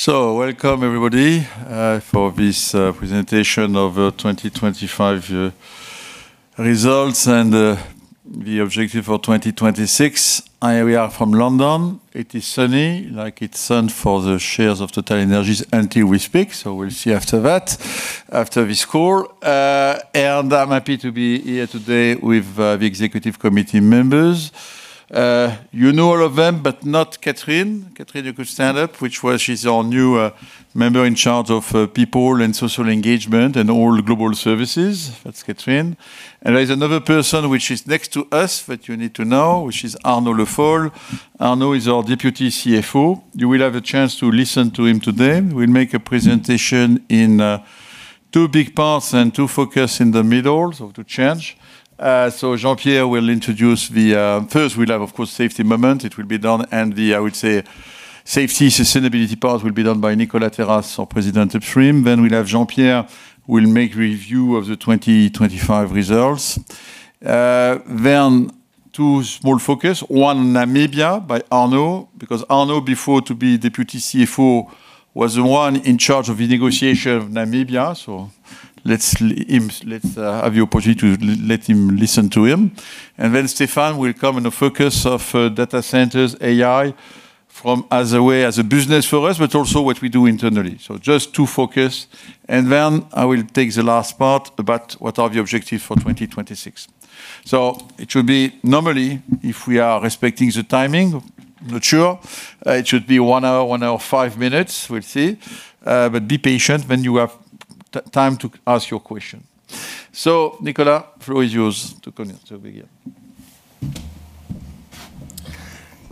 So welcome, everybody, for this presentation of 2025 results and the objective for 2026. And we are from London. It is sunny, like it's sun for the shares of TotalEnergies until we speak, so we'll see after that, after this call. And I'm happy to be here today with the executive committee members. all of them, but not Catherine. Catherine, you could stand up, well, she's our new member in charge of People and Social Engagement and all Global Services. That's Catherine. And there is another person which is next to us that you need to know, which is Arnaud Le Foll. Arnaud is our Deputy CFO. You will have a chance to listen to him today. We'll make a presentation in two big parts and two focus in the middle, so to change. So Jean-Pierre will introduce the. First, we'll have, of course, safety moment. It will be done, and the, I would say, safety, sustainability part will be done by Nicolas Terraz, our President, Upstream. Then we'll have Jean-Pierre will make review of the 2025 results. Then two small focus, one, Namibia by Arnaud, because Arnaud, before to be Deputy CFO, was the one in charge of the negotiation of Namibia. So let's let him, have the opportunity to let him, listen to him. And then Stéphane will come in the focus of data centers, AI, from as a way, as a business for us, but also what we do internally. So just to focus, and then I will take the last part about what are the objective for 2026. So it should be normally, if we are respecting the timing, not sure, it should be 1 hour, 1 hour, 5 minutes. We'll see. But be patient when you have time to ask your question. So Nicola, floor is yours to continue, to begin.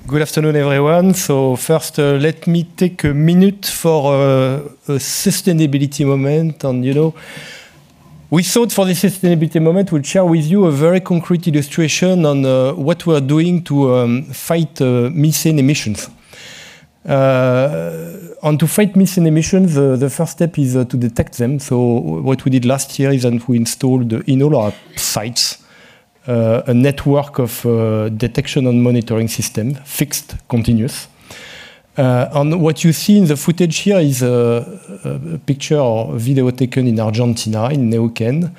Good afternoon, everyone. So first, let me take a minute for a sustainability moment, and, we thought for the sustainability moment, we'll share with you a very concrete illustration on what we are doing to fight methane emissions. And to fight methane emissions, the first step is to detect them. So what we did last year is, and we installed in all our sites a network of a detection and monitoring system, fixed, continuous. And what you see in the footage here is a picture or video taken in Argentina, in Neuquén,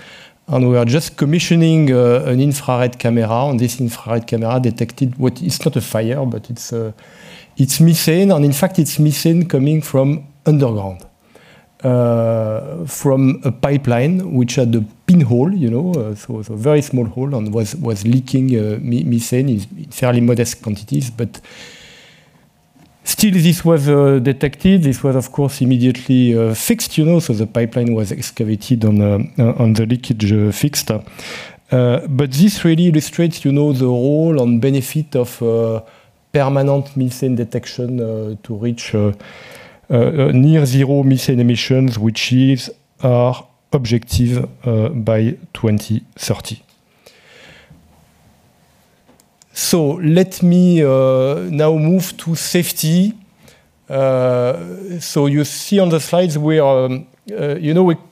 and we are just commissioning an infrared camera, and this infrared camera detected what is not a fire, but it's methane, and in fact, it's methane coming from underground. From a pipeline, which had a pinhole, so it's a very small hole and was leaking methane in fairly modest quantities. But still, this was detected. This was, of course, immediately fixed, so the pipeline was excavated and the leakage fixed. But this really illustrates, the role and benefit of permanent methane detection to reach a near zero methane emissions, which is our objective, by 2030. So let me now move to safety. So you see on the slides, we are,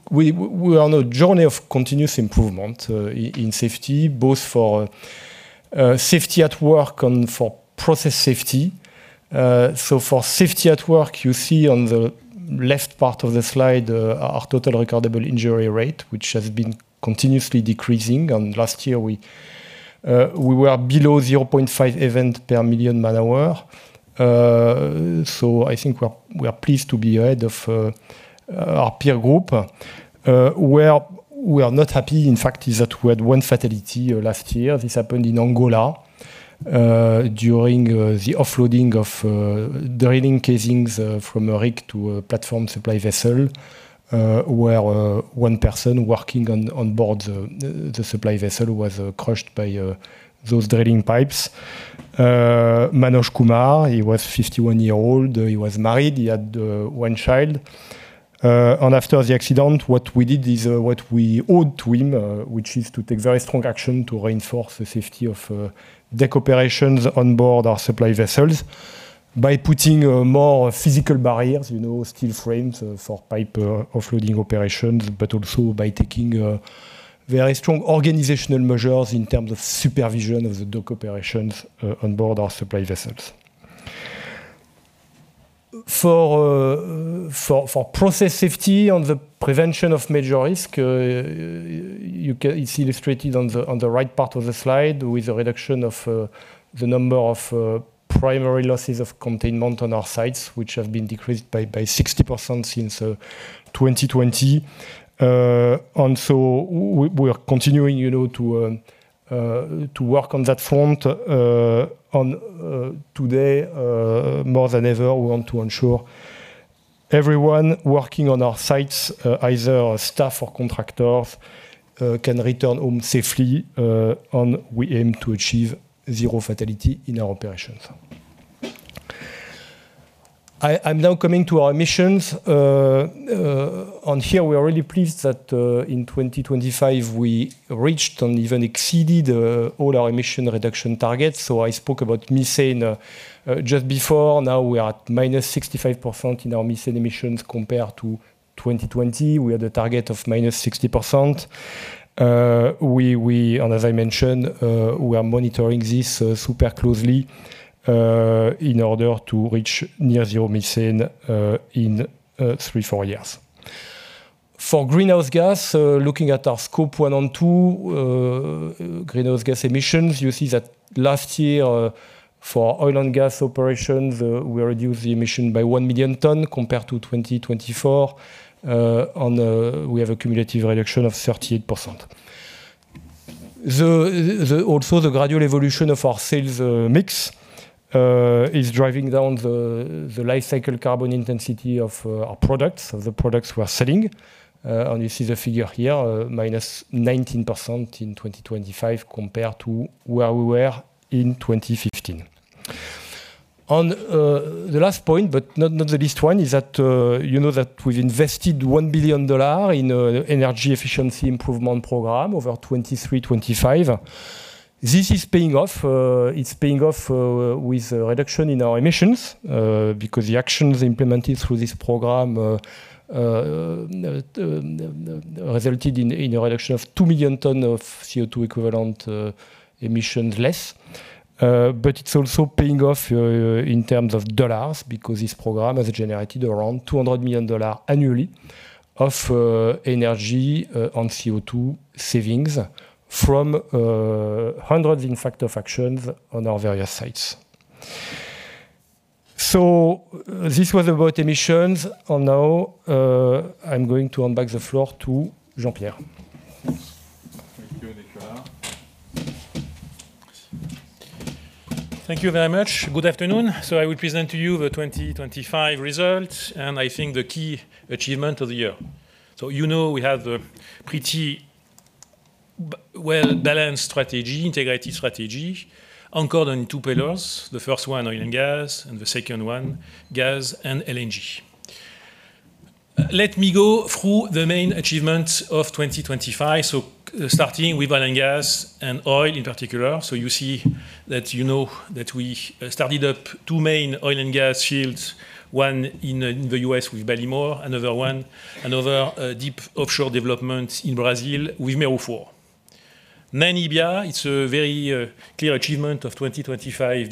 we are on a journey of continuous improvement in safety, both for safety at work and for process safety. So for safety at work, you see on the left part of the slide, our total recordable injury rate, which has been continuously decreasing, and last year we were below 0.5 event per million man hour. So I think we're pleased to be ahead of our peer group. Where we are not happy, in fact, is that we had one fatality last year. This happened in Angola, during the offloading of the drilling casings from a rig to a platform supply vessel, where one person working on board the supply vessel was crushed by those drilling pipes. Manoj Kumar, he was 51 years old. He was married. He had 1 child. and after the accident, what we did is, what we owed to him, which is to take very strong action to reinforce the safety of, deck operations on board our supply vessels by putting, more physical barriers, steel frames for pipe offloading operations, but also by taking, very strong organizational measures in terms of supervision of the dock operations, on board our supply vessels. For process safety on the prevention of major risk, it's illustrated on the right part of the slide with a reduction of the number of primary losses of containment on our sites, which have been decreased by 60% since 2020. and so we are continuing, to work on that front. On today, more than ever, we want to ensure everyone working on our sites, either our staff or contractors, can return home safely, and we aim to achieve zero fatality in our operations. I'm now coming to our emissions. On here, we are really pleased that, in 2025, we reached and even exceeded all our emission reduction targets. So I spoke about methane just before. Now we are at -65% in our methane emissions compared to 2020. We had a target of -60%. And as I mentioned, we are monitoring this super closely, in order to reach near zero methane in 3-4 years. For greenhouse gas, looking at our Scope 1 and 2 greenhouse gas emissions, you see that last year, for oil and gas operations, we reduced the emissions by 1 million tons compared to 2024. On the, we have a cumulative reduction of 38%. Also, the gradual evolution of our sales mix is driving down the life cycle carbon intensity of our products, of the products we are selling. And you see the figure here, -19% in 2025 compared to where we were in 2015. On the last point, but not the least one, is that, that we've invested $1 billion in energy efficiency improvement program over 2023-2025. This is paying off. It's paying off with a reduction in our emissions because the actions implemented through this program resulted in a reduction of 2 million tons of CO2 equivalent emissions less. But it's also paying off in terms of dollars because this program has generated around $200 million annually of energy on CO2 savings from hundreds, in fact, of actions on our various sites. So this was about emissions, and now I'm going to hand back the floor to Jean-Pierre. Thank you, Nicolas. Thank you very much. Good afternoon. So I will present to you the 2025 results, and I think the key achievement of the year. So we have a pretty well-balanced strategy, integrated strategy, anchored on two pillars. The first one, oil and gas, and the second one, gas and LNG. Let me go through the main achievements of 2025. So starting with oil and gas and oil in particular. So you see that that we started up two main oil and gas fields, one in the U.S. with Ballymore, another deep offshore development in Brazil with Mero 4. Namibia, it's a very clear achievement of 2025.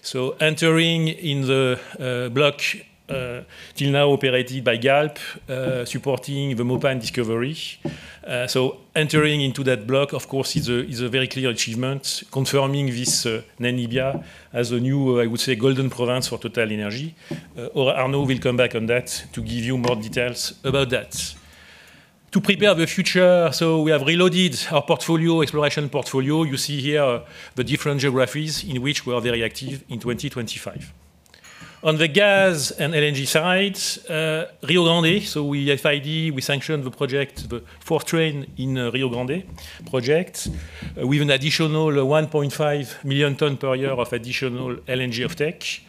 So entering the block till now operated by Galp, supporting the Mopane discovery. So entering into that block, of course, is a very clear achievement, confirming this, Namibia as a new, I would say, golden province for TotalEnergies. Or Arnaud will come back on that to give you more details about that. To prepare the future, we have reloaded our portfolio, exploration portfolio. You see here the different geographies in which we are very active in 2025. On the gas and LNG side, Rio Grande, so we FID, we sanctioned the project, the fourth train in Rio Grande project, with an additional 1.5 million tons per year of additional LNG capacity.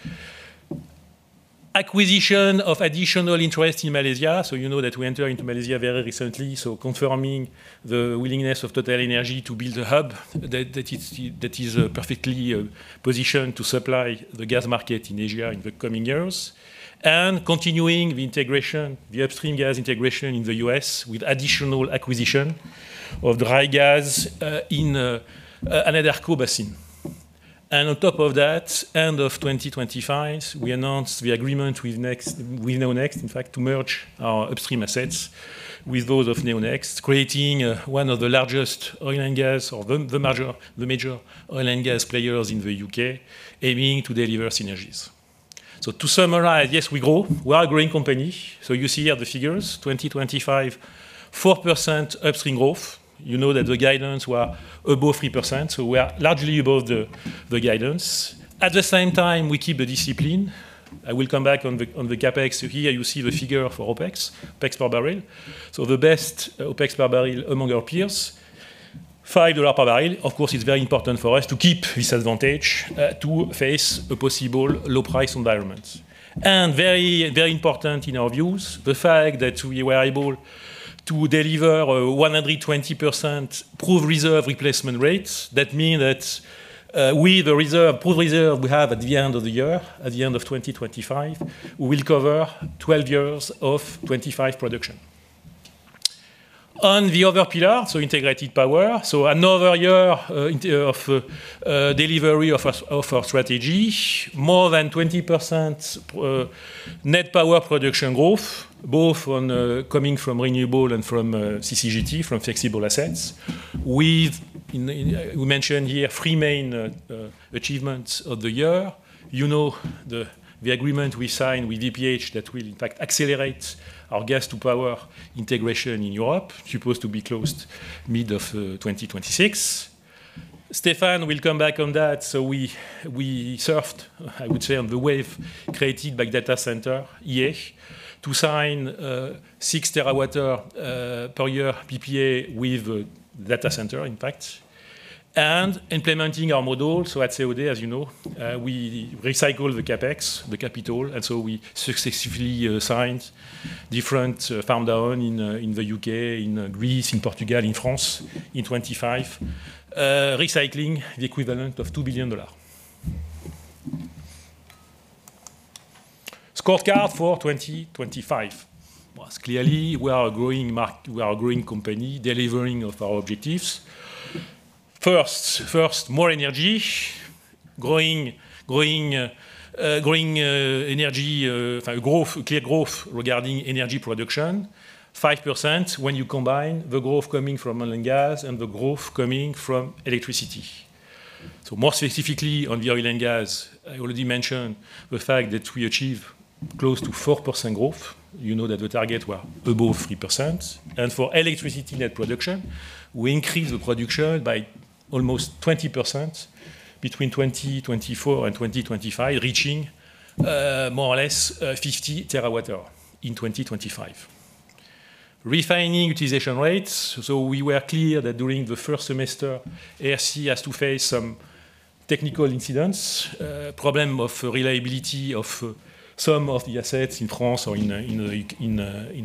Acquisition of additional interest in Malaysia. So that we enter into Malaysia very recently, so confirming the willingness of TotalEnergies to build a hub that, that is, that is, perfectly positioned to supply the gas market in Asia in the coming years. And continuing the integration, the upstream gas integration in the U.S with additional acquisition of dry gas in Anadarko Basin. And on top of that, end of 2025, we announced the agreement with Next, with NeoNext, in fact, to merge our upstream assets with those of NeoNext, creating one of the largest oil and gas or the, the major, the major oil and gas players in the UK, aiming to deliver synergies. So to summarize, yes, we grow. We are a growing company, so you see here the figures, 2025, 4% upstream growth. that the guidance were above 3%, so we are largely above the, the guidance. At the same time, we keep the discipline. I will come back on the, on the CapEx. So here you see the figure for OpEx, OpEx per barrel. So the best OpEx per barrel among our peers, $5 per barrel. Of course, it's very important for us to keep this advantage, to face a possible low price environment. And very, very important in our views, the fact that we were able to deliver a 120% proved reserve replacement rates, that mean that, we, the reserve, proved reserve we have at the end of the year, at the end of 2025, will cover twelve years of 2025 production. On the other pillar, so integrated power. So another year of delivery of our strategy, more than 20% net power production growth, both coming from renewable and from CCGT, from flexible assets. We mentioned here three main achievements of the year., the agreement we signed with EPH that will in fact accelerate our gas to power integration in Europe, supposed to be closed mid-2026. Stéphane will come back on that. So we surfed, I would say, on the wave created by data center year to sign 6 TWh per year PPA with data center, in fact. Implementing our model, so at COD, as we recycle the CapEx, the capital, and so we successively signed different farm down in the UK, in Greece, in Portugal, in France, in 25, recycling the equivalent of $2 billion. Scorecard for 2025. Well, clearly, we are a growing—we are a growing company, delivering of our objectives. First, first, more energy, growing, growing, growing, energy, growth, clear growth regarding energy production. 5% when you combine the growth coming from oil and gas and the growth coming from electricity. So more specifically on the oil and gas, I already mentioned the fact that we achieved close to 4% growth. that the target were above 3%. For electricity net production, we increased the production by almost 20% between 2024 and 2025, reaching more or less 50 terawatt-hours in 2025. Refining utilization rates. So we were clear that during the first semester, ERC has to face some technical incidents, problem of reliability of some of the assets in France or in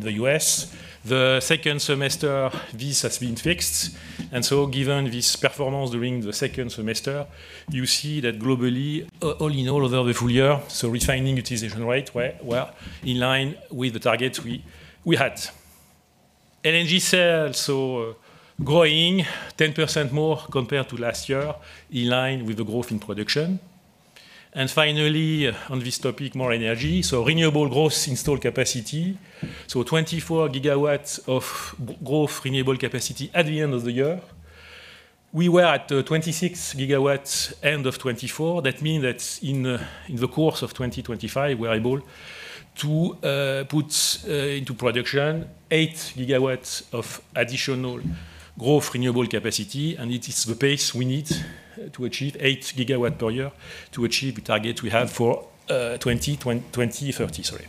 the U.S. The second semester, this has been fixed, and so given this performance during the second semester, you see that globally, all in all over the full year, so refining utilization rate were in line with the targets we had. LNG sales, so growing 10% more compared to last year, in line with the growth in production. And finally, on this topic, more energy. So renewable growth installed capacity, so 24 gigawatts of growth renewable capacity at the end of the year. We were at 26 gigawatts end of 2024. That means that in the course of 2025, we are able to put into production 8 gigawatts of additional growth, renewable capacity, and it is the pace we need to achieve 8 gigawatts per year to achieve the target we have for 2030, sorry.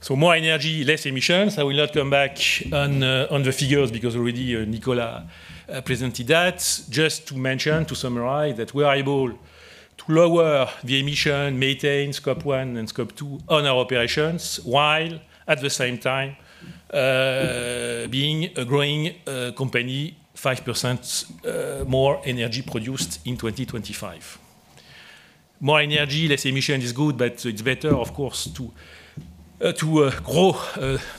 So more energy, less emissions. I will not come back on the figures, because already Nicola presented that. Just to mention, to summarize, that we are able to lower the emission, maintain Scope 1 and Scope 2 on our operations, while at the same time being a growing company, 5% more energy produced in 2025. More energy, less emission is good, but it's better, of course, to, to, grow,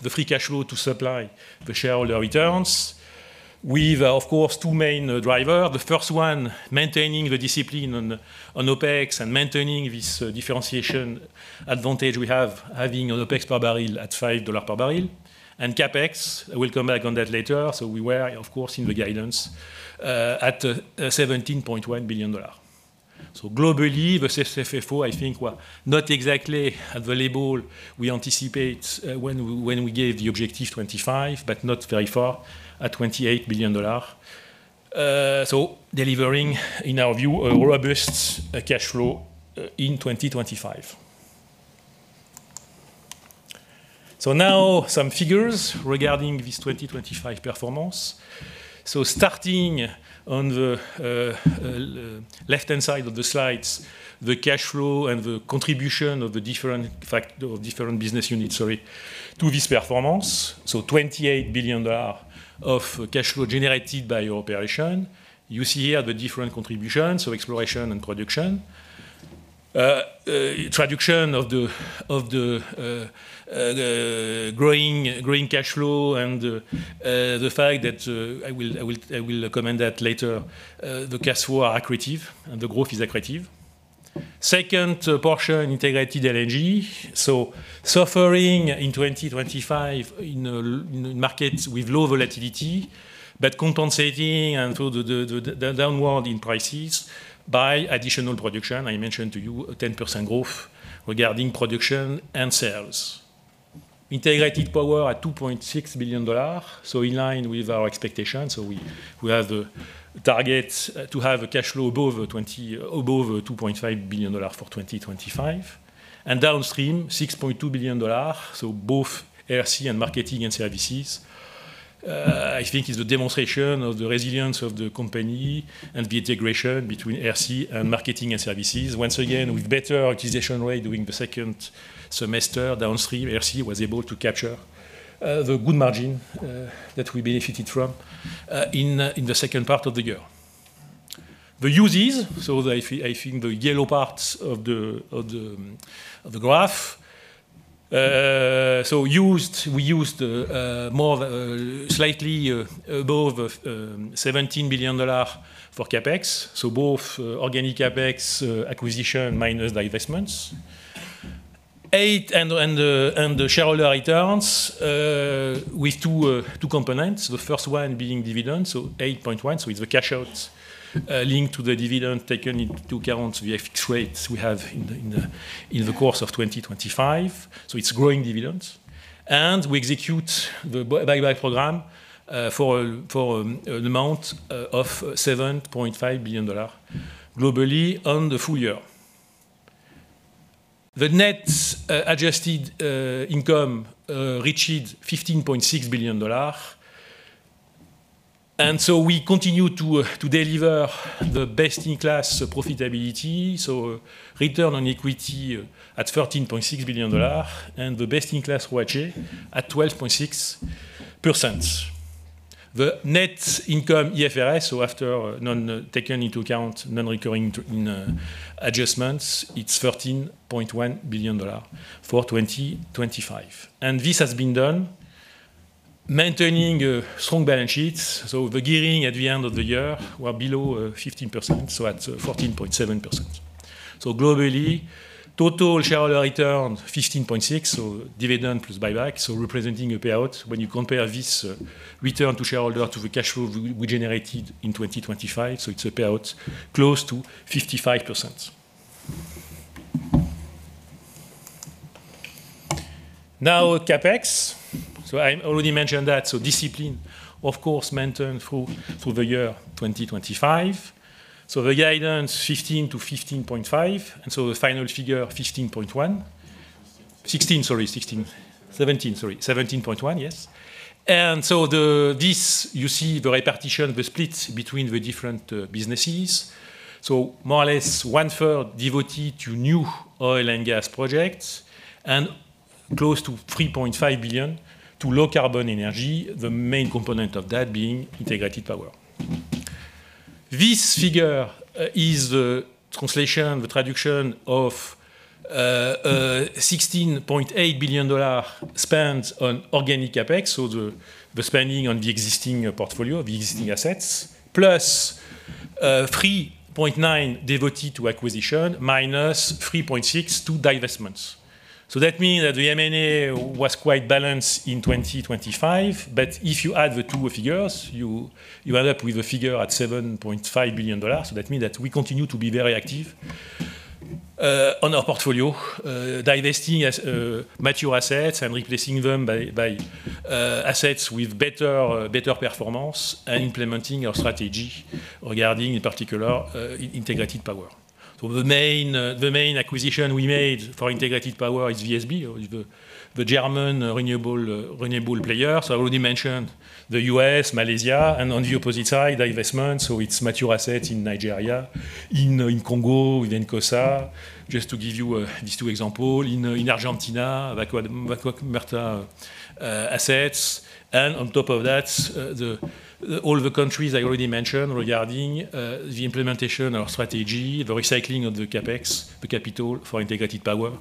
the free cash flow to supply the shareholder returns. We've, of course, two main driver. The first one, maintaining the discipline on, on OpEx and maintaining this differentiation advantage we have, having an OpEx per barrel at $5 per barrel. And CapEx, I will come back on that later. So we were, of course, in the guidance, at, $17.1 billion. So globally, the FFO, I think, were not exactly available. We anticipate, when we, when we gave the objective $25 billion, but not very far, at $28 billion. so delivering, in our view, a robust, cash flow, in 2025. So now some figures regarding this 2025 performance. So starting on the left-hand side of the slides, the cash flow and the contribution of the different factors of different business units, sorry, to this performance. So $28 billion of cash flow generated by operation. You see here the different contributions, so exploration and production. Production of the growing cash flow and the fact that I will come to that later, the cash flow are accretive and the growth is accretive. Second portion, integrated LNG. So suffering in 2025 in markets with low volatility, but compensating through the downward in prices by additional production. I mentioned to you a 10% growth regarding production and sales. Integrated power at $2.6 billion, so in line with our expectations. So we have the target to have a cash flow above 20 – above $2.5 billion for 2025. Downstream, $6.2 billion, so both ERC and marketing and services, I think is a demonstration of the resilience of the company and the integration between ERC and marketing and services. Once again, with better utilization rate during the second semester, downstream, ERC was able to capture the good margin that we benefited from in the second part of the year. The uses, so I think the yellow parts of the graph. So used, we used more of slightly above $17 billion for CapEx, so both organic CapEx, acquisition minus divestments. 8, and the shareholder returns with two components, the first one being dividends, so $8.1 billion, so it's the cash outs linked to the dividend taken into account, the FX rates we have in the course of 2025, so it's growing dividends. And we execute the buy-back program for an amount of $7.5 billion globally on the full year. The net adjusted income reached $15.6 billion. And so we continue to deliver the best-in-class profitability, so return on equity at $13.6 billion and the best-in-class ROACE at 12.6%. The net income IFRS, so after non-recurring items taken into account, it's $13.1 billion for 2025. This has been done maintaining a strong balance sheets. So the gearing at the end of the year were below 15%, so at 14.7%. So globally, total shareholder return 15.6, so dividend plus buyback, so representing a payout when you compare this return to shareholder to the cash flow we generated in 2025. So it's a payout close to 55%. Now CapEx. So I already mentioned that, so discipline, of course, maintained through the year 2025. So the guidance $15-$15.5 billion, and so the final figure of $15.1 billion. $16 billion, sorry, $17 billion, sorry, $17.1 billion, yes. And so this you see the repartition, the splits between the different businesses. So more or less, one-third devoted to new oil and gas projects, and close to $3.5 billion to low-carbon energy, the main component of that being integrated power. This figure is the translation of $16.8 billion spent on organic CapEx, so the spending on the existing portfolio, the existing assets, plus $3.9 billion devoted to acquisition, minus $3.6 billion to divestments. So that mean that the M&A was quite balanced in 2025, but if you add the two figures, you end up with a figure at $7.5 billion. So that mean that we continue to be very active on our portfolio, divesting as mature assets and replacing them by assets with better performance and implementing our strategy regarding, in particular, integrated power. So the main acquisition we made for integrated power is VSB, or the German renewable player. So I already mentioned the U.S, Malaysia, and on the opposite side, divestment, so it's mature assets in Nigeria, in Congo, with Encosa. Just to give you these two example, in Argentina, Vaca Muerta assets. And on top of that, all the countries I already mentioned regarding the implementation of our strategy, the recycling of the CapEx, the capital for integrated power.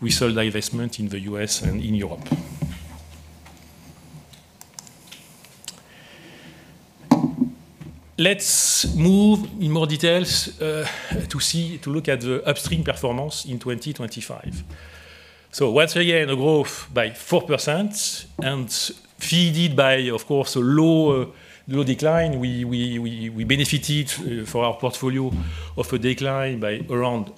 We sold the investment in the U.S and in Europe. Let's move in more details to see to look at the upstream performance in 2025. So once again, a growth by 4% and fed by, of course, a low decline. We benefited for our portfolio of a decline by around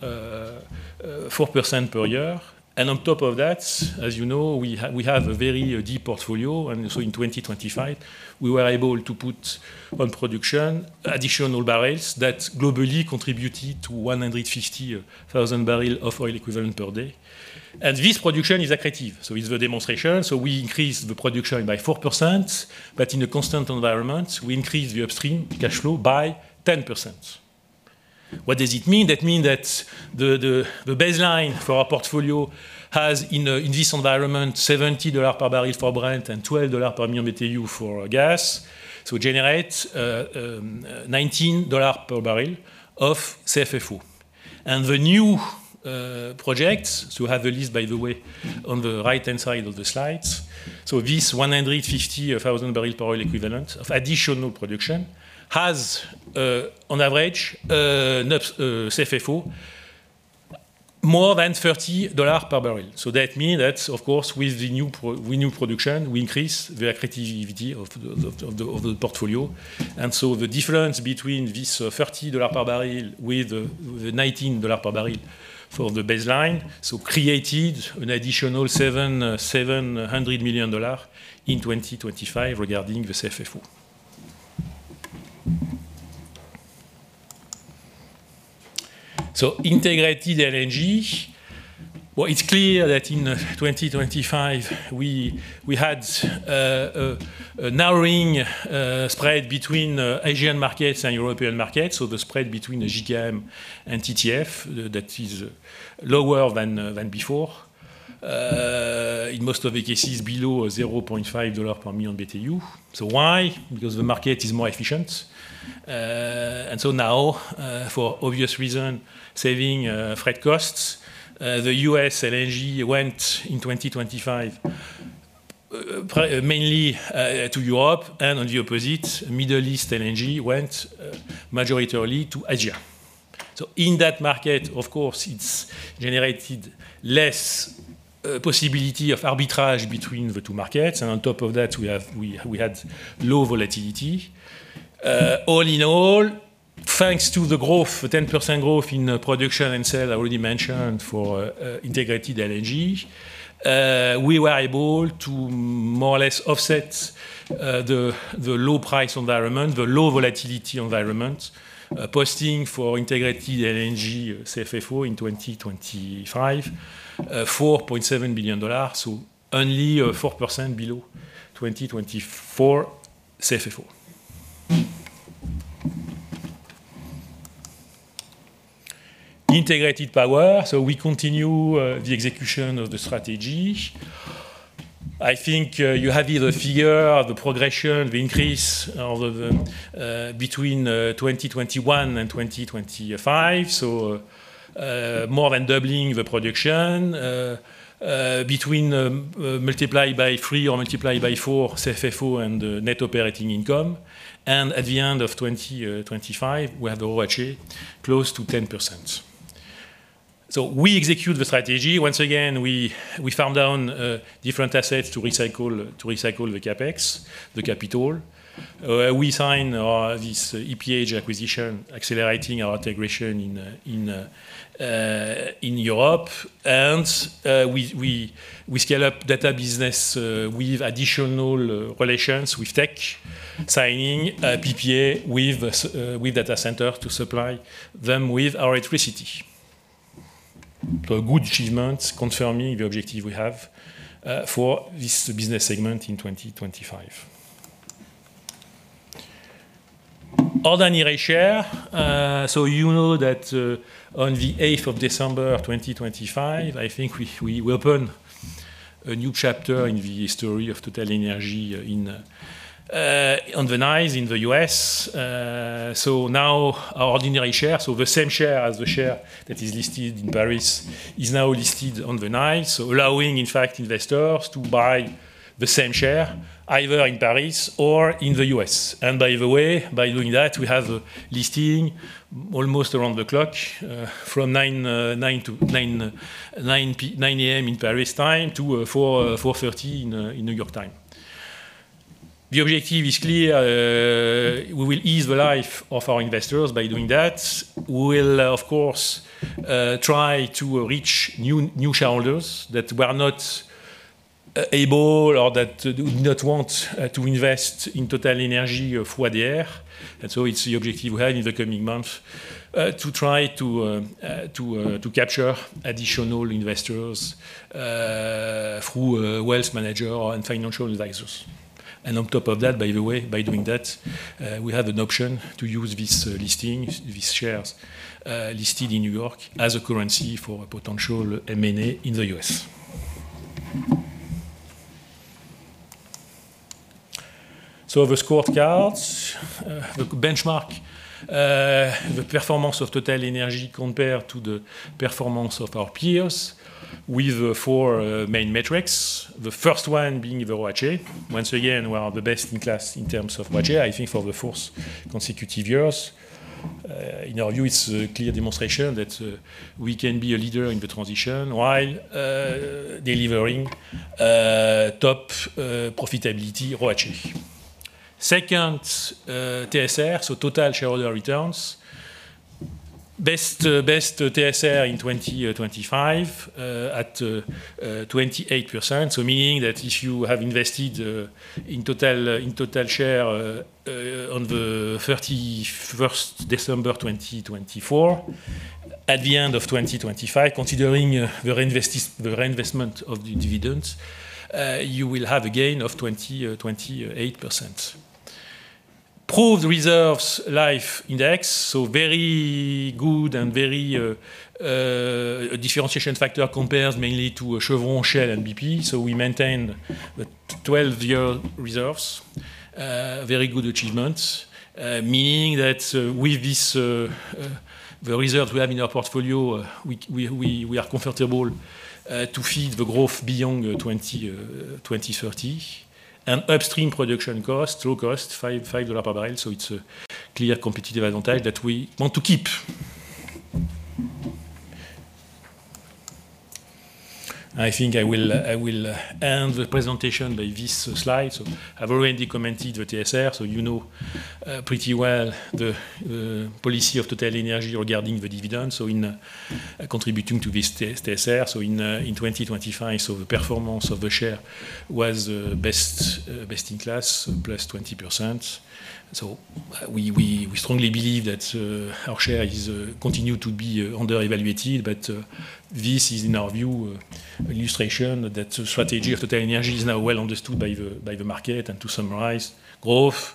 4% per year. And on top of that, as we have a very deep portfolio, and so in 2025, we were able to put on production additional barrels that globally contributed to 150,000 barrels of oil equivalent per day. And this production is accretive, so it's the demonstration. So we increased the production by 4%, but in a constant environment, we increased the upstream cash flow by 10%. What does it mean? That mean that the baseline for our portfolio has, in this environment, $70 per barrel for Brent and $12 per million BTU for gas. So generate $19 per barrel of CFFO. The new projects, so you have the list, by the way, on the right-hand side of the slides. So this 150,000 barrel per oil equivalent of additional production has, on average, net CFFO more than $30 per barrel. So that mean that, of course, with new production, we increase the accretivity of the, of the, of the portfolio. And so the difference between this $30 per barrel with the $19 per barrel for the baseline, so created an additional $700 million in 2025 regarding the CFFO. So integrated LNG. Well, it's clear that in 2025, we had a narrowing spread between Asian markets and European markets, so the spread between the JKM and TTF, that is lower than before. In most of the cases, below $0.5 per million BTU. So why? Because the market is more efficient. And so now, for obvious reason, saving freight costs, the U.S LNG went in 2025, mainly to Europe, and on the opposite, Middle East LNG went majorly to Asia. So in that market, of course, it's generated less possibility of arbitrage between the two markets, and on top of that, we had low volatility. All in all, thanks to the growth, the 10% growth in production and sale, I already mentioned for integrated LNG, we were able to more or less offset the low price environment, the low volatility environment, posting for integrated LNG CFFO in 2025 $4.7 billion, so only 4% below 2024 CFFO. Integrated power, so we continue the execution of the strategy. I think you have here the figure of the progression, the increase of the between 2021 and 2025. So, more than doubling the production, between multiply by three or multiply by four CFFO and net operating income. And at the end of 2025, we have the ROACE close to 10%. So we execute the strategy. Once again, we farm down different assets to recycle, to recycle the CapEx, the capital. We sign this EPH acquisition, accelerating our integration in Europe. We scale up data business with additional relations with tech, signing a PPA with data center to supply them with our electricity. So good achievements confirming the objective we have for this business segment in 2025. Ordinary share. So that on the eighth of December of 2025, I think we will open a new chapter in the history of TotalEnergies on the NYSE in the U.S. So now our ordinary share, so the same share as the share that is listed in Paris, is now listed on the NYSE, allowing, in fact, investors to buy the same share either in Paris or in the U.S. And by the way, by doing that, we have a listing almost around the clock, from 9 A.M. in Paris time to 4:30 P.M. in New York time. The objective is clear. We will ease the life of our investors by doing that. We will, of course, try to reach new shareholders that were not able or that do not want to invest in TotalEnergies through ADR. It's the objective we have in the coming months to try to to capture additional investors through wealth manager and financial advisors. And on top of that, by the way, by doing that, we have an option to use this listing, these shares listed in New York as a currency for a potential M&A in the U.S. The scorecards, the benchmark, the performance of TotalEnergies compared to the performance of our peers with four main metrics, the first one being the ROACE. Once again, we are the best in class in terms of ROACE, I think, for the fourth consecutive years. In our view, it's a clear demonstration that we can be a leader in the transition while delivering top profitability ROACE. Second, TSR, so total shareholder returns. Best TSR in 25 at 28%. So meaning that if you have invested in Total, in Total share, on the 31 December 2024, at the end of 2025, considering the reinvestment of the dividends, you will have a gain of 28%. Proved reserves life index, so very good and very differentiation factor compared mainly to Chevron, Shell, and BP. So we maintain the 12-year reserves, very good achievements, meaning that with this the reserves we have in our portfolio, we are comfortable to feed the growth beyond 2030. Upstream production cost, low cost, $5 per barrel, so it's a clear competitive advantage that we want to keep. I think I will end the presentation by this slide. So I've already commented the TSR, so pretty well the policy of TotalEnergies regarding the dividends. So in contributing to this TSR, in 2025, the performance of the share was best in class, plus 20%. So we strongly believe that our share is continue to be under-evaluated, but this is, in our view, illustration that the strategy of TotalEnergies is now well understood by the market. And to summarize, growth,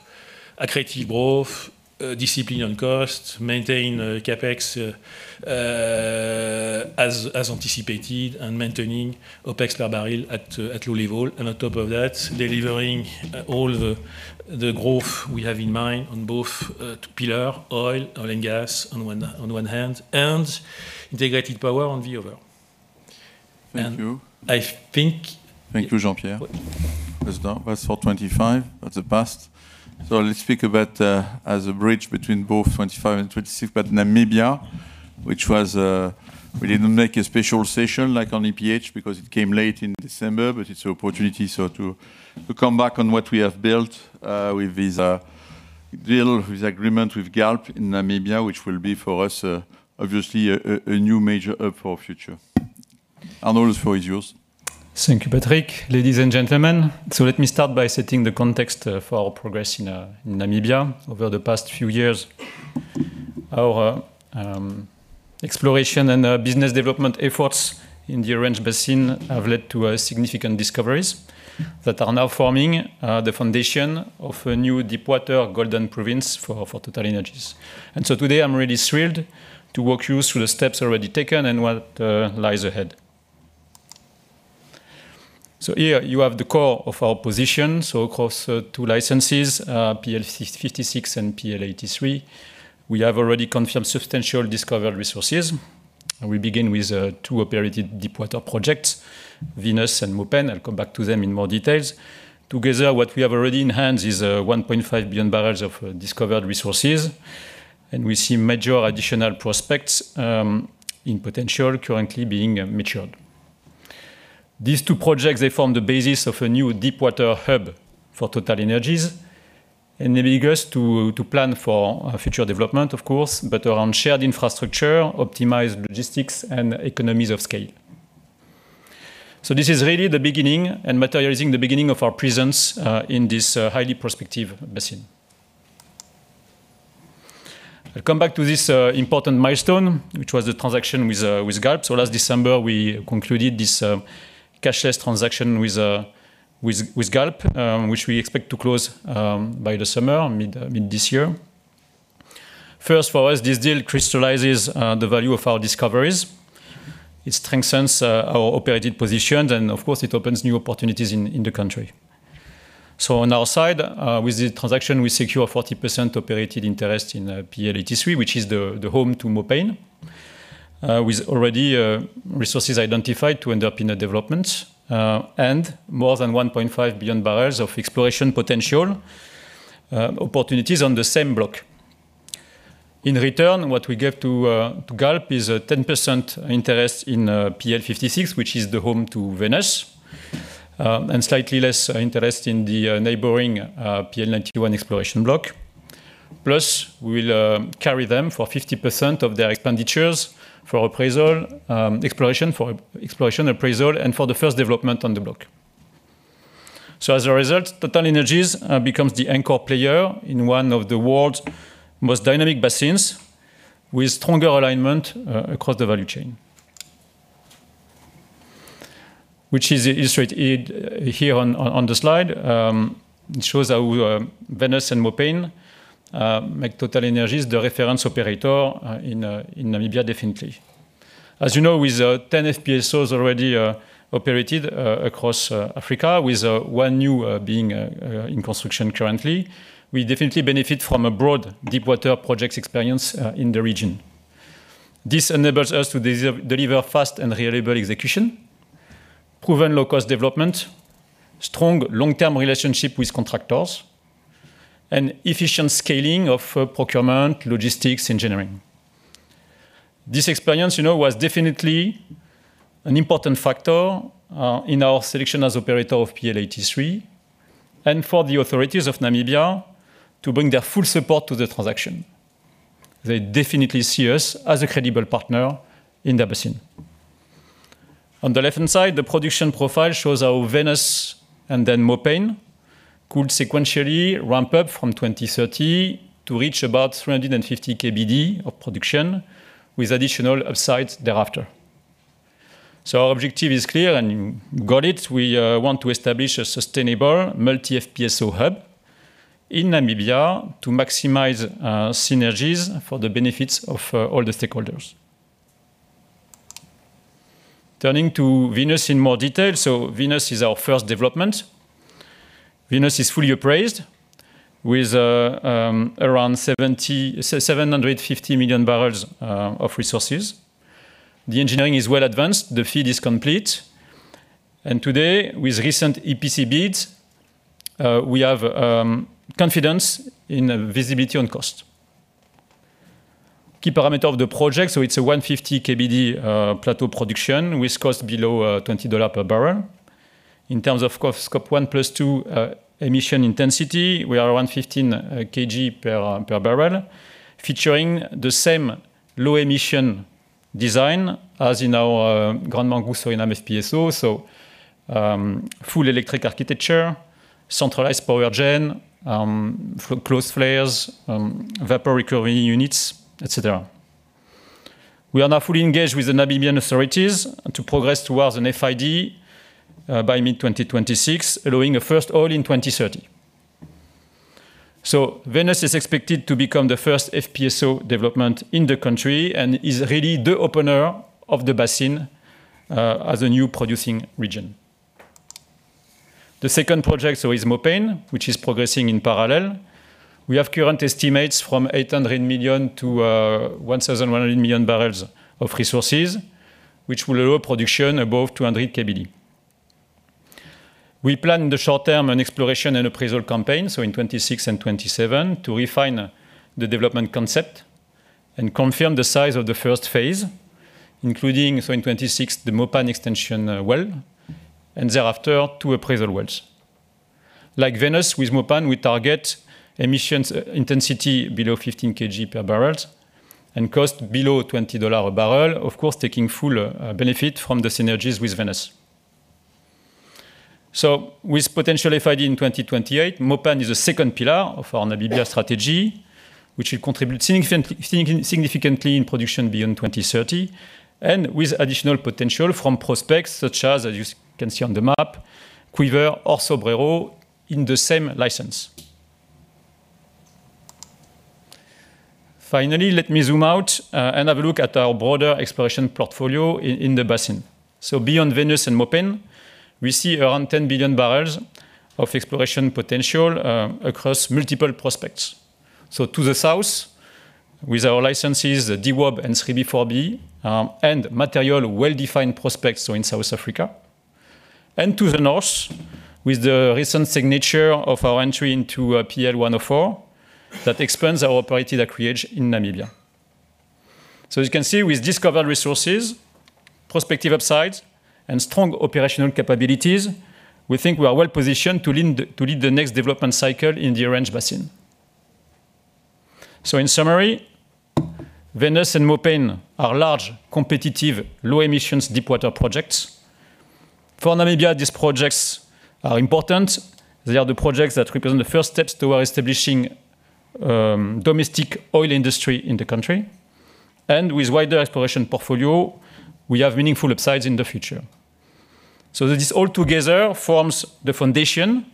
accretive growth, discipline on cost, maintain CapEx as anticipated, and maintaining OpEx per barrel at low level. delivering all the growth we have in mind on both two pillar, oil and gas on one hand, and integrated power on the other. Thank you. And I think- Thank you, Jean-Pierre. That's done. That's for 2025. That's the past. So let's speak about, as a bridge between both 2025 and 2026, about Namibia, which was We didn't make a special session like on EPH because it came late in December, but it's an opportunity so to come back on what we have built, with this deal with agreement with Galp in Namibia, which will be for us, obviously a new major hub for future. Arnaud, the floor is yours. Thank you, Patrick. Ladies and gentlemen, let me start by setting the context for our progress in Namibia. Over the past few years, our exploration and business development efforts in the Orange Basin have led to significant discoveries that are now forming the foundation of a new deepwater golden province for TotalEnergies. And so today, I'm really thrilled to walk you through the steps already taken and what lies ahead. So here you have the core of our position, across two licenses, PL 56 and PL 83. We have already confirmed substantial discovered resources, and we begin with two operated deepwater projects, Venus and Mopane. I'll come back to them in more details. Together, what we have already in hand is 1.5 billion barrels of discovered resources, and we see major additional prospects in potential currently being matured. These two projects, they form the basis of a new deepwater hub for TotalEnergies, and they begin us to plan for future development, of course, but around shared infrastructure, optimized logistics, and economies of scale. So this is really the beginning and materializing the beginning of our presence in this highly prospective basin. I'll come back to this important milestone, which was the transaction with Galp. So last December, we concluded this cashless transaction with Galp, which we expect to close by the summer, mid this year. First, for us, this deal crystallizes the value of our discoveries. It strengthens our operated positions, and of course, it opens new opportunities in the country. So on our side, with the transaction, we secure a 40% operated interest in PL 83, which is the home to Mopane, with already resources identified to end up in a development, and more than 1.5 billion barrels of exploration potential opportunities on the same block. In return, what we give to Galp is a 10% interest in PL 56, which is the home to Venus, and slightly less interest in the neighboring PL 91 exploration block. Plus, we will carry them for 50% of their expenditures for appraisal, exploration, appraisal, and for the first development on the block. So as a result, TotalEnergies becomes the anchor player in one of the world's most dynamic basins, with stronger alignment across the value chain. Which is illustrated here on the slide. It shows how Venus and Mopane make TotalEnergies the reference operator in Namibia, definitely. As with 10 FPSOs already operated across Africa, with one new being in construction currently, we definitely benefit from a broad deepwater projects experience in the region. This enables us to deliver fast and reliable execution, proven low-cost development, strong long-term relationship with contractors, and efficient scaling of procurement, logistics, engineering. This experience, was definitely an important factor in our selection as operator of PL 83 and for the authorities of Namibia to bring their full support to the transaction. They definitely see us as a credible partner in the basin. On the left-hand side, the production profile shows how Venus and then Mopane could sequentially ramp up from 2030 to reach about 350 KBD of production, with additional upsides thereafter. So our objective is clear, and you got it. We want to establish a sustainable multi-FPSO hub in Namibia to maximize synergies for the benefits of all the stakeholders. Turning to Venus in more detail. So Venus is our first development. Venus is fully appraised with around 750 million barrels of resources. The engineering is well advanced, the FEED is complete, and today, with recent EPC bids, we have confidence in visibility on cost. Key parameter of the project, so it's a 150 KBD plateau production, with cost below $20 per barrel. In terms of cost, Scope 1 plus 2 emission intensity, we are around 15 kg per per barrel, featuring the same low-emission design as in our Grand Mangoustan FPSO. So, full electric architecture, centralized power gen, closed flares, vapor recovery units, et cetera. We are now fully engaged with the Namibian authorities to progress towards an FID by mid-2026, allowing a first oil in 2030. So Venus is expected to become the first FPSO development in the country and is really the opener of the basin as a new producing region. The second project, so is Mopane, which is progressing in parallel. We have current estimates from 800 million to 1,100 million barrels of resources, which will allow production above 200 KBD. We plan in the short term an exploration and appraisal campaign, so in 2026 and 2027, to refine the development concept and confirm the size of the first phase, including, so in 2026, the Mopane extension, well, and thereafter, two appraisal wells. Like Venus, with Mopane, we target emissions intensity below 15 kg/barrel and cost below $20/barrel, of course, taking full benefit from the synergies with Venus. So with potential FID in 2028, Mopane is the second pillar of our Namibia strategy, which will contribute significantly in production beyond 2030, and with additional potential from prospects such as, as you can see on the map, Quiver or Sobreiro in the same license. Finally, let me zoom out, and have a look at our broader exploration portfolio in, in the basin. So beyond Venus and Mopane, we see around 10 billion barrels of exploration potential, across multiple prospects. So to the south, with our licenses, DWOB and 34B, and material well-defined prospects are in South Africa. And to the north, with the recent signature of our entry into, PL 104, that expands our operating acreage in Namibia. So you can see with discovered resources, prospective upsides, and strong operational capabilities, we think we are well positioned to lead, to lead the next development cycle in the Orange Basin. So in summary, Venus and Mopane are large, competitive, low emissions, deep water projects. For Namibia, these projects are important. They are the projects that represent the first steps toward establishing, domestic oil industry in the country. With wider exploration portfolio, we have meaningful upsides in the future. This all together forms the foundation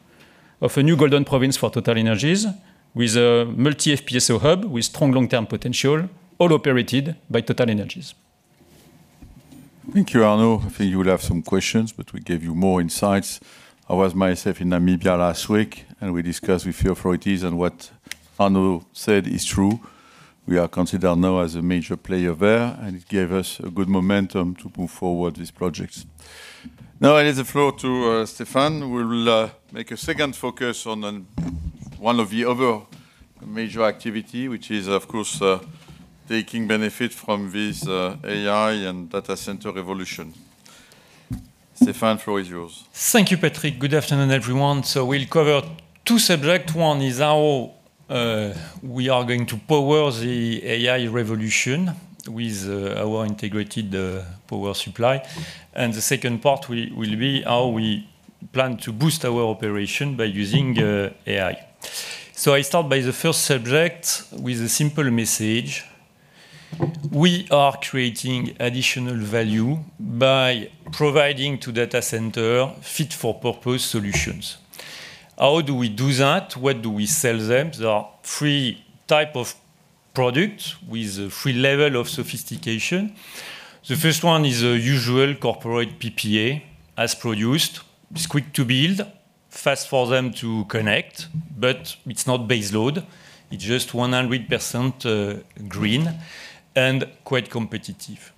of a new golden province for TotalEnergies, with a multi FPSO hub, with strong long-term potential, all operated by TotalEnergies. Thank you, Arnaud. I think you will have some questions, but we gave you more insights. I was myself in Namibia last week, and we discussed with your authorities, and what Arnaud said is true. We are considered now as a major player there, and it gave us a good momentum to move forward these projects. Now, I give the floor to, Stéphane, who will, make a second focus on, on one of the other major activity, which is, of course, taking benefit from this, AI and data center revolution. Stéphane, the floor is yours. Thank you, Patrick. Good afternoon, everyone. We'll cover two subject. One is how we are going to power the AI revolution with our integrated power supply. The second part will be how we plan to boost our operation by using AI. I start by the first subject with a simple message: We are creating additional value by providing to data center fit-for-purpose solutions. How do we do that? What do we sell them? There are three type of products with three level of sophistication. The first one is a usual corporate PPA as produced. It's quick to build, fast for them to connect, but it's not base load. It's just 100% green and quite competitive.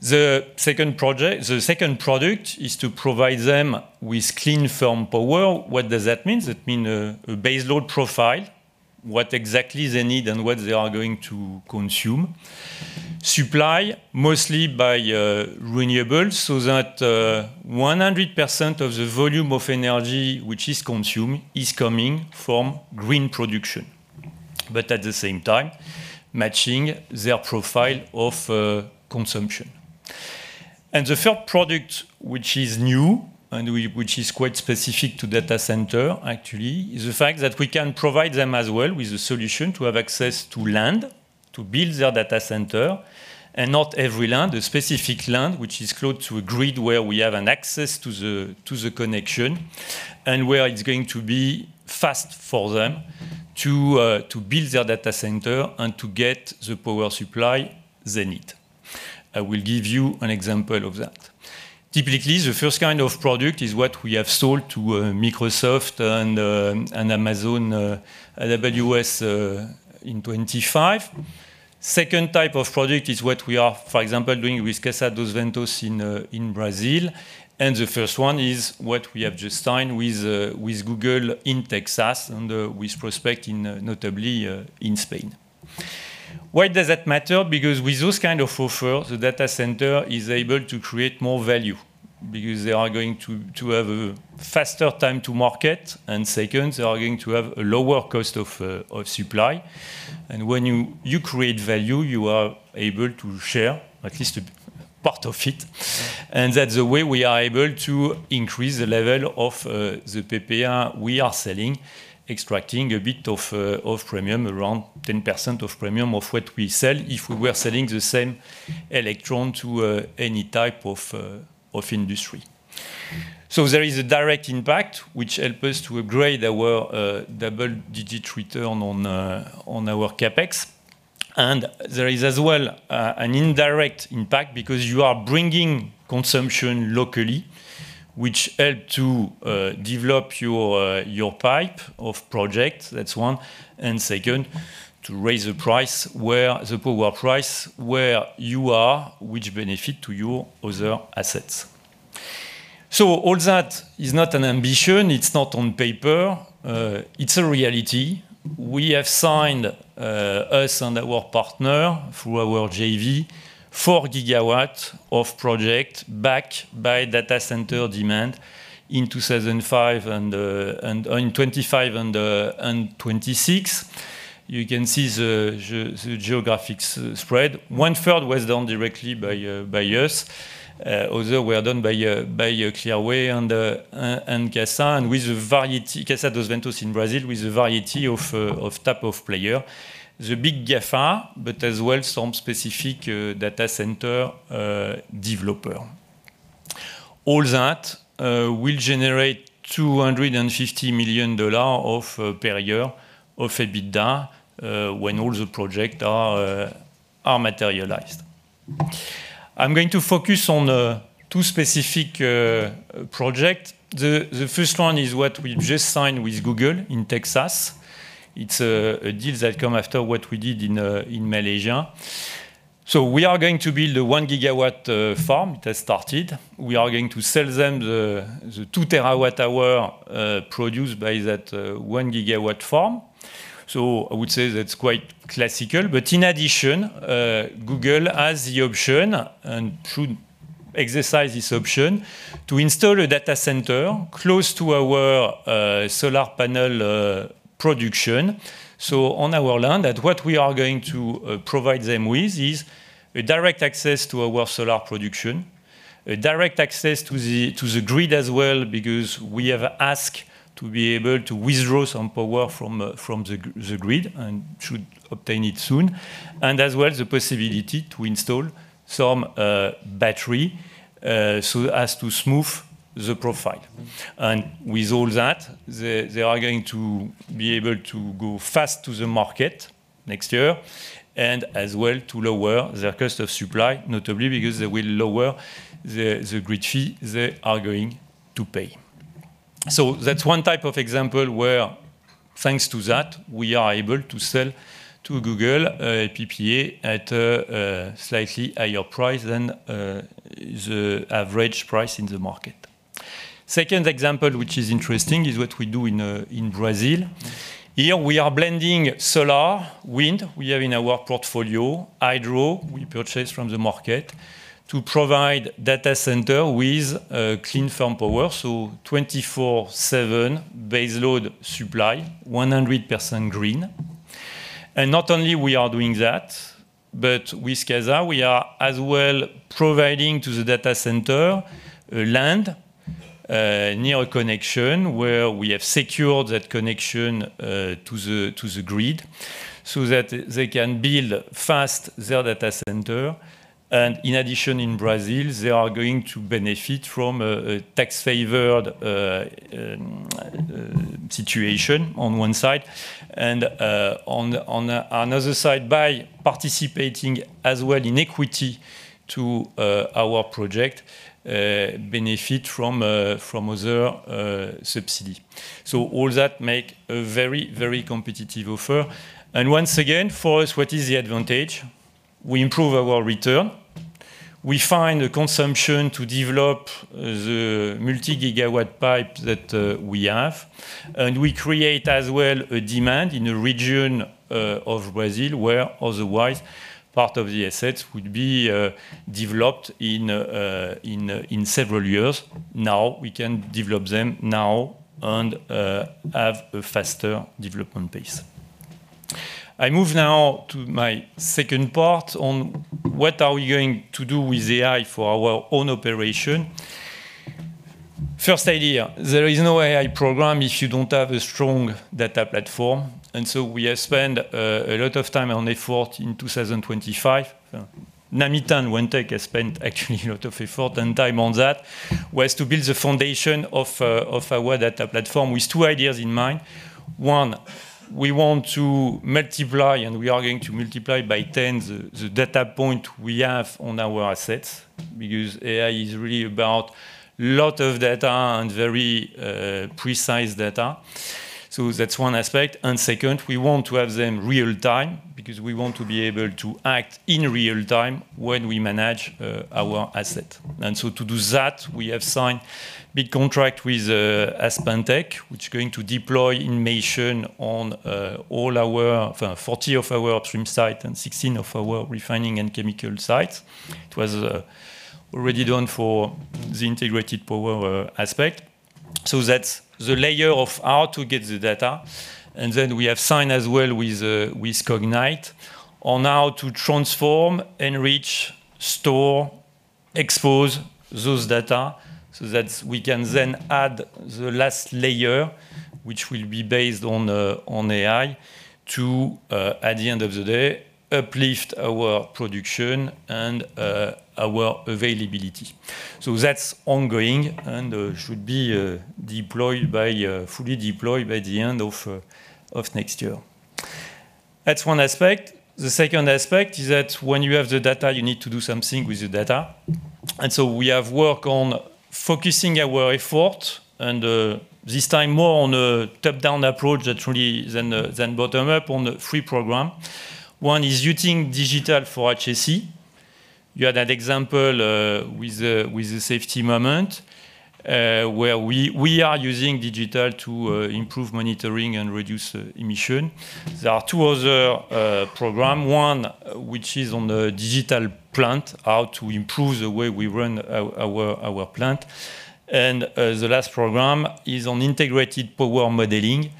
The second product is to provide them with clean firm power. What does that mean? That mean, a base load profile, what exactly they need and what they are going to consume. Supply, mostly by, renewables, so that, 100% of the volume of energy which is consumed is coming from green production, but at the same time, matching their profile of, consumption. And the third product, which is new and which, which is quite specific to data center, actually, is the fact that we can provide them as well with a solution to have access to land, to build their data center. And not every land, a specific land, which is close to a grid, where we have an access to the, to the connection, and where it's going to be fast for them to, to build their data center and to get the power supply they need. I will give you an example of that. Typically, the first kind of product is what we have sold to Microsoft and Amazon AWS in 2025. Second type of product is what we are, for example, doing with Casa dos Ventos in Brazil. And the first one is what we have just signed with Google in Texas and with prospect in, notably, in Spain. Why does that matter? Because with those kind of offer, the data center is able to create more value, because they are going to have a faster time to market. And second, they are going to have a lower cost of supply. And when you create value, you are able to share at least a part of it. And that's the way we are able to increase the level of the PPA we are selling, extracting a bit of premium, around 10% premium of what we sell if we were selling the same electron to any type of industry. So there is a direct impact, which helps us to upgrade our double-digit return on our CapEx. And there is as well an indirect impact because you are bringing consumption locally, which helps to develop your your pipe of project. That's one. And second, to raise the price where the power price, where you are, which benefits to your other assets. So all that is not an ambition, it's not on paper, it's a reality. We have signed, us and our partner through our JV, 4 gigawatts of projects backed by data center demand in 2005 and in 2025 and 2026. You can see the geographic spread. One-third was done directly by us. Others were done by Clearway and Casa dos Ventos in Brazil, with a variety of types of players. The big GAFA, but as well, some specific data center developers. All that will generate $250 million per year of EBITDA when all the projects are materialized. I'm going to focus on 2 specific projects. The first one is what we've just signed with Google in Texas. It's a deal that come after what we did in Malaysia. So we are going to build a 1 GW farm. It has started. We are going to sell them the 2 TWh produced by that 1 GW farm. So I would say that's quite classical, but in addition, Google has the option, and should exercise this option, to install a data center close to our solar panel production. So on our land, and what we are going to provide them with is a direct access to our solar production, a direct access to the grid as well, because we have asked to be able to withdraw some power from the grid and should obtain it soon. As well, the possibility to install some battery so as to smooth the profile. And with all that, they are going to be able to go fast to the market next year, and as well to lower their cost of supply, notably because they will lower the grid fee they are going to pay. So that's one type of example where, thanks to that, we are able to sell to Google PPA at a slightly higher price than the average price in the market. Second example, which is interesting, is what we do in Brazil. Here we are blending solar, wind, we have in our portfolio, hydro, we purchase from the market, to provide data center with clean firm power, so 24/7 base load supply, 100% green. Not only we are doing that, but with Casa, we are as well providing to the data center land near a connection where we have secured that connection to the grid so that they can build fast their data center. And in addition, in Brazil, they are going to benefit from a tax-favored situation on one side, and on the other side, by participating as well in equity to our project benefit from other subsidy. So all that make a very, very competitive offer. And once again, for us, what is the advantage? We improve our return. We find a consumption to develop the multi-gigawatt pipe that we have, and we create as well a demand in a region of Brazil, where otherwise part of the assets would be developed in several years. Now, we can develop them now and have a faster development pace. I move now to my second part on what are we going to do with AI for our own operation. First idea, there is no AI program if you don't have a strong data platform, and so we have spent a lot of time on effort in 2025. Namita has spent actually a lot of effort and time on that, was to build the foundation of our data platform with two ideas in mind. One, we want to multiply, and we are going to multiply by 10 the, the data point we have on our assets, because AI is really about lot of data and very, precise data. So that's one aspect. And second, we want to have them real time, because we want to be able to act in real time when we manage, our asset. And so to do that, we have signed big contract with, AspenTech, which is going to deploy Inmation on, all our 40 of our upstream site and 16 of our refining and chemical sites. It was, already done for the integrated power aspect. So that's the layer of how to get the data. And then we have signed as well with Cognite on how to transform, enrich, store, expose those data, so that we can then add the last layer, which will be based on AI, to at the end of the day, uplift our production and our availability. So that's ongoing and should be fully deployed by the end of next year. That's one aspect. The second aspect is that when you have the data, you need to do something with the data. And so we have worked on focusing our effort, and this time more on a top-down approach actually than bottom-up on the three program. One is using digital for HSE. You had an example, with the safety moment, where we are using digital to improve monitoring and reduce emission. There are two other program. One, which is on the digital plant, how to improve the way we run our plant. And the last program is on integrated power modeling.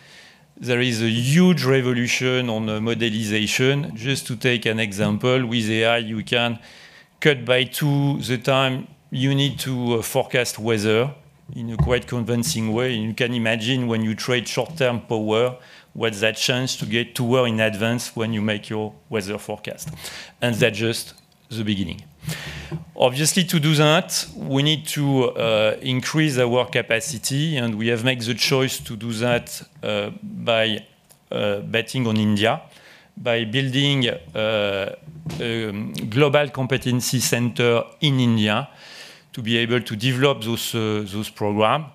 There is a huge revolution on modelization. Just to take an example, with AI, you can cut by two the time you need to forecast weather in a quite convincing way. You can imagine when you trade short-term power, what's that chance to get to well in advance when you make your weather forecast, and that just the beginning. Obviously, to do that, we need to increase our work capacity, and we have made the choice to do that by betting on India, by building a global competency center in India to be able to develop those program.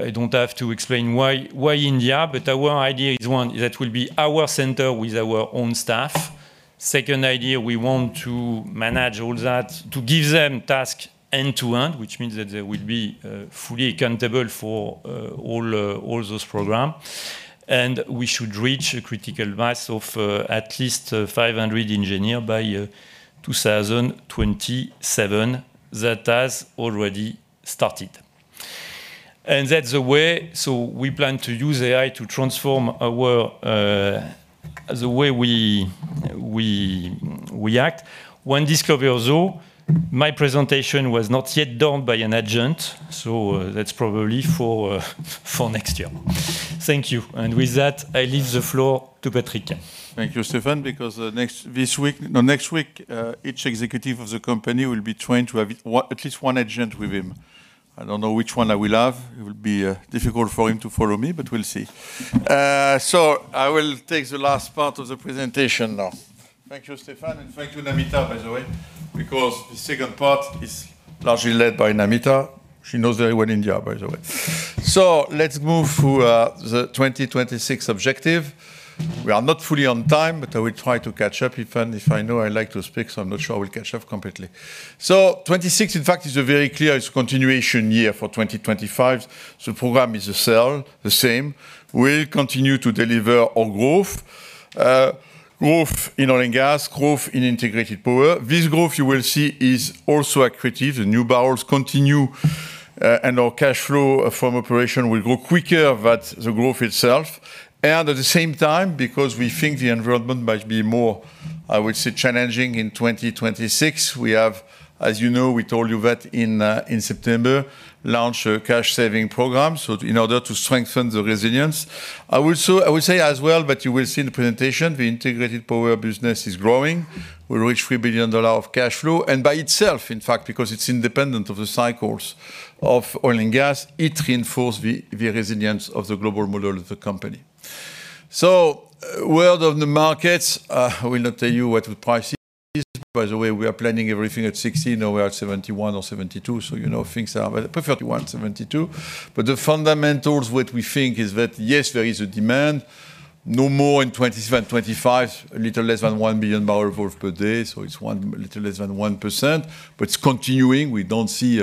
I don't have to explain why India, but our idea is, one, that will be our center with our own staff. Second idea, we want to manage all that, to give them task end-to-end, which means that they will be fully accountable for all those program. And we should reach a critical mass of at least 500 engineer by 2027. That has already started. And that's the way, so we plan to use AI to transform our the way we act. One discovery, though, my presentation was not yet done by an agent, so that's probably for next year. Thank you. With that, I leave the floor to Patrick. Thank you, Stéphane. Because next, this week, no, next week, each executive of the company will be trying to have at least one agent with him. I don't know which one I will have. It will be difficult for him to follow me, but we'll see. So I will take the last part of the presentation now. Thank you, Stéphane, and thank you, Namita, by the way, because the second part is largely led by Namita. She knows very well India, by the way. So let's move to the 2026 objective. We are not fully on time, but I will try to catch up, even if I know I like to speak, so I'm not sure I will catch up completely. So 2026, in fact, is a very clear, it's continuation year for 2025. The program is the same, the same. We'll continue to deliver our growth. Growth in oil and gas, growth in integrated power. This growth, you will see, is also accretive. The new barrels continue, and our cash flow from operation will grow quicker than the growth itself. And at the same time, because we think the environment might be more, I would say, challenging in 2026, we have, as we told you that in September, launched a cash-saving program, so in order to strengthen the resilience. I will say as well, but you will see in the presentation, the integrated power business is growing. We reach $3 billion of cash flow, and by itself, in fact, because it's independent of the cycles of oil and gas, it reinforce the resilience of the global model of the company. the world of the markets, I will not tell you what the price is. By the way, we are planning everything at $60, now we are at $71 or $72, so things are but $31, $72. But the fundamentals, what we think, is that, yes, there is a demand, no more in 2025, a little less than 1 billion barrels per day, so it's 1, a little less than 1%, but it's continuing. We don't see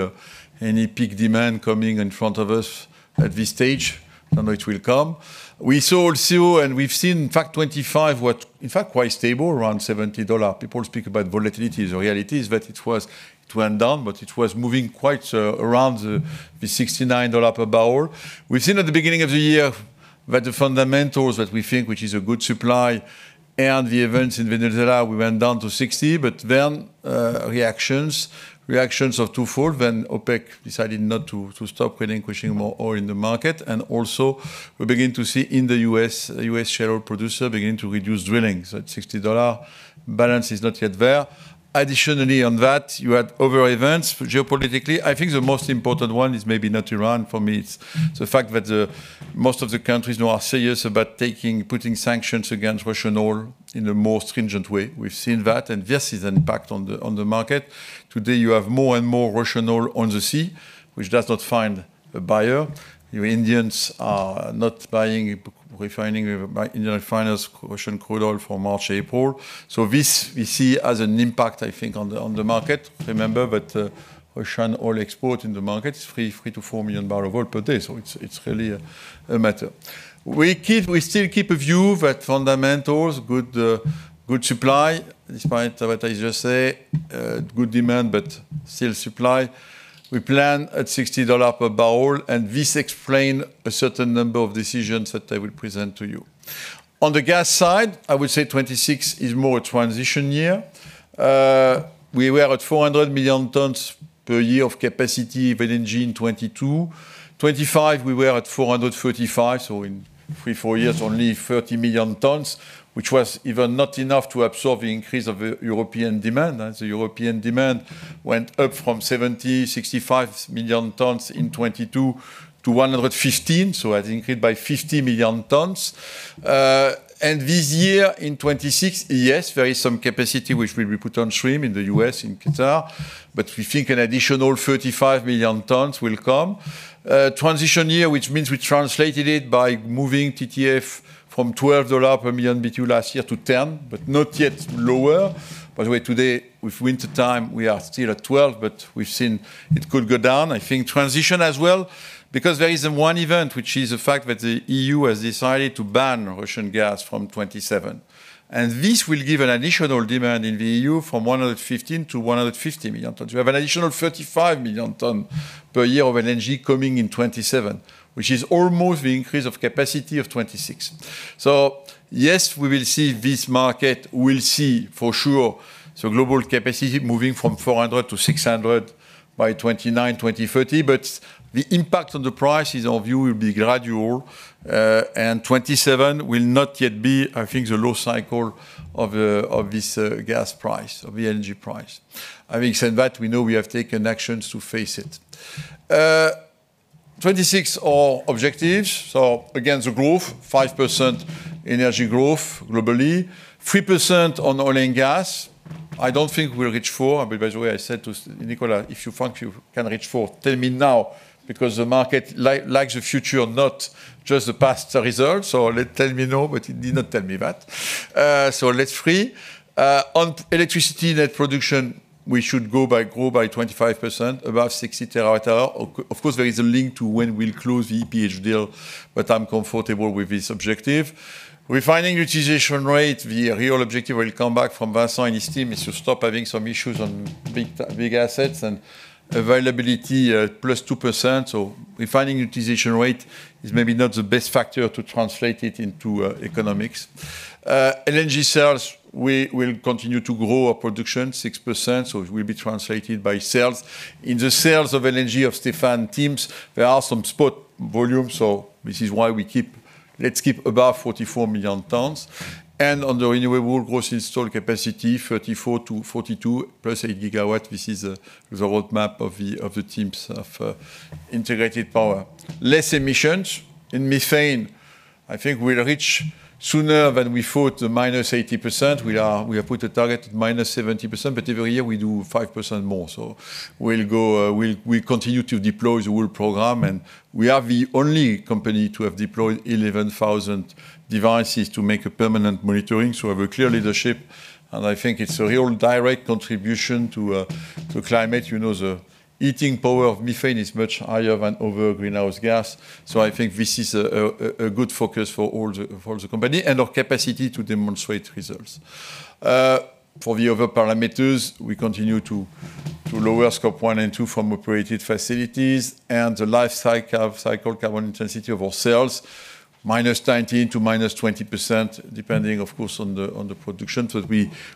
any peak demand coming in front of us at this stage, and which will come. We saw also, and we've seen, in fact, 2025, what, in fact, quite stable, around $70. People speak about volatility. The reality is that it was, it went down, but it was moving quite around the $69 per barrel. We've seen at the beginning of the year that the fundamentals that we think, which is a good supply, and the events in Venezuela, we went down to 60, but then reactions, reactions are twofold. When OPEC decided not to stop relinquishing more oil in the market, and also we begin to see in the U.S., U.S. shale producer beginning to reduce drilling. So at $60, balance is not yet there. Additionally, on that, you had other events geopolitically. I think the most important one is maybe not Iran. For me, it's the fact that most of the countries now are serious about taking, putting sanctions against Russian oil in the most stringent way. We've seen that, and this is impact on the market. Today, you have more and more Russian oil on the sea, which does not find a buyer. Your Indians are not buying, refining, Indian refiners, Russian crude oil from March, April. So this we see as an impact, I think, on the, on the market. Remember that, Russian oil export in the market is 3-4 million barrels of oil per day, so it's, it's really a, a matter. We keep, we still keep a view that fundamentals, good, good supply, despite what I just say, good demand, but still supply. We plan at $60 per barrel, and this explain a certain number of decisions that I will present to you. On the gas side, I would say 2026 is more a transition year. We were at 400 million tons per year of capacity of LNG in 2022. 2025, we were at 435, so in three, four years, only 30 million tons, which was even not enough to absorb the increase of European demand. As the European demand went up from 65 million tons in 2022 to 115, so I think by 50 million tons. And this year, in 2026, yes, there is some capacity which will be put on stream in the U.S, in Qatar, but we think an additional 35 million tons will come. Transition year, which means we translated it by moving TTF from $12 per million BTU last year to $10, but not yet lower. By the way, today, with wintertime, we are still at $12, but we've seen it could go down. I think transition as well, because there is one event, which is the fact that the EU has decided to ban Russian gas from 2027. And this will give an additional demand in the EU from 115-150 million tons. You have an additional 35 million ton per year of LNG coming in 2027, which is almost the increase of capacity of 2026. So yes, we will see this market. We'll see, for sure, so global capacity moving from 400-600 by 2029, 2030. But the impact on the prices, our view, will be gradual, and 2027 will not yet be, I think, the low cycle of, of this, gas price, of the LNG price. Having said that, we know we have taken actions to face it. 26 are objectives, so again, the growth, 5% in energy growth globally, 3% on oil and gas. I don't think we'll reach 4, but by the way, I said to Nicola, "If you think you can reach 4, tell me now, because the market likes the future, not just the past results." So tell me no, but he did not tell me that. So that's three. On electricity net production, we should grow by 25%, above 60 TWh. Of course, there is a link to when we'll close the EPH deal, but I'm comfortable with this objective. Refining utilization rate, the real objective will come back from Vincent and his team, is to stop having some issues on big assets and availability, +2%. So refining utilization rate is maybe not the best factor to translate it into economics. LNG sales, we will continue to grow our production 6%, so it will be translated by sales. In the sales of LNG of Stéphane teams, there are some spot volumes, so this is why we keep Let's keep above 44 million tons. And on the renewable gross installed capacity, 34-42 + 8 GW. This is the roadmap of the teams of integrated power. Less emissions. In methane, I think we'll reach sooner than we thought, the -80%. We have put a target -70%, but every year we do 5% more. So we'll go, we continue to deploy the whole program, and we are the only company to have deployed 11,000 devices to make a permanent monitoring. So have a clear leadership, and I think it's a real direct contribution to climate., the heating power of methane is much higher than other greenhouse gas. So I think this is a good focus for all the, for the company and our capacity to demonstrate results. For the other parameters, we continue to lower Scope 1 and 2 from operated facilities and the life cycle carbon intensity of our sales, -19% to -20%, depending, of course, on the production. So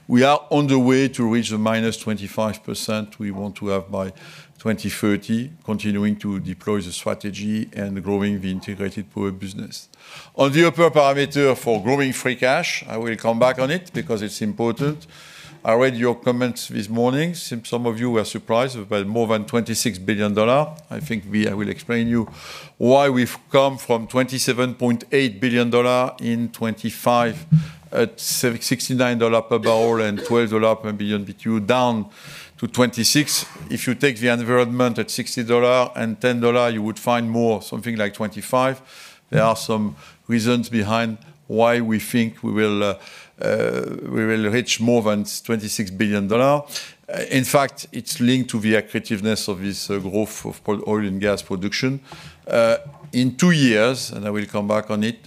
we are on the way to reach the -25% we want to have by 2030, continuing to deploy the strategy and growing the integrated power business. On the upper parameter for growing free cash, I will come back on it because it's important. I read your comments this morning. Some of you were surprised about more than $26 billion. I think I will explain you why we've come from $27.8 billion in 2025, at $69 per barrel and $12 per billion BTU, down to $26 billion. If you take the environment at $60 and $10, you would find something like $25 billion. There are some reasons behind why we think we will reach more than $26 billion. In fact, it's linked to the attractiveness of this growth of oil and gas production. In two years, and I will come back on it,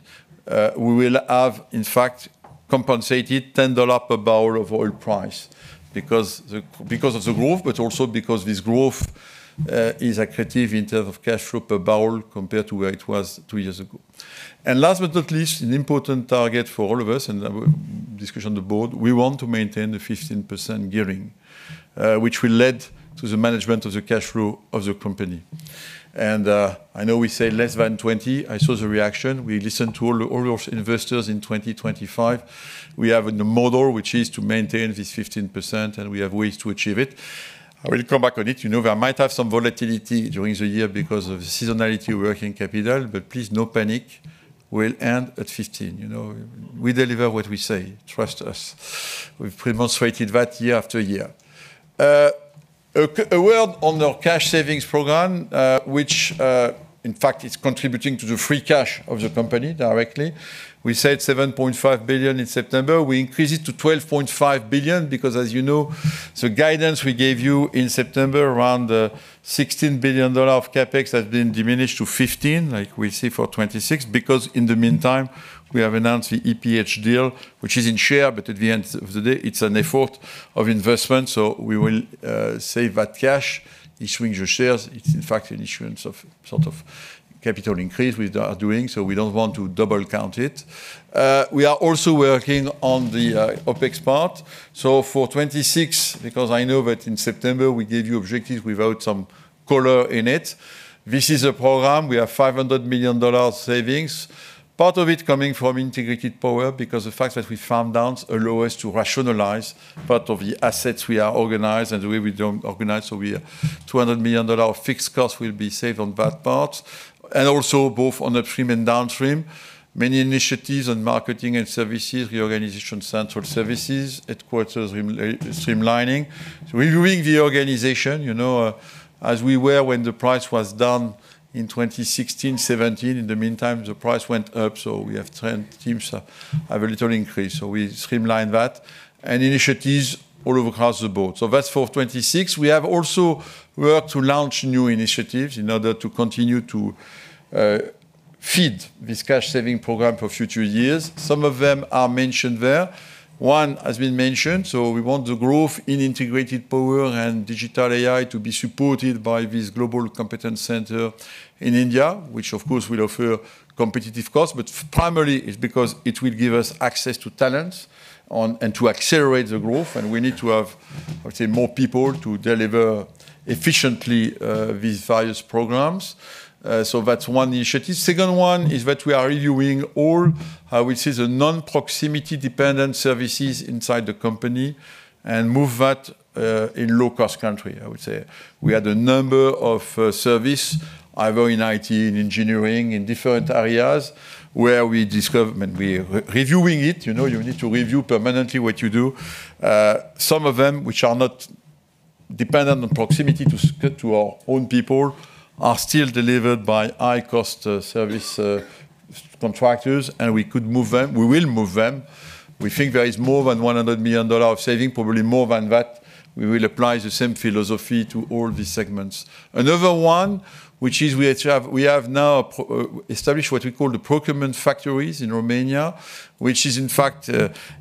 we will have in fact compensated $10 per barrel of oil price because of the growth, but also because this growth is attractive in terms of cash flow per barrel compared to where it was two years ago. And last but not least, an important target for all of us, and that we discussed on the board, we want to maintain a 15% gearing, which will lead to the management of the cash flow of the company. And I know we say less than 20. I saw the reaction. We listened to all your investors in 2025. We have a new model, which is to maintain this 15%, and we have ways to achieve it. I will come back on it., we might have some volatility during the year because of seasonality, working capital, but please, no panic, we'll end at 15., we deliver what we say. Trust us. We've demonstrated that year after year. A word on our cash savings program, which, in fact, is contributing to the free cash of the company directly. We said $7.5 billion in September. We increased it to $12.5 billion, because as the guidance we gave you in September, around $16 billion of CapEx has been diminished to 15, like we see for 2026, because in the meantime, we have announced the EPH deal, which is in share, but at the end of the day, it's an effort of investment, so we will save that cash. Issuing the shares, it's in fact an issuance of sort of capital increase we are doing, so we don't want to double count it. We are also working on the OpEx part. So for 2026, because I know that in September we gave you objectives without some color in it. This is a program, we have $500 million savings. Part of it coming from integrated power, because the fact that we found out allow us to rationalize part of the assets we are organized and the way we don't organize. So we are $200 million fixed cost will be saved on that part. And also both on the upstream and downstream, many initiatives on marketing and services, reorganization central services, headquarters re-streamlining. So reviewing the organization, as we were when the price was down in 2016, 2017. In the meantime, the price went up, so we have trend, teams have a little increase, so we streamline that. And initiatives all across the board. So that's for 2026. We have also worked to launch new initiatives in order to continue to feed this cash-saving program for future years. Some of them are mentioned there. One has been mentioned, so we want the growth in integrated power and digital AI to be supported by this global competence center in India, which of course will offer competitive cost, but primarily it's because it will give us access to talent on, and to accelerate the growth. And we need to have, I'd say, more people to deliver efficiently these various programs. So that's one initiative. Second one is that we are reviewing all, which is a non-proximity dependent services inside the company and move that, in low-cost country, I would say. We had a number of, service, either in IT, in engineering, in different areas, where we discover- when we're reviewing it, you need to review permanently what you do. Some of them which are not dependent on proximity to s- to our own people, are still delivered by high-cost, service, contractors, and we could move them. We will move them. We think there is more than $100 million of saving, probably more than that. We will apply the same philosophy to all these segments. Another one, which is we actually have established what we call the procurement factories in Romania, which is in fact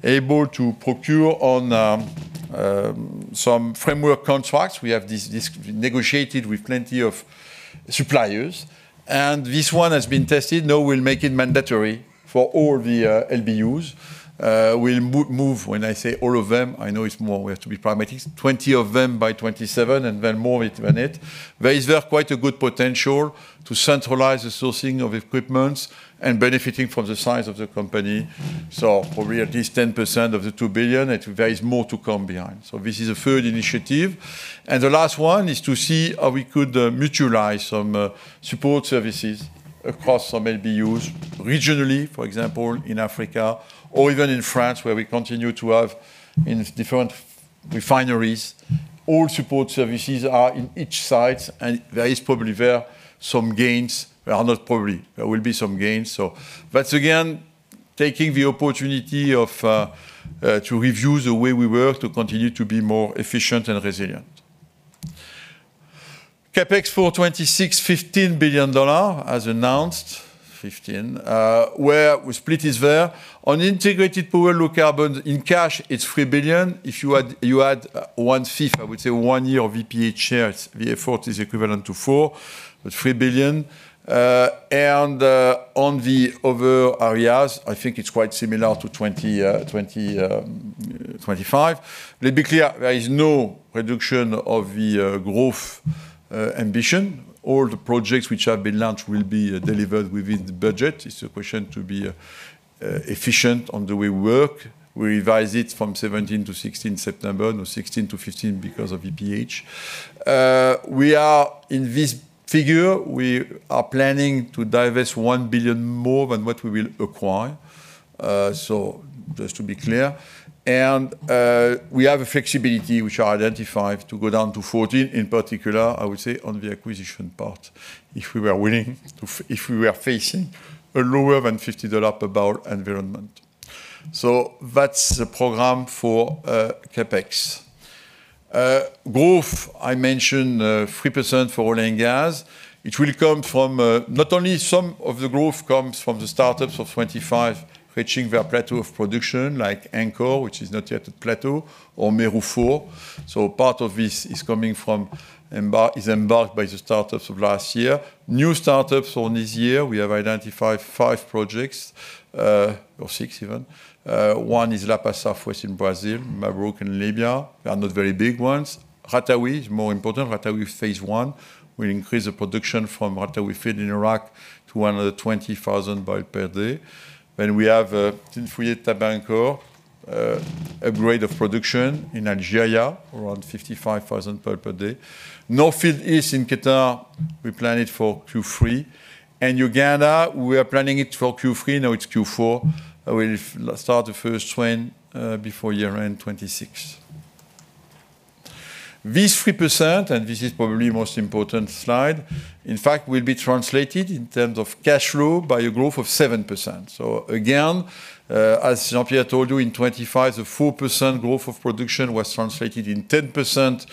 able to procure on some framework contracts. We have this negotiated with plenty of suppliers, and this one has been tested. Now we'll make it mandatory for all the LBUs. We'll move, when I say all of them, I know it's more, we have to be pragmatic. 20 of them by 2027, and then more with than it. There is quite a good potential to centralize the sourcing of equipment and benefiting from the size of the company. So for we at least 10% of the $2 billion, and there is more to come behind. So this is a third initiative, and the last one is to see how we could mutualize some support services across some LBUs, regionally, for example, in Africa or even in France, where we continue to have in different refineries. All support services are in each site, and there is probably there some gains. There are not probably, there will be some gains, so. But again, taking the opportunity of to review the way we work, to continue to be more efficient and resilient. CapEx for 2026, $15 billion, as announced, fifteen. Where we split is there. On integrated power low carbon, in cash, it's $3 billion. If you add, you add one FID, I would say one year of EPH shares, the effort is equivalent to 4, but $3 billion. On the other areas, I think it's quite similar to 20, 25. Let me be clear, there is no reduction of the, growth, ambition. All the projects which have been launched will be delivered within the budget. It's a question to be, efficient on the way work. We revised it from 17 to 16 September, now 16 to 15 because of EPH. We are, in this figure, we are planning to divest $1 billion more than what we will acquire, so just to be clear. And, we have a flexibility, which are identified to go down to 14, in particular, I would say, on the acquisition part. If we were willing to if we were facing a lower than $50 per barrel environment. So that's the program for, CapEx. Growth, I mentioned, 3% for oil and gas. It will come from not only some of the growth comes from the startups of 2025, reaching their plateau of production, like Anchor, which is not yet at plateau or Mero 4. So part of this is coming from the startups of last year. New startups in this year, we have identified 5 projects, or 6 even. One is Lapa Southwest in Brazil, Morocco and Libya. They are not very big ones. Ratawi is more important. Ratawi phase one will increase the production from Ratawi field in Iraq to another 20,000 barrels per day. Then we have Tin Fouyé Tabankort upgrade of production in Algeria, around 55,000 barrels per day. North Field East in Qatar, we plan it for Q3, and Uganda, we are planning it for Q3, now it's Q4. I will start the first train, before year-end 2026. This 3%, and this is probably the most important slide, in fact, will be translated in terms of cash flow by a growth of 7%. So again, as Jean-Pierre told you, in 2025, the 4% growth of production was translated in 10%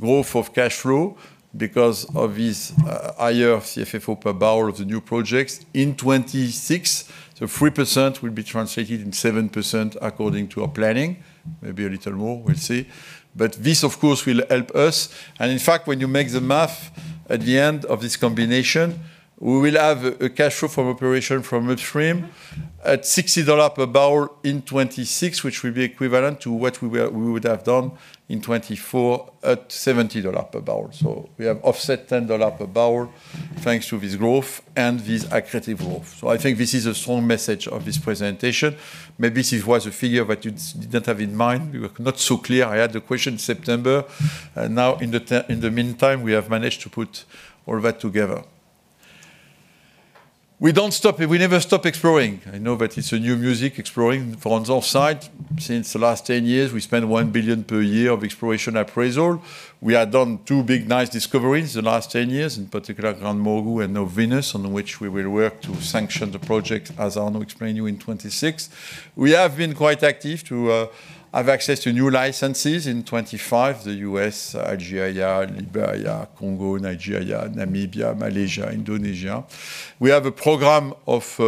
growth of cash flow because of this, higher CFFO per barrel of the new projects. In 2026, the 3% will be translated in 7%, according to our planning. Maybe a little more, we'll see. But this, of course, will help us, and in fact, when you make the math at the end of this combination, we will have a cash flow from operation from upstream at $60 per barrel in 2026, which will be equivalent to what we would have done in 2024 at $70 per barrel. So we have offset $10 per barrel, thanks to this growth and this accretive growth. So I think this is a strong message of this presentation. Maybe this was a figure that you did not have in mind. We were not so clear. I had the question September, and now in the meantime, we have managed to put all that together. We don't stop, we never stop exploring. I know that it's a new music, exploring for on offsite. Since the last 10 years, we spent $1 billion per year of exploration appraisal. We have done two big, nice discoveries in the last 10 years, in particular, Grand Mangoustan and Venus, on which we will work to sanction the project, as Arnaud explained you, in 2026. We have been quite active to have access to new licenses in 2025, the U.S., Algeria, Liberia, Congo, Nigeria, Namibia, Malaysia, Indonesia. We have a program of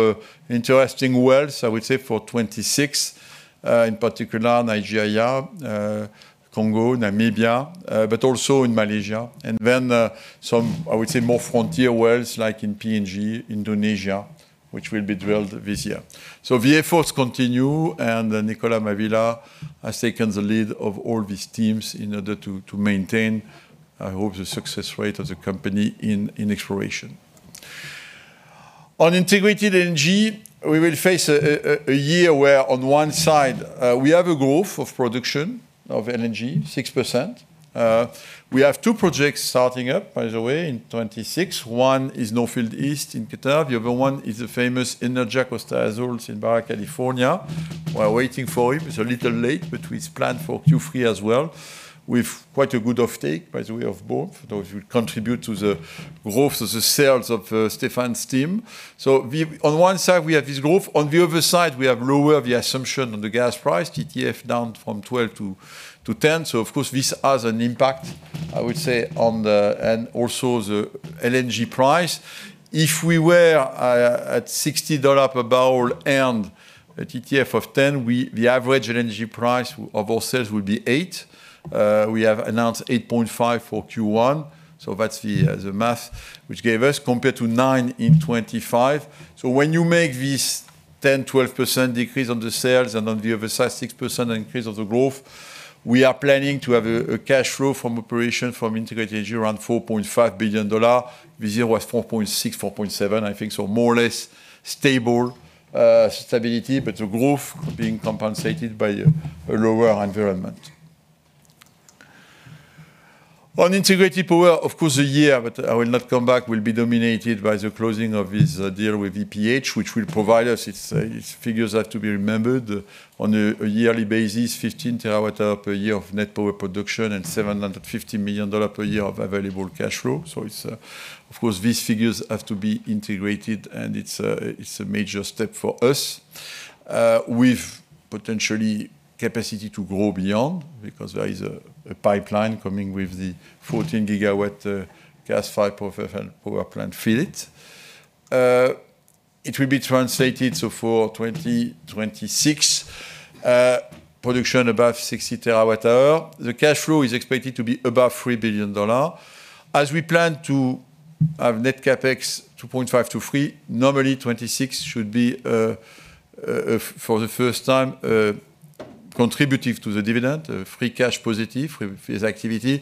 interesting wells, I would say, for 2026, in particular, Nigeria, Congo, Namibia, but also in Malaysia. And then, some, I would say, more frontier wells like in PNG, Indonesia, which will be drilled this year. So the efforts continue, and then Nicolas Terraz has taken the lead of all these teams in order to, to maintain, I hope, the success rate of the company in, in exploration. On integrated LNG, we will face a year where on one side, we have a growth of production of LNG, 6%. We have two projects starting up, by the way, in 2026. One is North Field East in Qatar, the other one is the famous Energía Costa Azul in Baja California. We are waiting for him. He's a little late, but he's planned for Q3 as well, with quite a good offtake, by the way, of both. Those will contribute to the growth of the sales of, Stéphane's team. So on one side, we have this growth, on the other side, we have lower the assumption on the gas price, TTF down from 12 to 10. So of course, this has an impact, I would say, on the and also the LNG price. If we were at $60 per barrel and a TTF of 10, the average LNG price of our sales would be $8. We have announced $8.5 for Q1, so that's the math, which gave us, compared to $9 in 2025. So when you make this 10-12% decrease on the sales and on the other side, 6% increase of the growth, we are planning to have a cash flow from operation from integrated LNG around $4.5 billion. This year was 4.6, 4.7, I think, so more or less stable, stability, but the growth being compensated by a, a lower environment. On integrated power, of course, the year, but I will not come back, will be dominated by the closing of this deal with EPH, which will provide us, its figures are to be remembered. On a yearly basis, 15 TWh per year of net power production and $750 million per year of available cash flow. So it's Of course, these figures have to be integrated, and it's a major step for us, with potentially capacity to grow beyond, because there is a pipeline coming with the 14 GW gas fiber firewall power plant fleet. It will be translated, so for 2026, production above 60 TWh. The cash flow is expected to be above $3 billion. As we plan to have net CapEx $2.5-$3 billion, normally 2026 should be, for the first time, contributive to the dividend, free cash positive with this activity.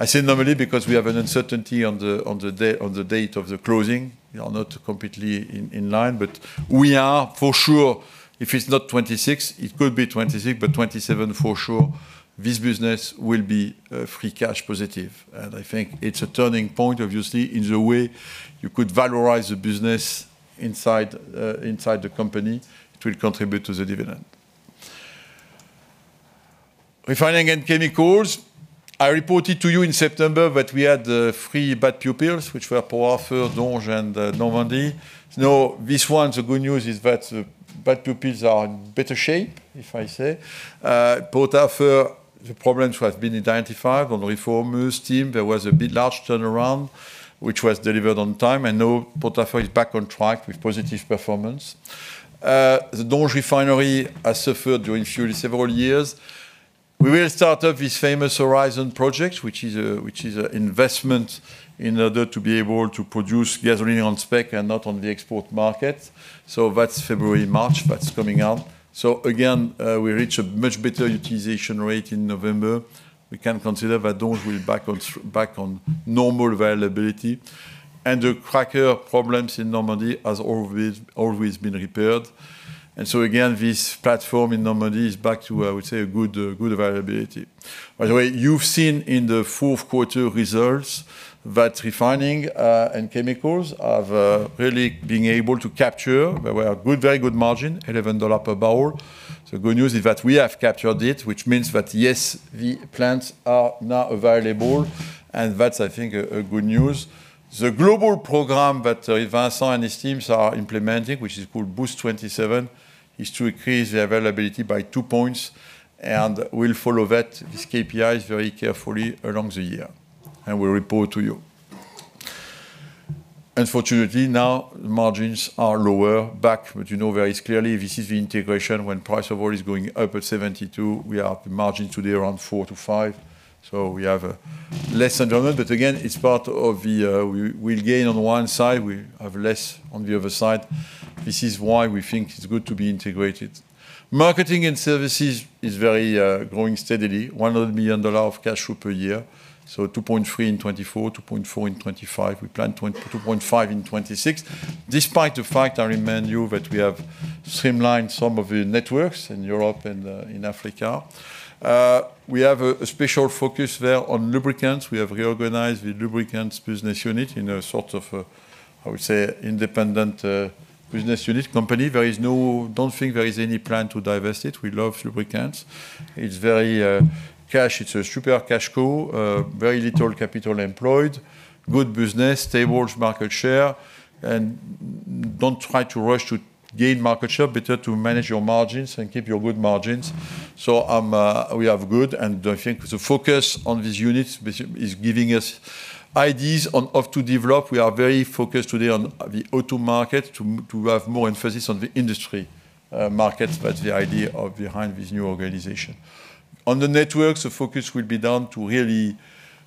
I say normally, because we have an uncertainty on the, on the day- on the date of the closing. We are not completely in, in line, but we are for sure, if it's not 2026, it could be 2026, but 2027 for sure, this business will be free cash positive. And I think it's a turning point, obviously, in the way you could valorize the business inside, inside the company. It will contribute to the dividend. Refining and chemicals. I reported to you in September that we had three bad pupils, which were Port Arthur, Donges, and Normandy. Now, this one, the good news is that the bad pupils are in better shape, if I say. Port Arthur, the problems have been identified on the reformers team. There was a bit large turnaround, which was delivered on time, and now Port Arthur is back on track with positive performance. The Donges refinery has suffered during several years. We will start up this famous Horizon project, which is an investment in order to be able to produce gasoline on spec and not on the export market. So that's February, March, that's coming out. So again, we reach a much better utilization rate in November. We can consider that Donges will be back on normal availability, and the cracker problems in Normandy has always, always been repaired. And so again, this platform in Normandy is back to, I would say, a good, good availability. By the way, you've seen in the fourth quarter results that refining and chemicals have really being able to capture a very good margin, $11 per barrel. So the good news is that we have captured it, which means that, yes, the plants are now available, and that's, I think, a, a good news. The global program that Vincent and his teams are implementing, which is called Boost 27, is to increase the availability by two points, and we'll follow that, this KPI, very carefully along the year, and we'll report to you. Unfortunately, now margins are lower back, but very clearly this is the integration when price of oil is going up at $72. We are at the margin today, around 4-5, so we have a less environment. But again, it's part of the, we, we gain on one side, we have less on the other side. This is why we think it's good to be integrated. Marketing and services is very, growing steadily, $100 million of cash flow per year, so $2.3 billion in 2024, $2.4 billion in 2025. We plan $2.5 billion in 2026. Despite the fact, I remind you, that we have streamlined some of the networks in Europe and, in Africa, we have a, a special focus there on lubricants. We have reorganized the lubricants business unit in a sort of a, I would say, independent business unit company. There is no, don't think there is any plan to divest it. We love lubricants. It's very cash. It's a super cash cow, very little capital employed, good business, stable market share, and don't try to rush to gain market share, better to manage your margins and keep your good margins. So we have good, and I think the focus on these units basis is giving us ideas on how to develop. We are very focused today on the auto market, to have more emphasis on the industry markets. That's the idea behind this new organization. On the network, the focus will be down to really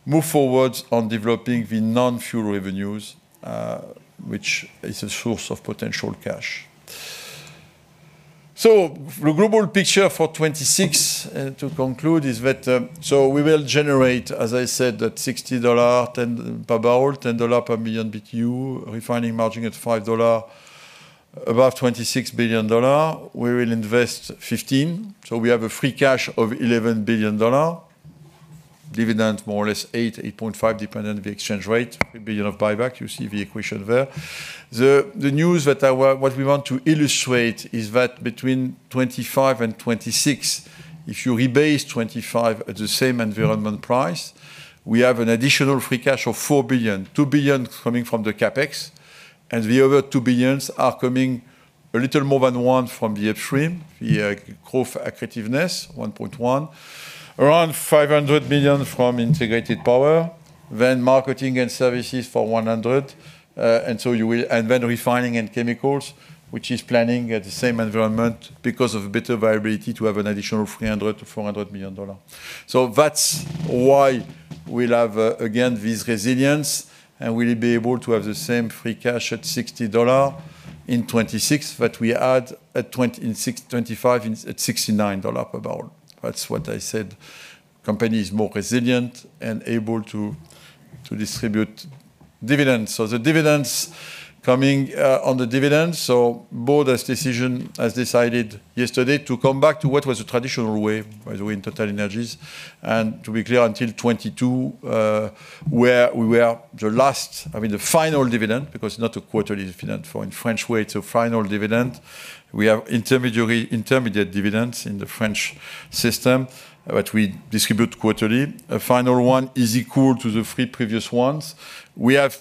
move forward on developing the non-fuel revenues, which is a source of potential cash. So the global picture for 2026, to conclude, is that, so we will generate, as I said, that $60, $10 per barrel, $10 per million BTU, refining margin at $5. Above $26 billion, we will invest $15 billion, so we have a free cash of $11 billion. Dividend, more or less $8-$8.5 billion, depending on the exchange rate, $3 billion of buyback. You see the equation there. The news that I what we want to illustrate is that between 2025 and 2026, if you rebase 2025 at the same environment price, we have an additional free cash of $4 billion, $2 billion coming from the CapEx, and the other $2 billion are coming, a little more than $1 billion from the upstream, the growth accretiveness, $1.1 billion. Around $500 million from integrated power, then marketing and services for $100, and then refining and chemicals, which is planning at the same environment because of better viability to have an additional $300 million-$400 million. So that's why we'll have, again, this resilience, and we'll be able to have the same free cash at $60 in 2026, but we add at twenty-- in six, twenty-five, in, at $69 per barrel. That's what I said. Company is more resilient and able to, to distribute dividends. So the dividends coming, on the dividends, so board's decision has decided yesterday to come back to what was the traditional way, by the way, in TotalEnergies. And to be clear, until 2020, where we were the last, I mean, the final dividend, because it's not a quarterly dividend. For in French way, it's a final dividend. We have intermediary, intermediate dividends in the French system, but we distribute quarterly. A final one is equal to the three previous ones. We have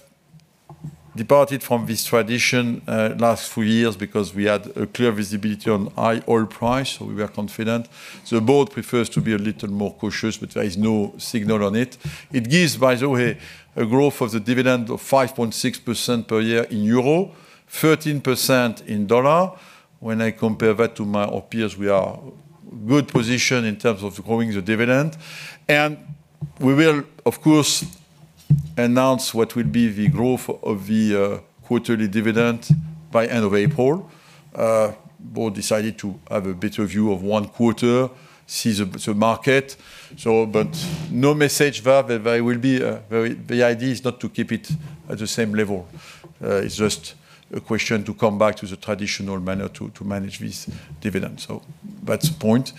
departed from this tradition last few years because we had a clear visibility on high oil price, so we were confident. The board prefers to be a little more cautious, but there is no signal on it. It gives, by the way, a growth of the dividend of 5.6% per year in euro, 13% in dollar. When I compare that to my own peers, we are good position in terms of growing the dividend. We will, of course, announce what will be the growth of the quarterly dividend by end of April. Board decided to have a better view of one quarter, see the market. But no message there, but there will be, the idea is not to keep it at the same level. It's just a question to come back to the traditional manner to manage this dividend. So that's the point,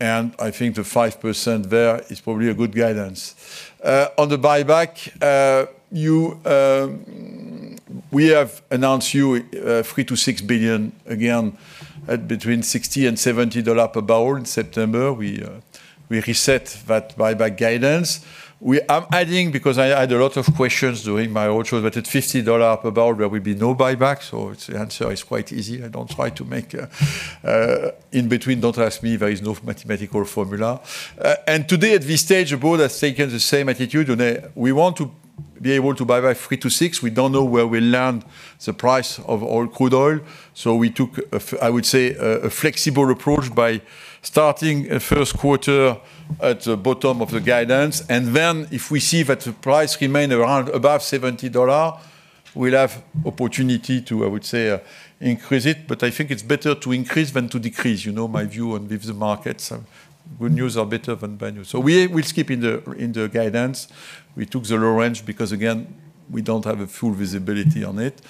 and I think the 5% there is probably a good guidance. On the buyback, you, we have announced you, $3 billion-$6 billion, again, at between $60-$70 per barrel. In September, we reset that buyback guidance. We are adding, because I had a lot of questions during my roadshow, that at $50 per barrel, there will be no buyback, so the answer is quite easy. I don't try to make a in between. Don't ask me, there is no mathematical formula. Today, at this stage, the board has taken the same attitude, and we want to be able to buyback $3-$6. We don't know where we land the price of oil, crude oil, so we took a—I would say, a flexible approach by starting a first quarter at the bottom of the guidance. Then if we see that the price remain around above $70, we'll have opportunity to, I would say, increase it. But I think it's better to increase than to decrease. my view on with the markets, so good news are better than bad news. So we'll keep in the guidance. We took the low range because, again, we don't have a full visibility on it.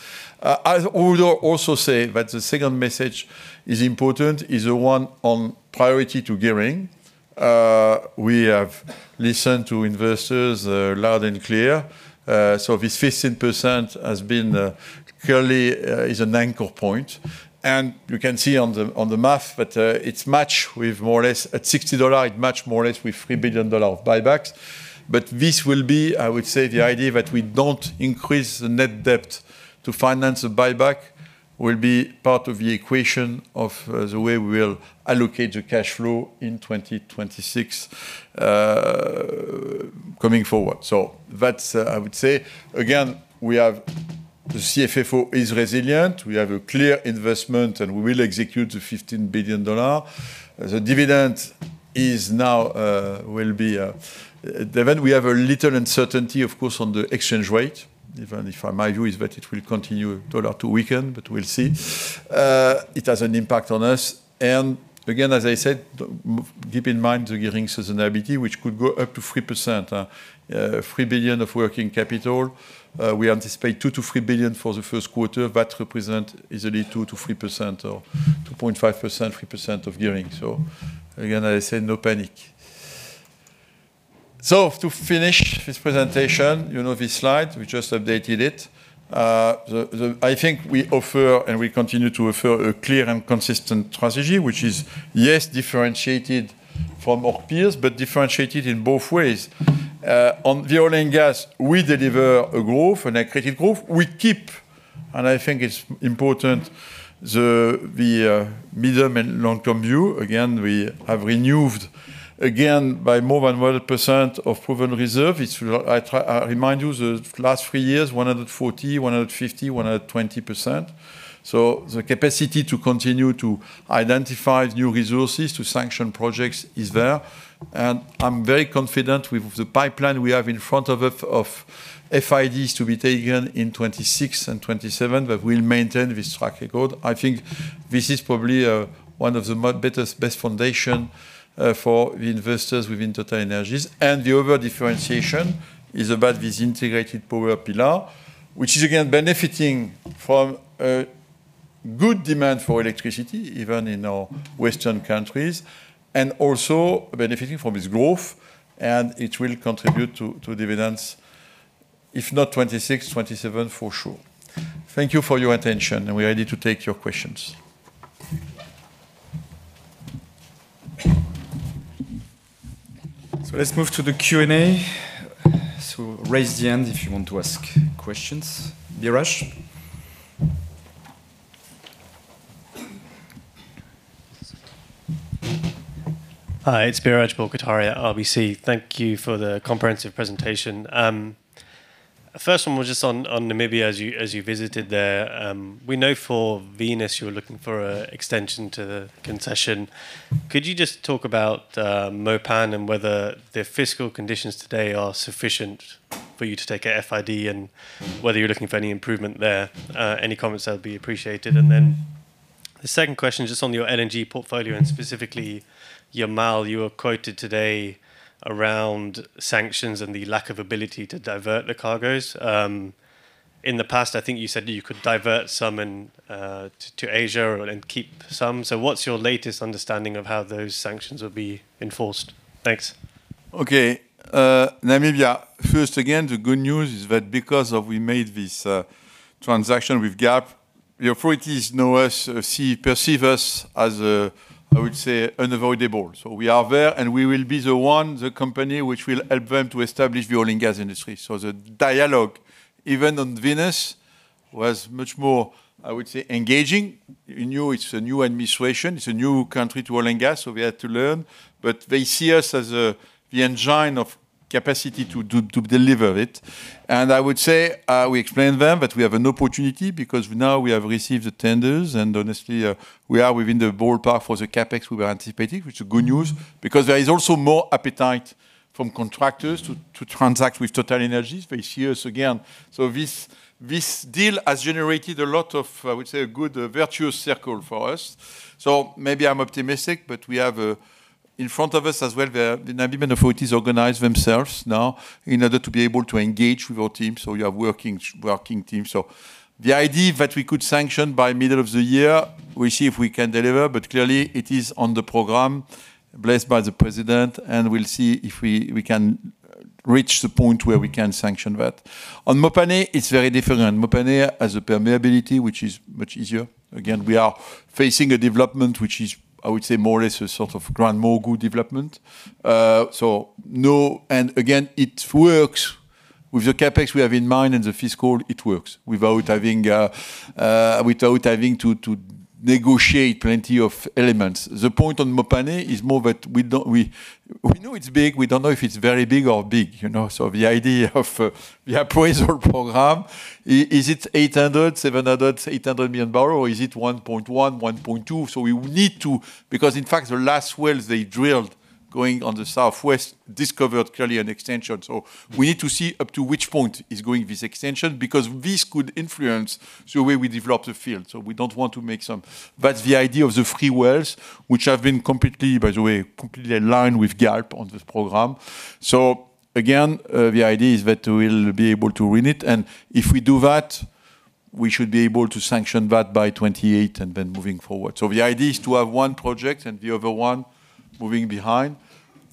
I would also say that the second message is important, is the one on priority to gearing. We have listened to investors loud and clear. So this 15% has been clearly is an anchor point. And you can see on the math, but it's much with more or less at $60, it match more or less with $3 billion of buybacks. But this will be, I would say, the idea that we don't increase the net debt to finance a buyback will be part of the equation of the way we will allocate the cash flow in 2026 coming forward. So that's, I would say Again, we have the CFFO is resilient, we have a clear investment, and we will execute the $15 billion. The dividend is now, will be, then we have a little uncertainty, of course, on the exchange rate. Even if my view is that it will continue dollar to weaken, but we'll see. It has an impact on us. And again, as I said, keep in mind, the gearing sustainability, which could go up to 3%, $3 billion of working capital. We anticipate $2 billion-$3 billion for the first quarter. That represent easily 2%-3% or 2.5%, 3% of gearing. So again, I say no panic. So to finish this presentation, this slide, we just updated it. The, I think we offer and we continue to offer a clear and consistent strategy, which is, yes, differentiated from our peers, but differentiated in both ways. On the oil and gas, we deliver a growth, an accretive growth. We keep, and I think it's important, the medium and long-term view. Again, we have renewed again by more than 100% of proved reserves. I remind you the last three years, 140, 150, 120%. So the capacity to continue to identify new resources, to sanction projects is there, and I'm very confident with the pipeline we have in front of us, of FIDs to be taken in 2026 and 2027, that we'll maintain this track record. I think this is probably one of the best foundations for the investors within TotalEnergies. And the other differentiation is about this integrated power pillar, which is, again, benefiting from a Good demand for electricity, even in our Western countries, and also benefiting from this growth, and it will contribute to, to dividends, if not 2026, 2027, for sure. Thank you for your attention, and we are ready to take your questions. So let's move to the Q&A. So raise the hand if you want to ask questions. Biraj? Hi, it's Biraj Borkhataria, RBC. Thank you for the comprehensive presentation. First one was just on Namibia, as you visited there. We know for Venus, you were looking for an extension to the concession. Could you just talk about Mopane and whether the fiscal conditions today are sufficient for you to take an FID, and whether you're looking for any improvement there? Any comments that would be appreciated. And then the second question is just on your LNG portfolio, and specifically Yamal. You were quoted today around sanctions and the lack of ability to divert the cargos. In the past, I think you said that you could divert some and to Asia and keep some. So what's your latest understanding of how those sanctions will be enforced? Thanks. Okay. Namibia, first, again, the good news is that because of we made this transaction with Galp, the authorities know us, perceive us as, I would say, unavoidable. So we are there, and we will be the one, the company which will help them to establish the oil and gas industry. So the dialogue, even on Venus, was much more, I would say, engaging. We knew it's a new administration. It's a new country to oil and gas, so we had to learn, but they see us as the engine of capacity to deliver it. And I would say, we explained to them that we have an opportunity because now we have received the tenders, and honestly, we are within the ballpark for the CapEx we were anticipating, which is good news. Because there is also more appetite from contractors to, to transact with TotalEnergies, they see us again. So this, this deal has generated a lot of, I would say, a good virtuous circle for us. So maybe I'm optimistic, but we have In front of us as well, the, the Namibian authorities organize themselves now in order to be able to engage with our team, so we have working, working team. So the idea that we could sanction by middle of the year, we'll see if we can deliver, but clearly it is on the program, blessed by the president, and we'll see if we, we can reach the point where we can sanction that. On Mopane, it's very different. Mopane has a permeability, which is much easier. Again, we are facing a development which is, I would say, more or less a sort of grand mogul development. So, and again, it works with the CapEx we have in mind and the fiscal, it works without having to negotiate plenty of elements. The point on Mopane is more that we know it's big. We don't know if it's very big or big,? So the idea of the appraisal program is it 700-800 million barrels, or is it 1.1-1.2? So we need to. Because, in fact, the last wells they drilled going on the southwest discovered clearly an extension. So we need to see up to which point is going this extension, because this could influence the way we develop the field. So we don't want to make. But the idea of the free wells, which have been completely, by the way, completely in line with Galp on this program. So again, the idea is that we'll be able to win it, and if we do that, we should be able to sanction that by 2028 and then moving forward. So the idea is to have one project and the other one moving behind,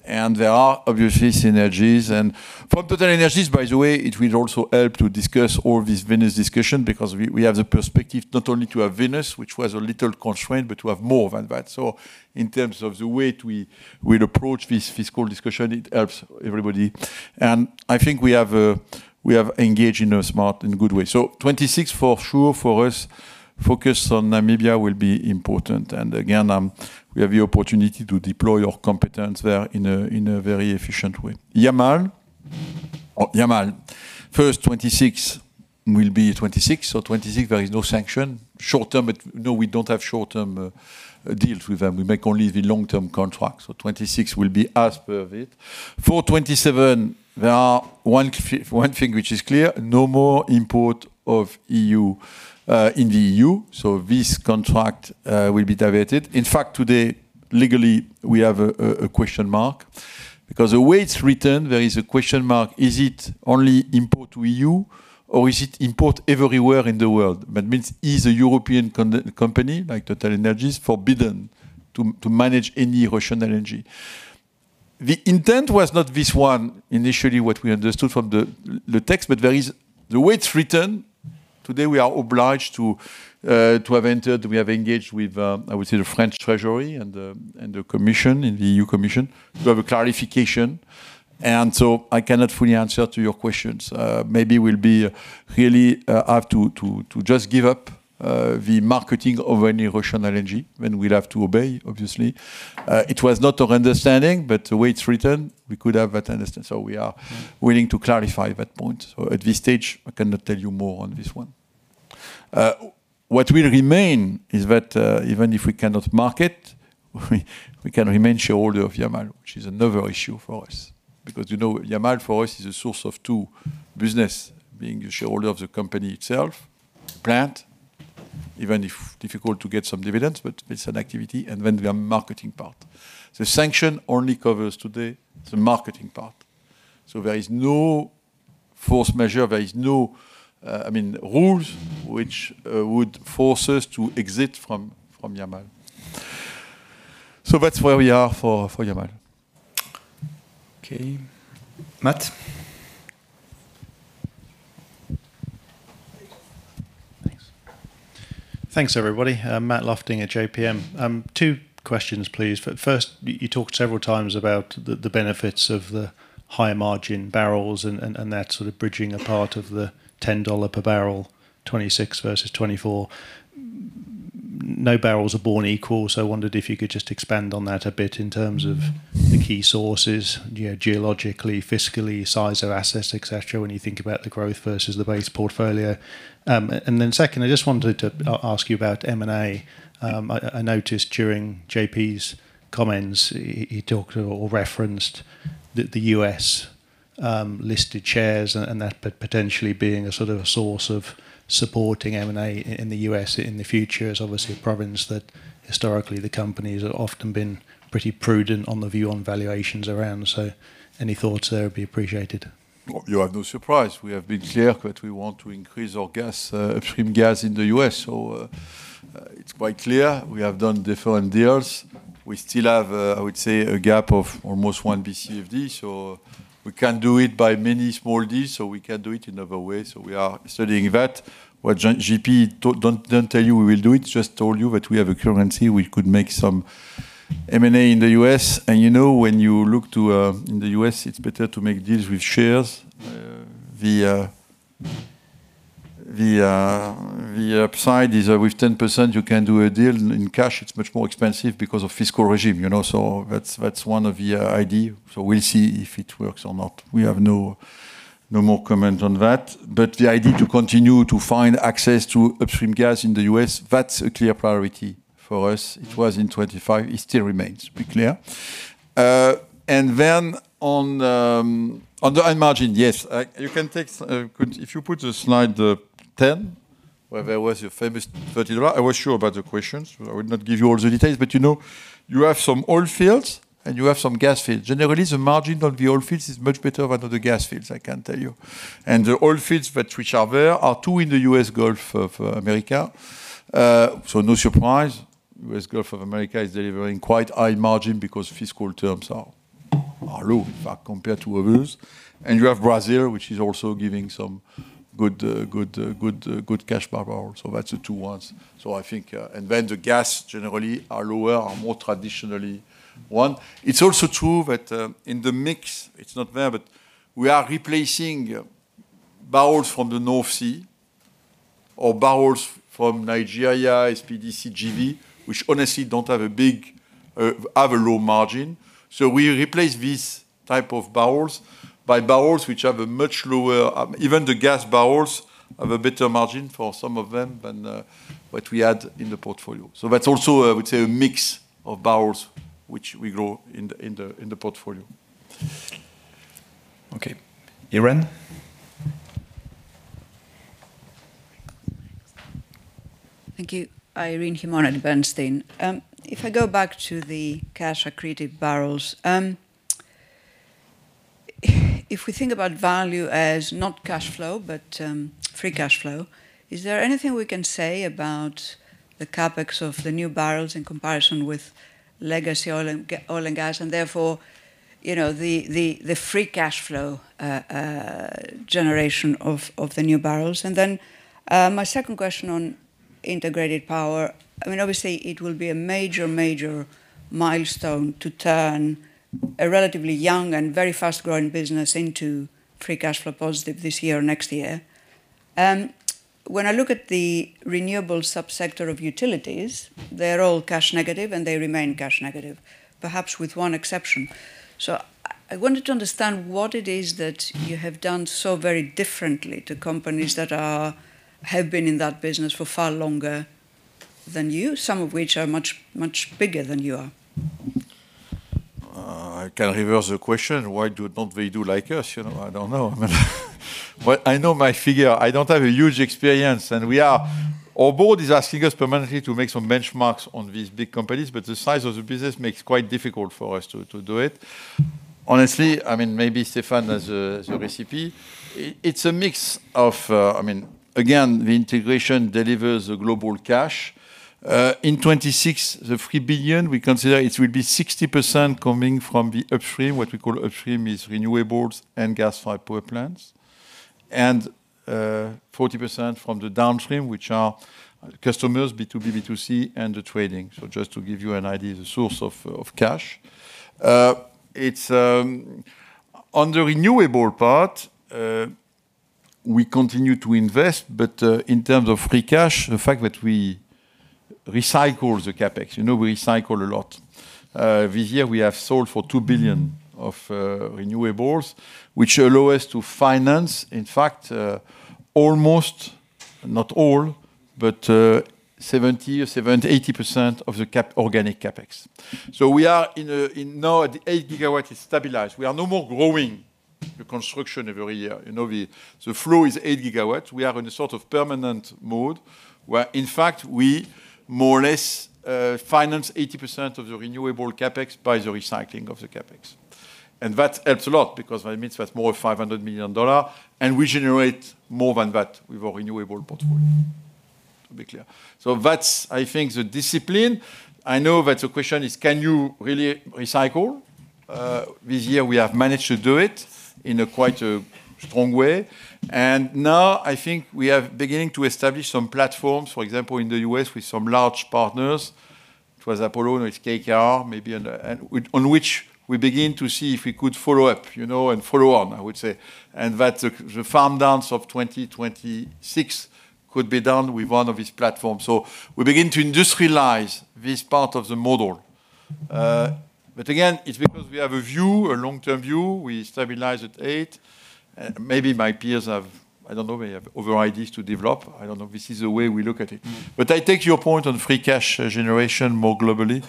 and there are obviously synergies. And for TotalEnergies, by the way, it will also help to discuss all this Venus discussion because we, we have the perspective not only to have Venus, which was a little constrained, but to have more than that. So in terms of the way we will approach this fiscal discussion, it helps everybody. And I think we have, we have engaged in a smart and good way. So 2026, for sure, for us, focus on Namibia will be important. And again, we have the opportunity to deploy our competence there in a, in a very efficient way. Yamal. Yamal. First, 2026 will be 2026. So 2026, there is no sanction. Short term, but no, we don't have short-term deals with them. We make only the long-term contract, so 2026 will be as per of it. For 2027, there are one one thing which is clear, no more import of EU in the EU, so this contract will be diverted. In fact, today, legally, we have a question mark, because the way it's written, there is a question mark: Is it only import to EU, or is it import everywhere in the world? That means, is a European company like TotalEnergies forbidden to manage any Russian energy? The intent was not this one, initially, what we understood from the text, but there is. the way it's written, today we are obliged to have engaged with, I would say, the French Treasury and the Commission, and the EU Commission, to have a clarification. And so I cannot fully answer to your questions. Maybe we'll really have to just give up the marketing of any Russian energy, and we'll have to obey, obviously. It was not our understanding, but the way it's written, we could have that understanding. So we are willing to clarify that point. So at this stage, I cannot tell you more on this one. What will remain is that even if we cannot market, we can remain shareholder of Yamal, which is another issue for us. Because, Yamal, for us, is a source of 2 business, being a shareholder of the company itself, the plant, even if difficult to get some dividends, but it's an activity, and then the marketing part. The sanction only covers today the marketing part, so there is no force majeure, there is no, I mean, rules which would force us to exit from Yamal. So that's where we are for Yamal. Okay, Matt? Thanks. Thanks, everybody. Matt Lofting at JPM. Two questions, please. But first, you talked several times about the benefits of the higher margin barrels and that sort of bridging a part of the $10 per barrel, 26 versus 24. No barrels are born equal, so I wondered if you could just expand on that a bit in terms of the key sources, geologically, fiscally, size of assets, et cetera, when you think about the growth versus the base portfolio. And then second, I just wanted to ask you about M&A. I noticed during JP's comments, he talked or referenced that the U.S. listed shares and that potentially being a sort of a source of supporting M&A in the U.S. in the future is obviously a prudence that historically, the companies have often been pretty prudent on the view on valuations around. So any thoughts there would be appreciated? Well, you have no surprise. We have been clear that we want to increase our gas, upstream gas in the U.S. So, it's quite clear, we have done different deals. We still have, I would say, a gap of almost one Bcf of this, so we can do it by many small deals, or we can do it in other ways, so we are studying that. Don't tell you we will do it, just told you that we have a currency, we could make some M&A in the U.S. And, when you look to, in the U.S, it's better to make deals with shares. The upside is that with 10%, you can do a deal. In cash, it's much more expensive because of fiscal regime,? So that's, that's one of the idea. So we'll see if it works or not. We have no, no more comment on that. But the idea to continue to find access to upstream gas in the U.S., that's a clear priority for us. It was in 2025, it still remains, to be clear. And then on the high margin, yes, you can take if you put the slide 10, where there was your famous $30. I was sure about the questions. I would not give you all the details, but, you have some oil fields, and you have some gas fields. Generally, the margin of the oil fields is much better than of the gas fields, I can tell you. And the oil fields that which are there are two in the U.S. Gulf of Mexico. So no surprise, the U.S. Gulf of Mexico is delivering quite high margin because fiscal terms are low, in fact, compared to others. And you have Brazil, which is also giving some good cash flow also. So that's the two ones. So I think and then the gas generally are lower or more traditionally, one. It's also true that in the mix, it's not there, but we are replacing barrels from the North Sea or barrels from Nigeria, SPDC, GV, which honestly have a low margin. So we replace these type of barrels by barrels which have a much lower. Even the gas barrels have a better margin for some of them than what we had in the portfolio. So that's also, I would say, a mix of barrels which we grow in the portfolio. Okay. Irene? Thank you. Irene Himona at Bernstein. If I go back to the cash accretive barrels, if we think about value as not cash flow, but free cash flow, is there anything we can say about the CapEx of the new barrels in comparison with legacy oil and gas, and therefore, the free cash flow generation of the new barrels? And then, my second question on integrated power. I mean, obviously, it will be a major, major milestone to turn a relatively young and very fast-growing business into free cash flow positive this year or next year. When I look at the renewable sub-sector of utilities, they're all cash negative, and they remain cash negative, perhaps with one exception. So I wanted to understand what it is that you have done so very differently to companies that have been in that business for far longer than you, some of which are much, much bigger than you are? I can reverse the question: Why do not they do like us?, I don't know. But I know my figure. I don't have a huge experience, and we are—Our board is asking us permanently to make some benchmarks on these big companies, but the size of the business makes quite difficult for us to, to do it. Honestly, I mean, maybe Stéphane has the, the recipe. It, it's a mix of I mean, again, the integration delivers the global cash. In 2026, the $3 billion, we consider it will be 60% coming from the upstream. What we call upstream is renewables and gas-fired power plants, and, uh, 40% from the downstream, which are customers, B2B, B2C, and the trading. So just to give you an idea of the source of cash. It's on the renewable part, we continue to invest, but in terms of free cash, the fact that we recycle the CapEx, we recycle a lot. This year, we have sold for $2 billion of renewables, which allow us to finance, in fact, almost, not all, but 70 or 80% of the organic CapEx. So we are in now, the 8 gigawatt is stabilized. We are no more growing the construction every year., the flow is 8 gigawatts. We are in a sort of permanent mode, where, in fact, we more or less finance 80% of the renewable CapEx by the recycling of the CapEx. And that helps a lot because that means that's more $500 million, and we generate more than that with our renewable portfolio. To be clear. So that's, I think, the discipline. I know that the question is can you really recycle? This year we have managed to do it in a quite a strong way, and now I think we are beginning to establish some platforms, for example, in the U.S with some large partners. It was Apollo, now it's KKR, maybe on the, on which we begin to see if we could follow up, and follow on, I would say. And that the, the farm downs of 2026 could be done with one of these platforms. So we begin to industrialize this part of the model. But again, it's because we have a view, a long-term view. We stabilize at 8. Maybe my peers have, I don't know, may have other ideas to develop. I don't know. This is the way we look at it. But I take your point on free cash generation more globally.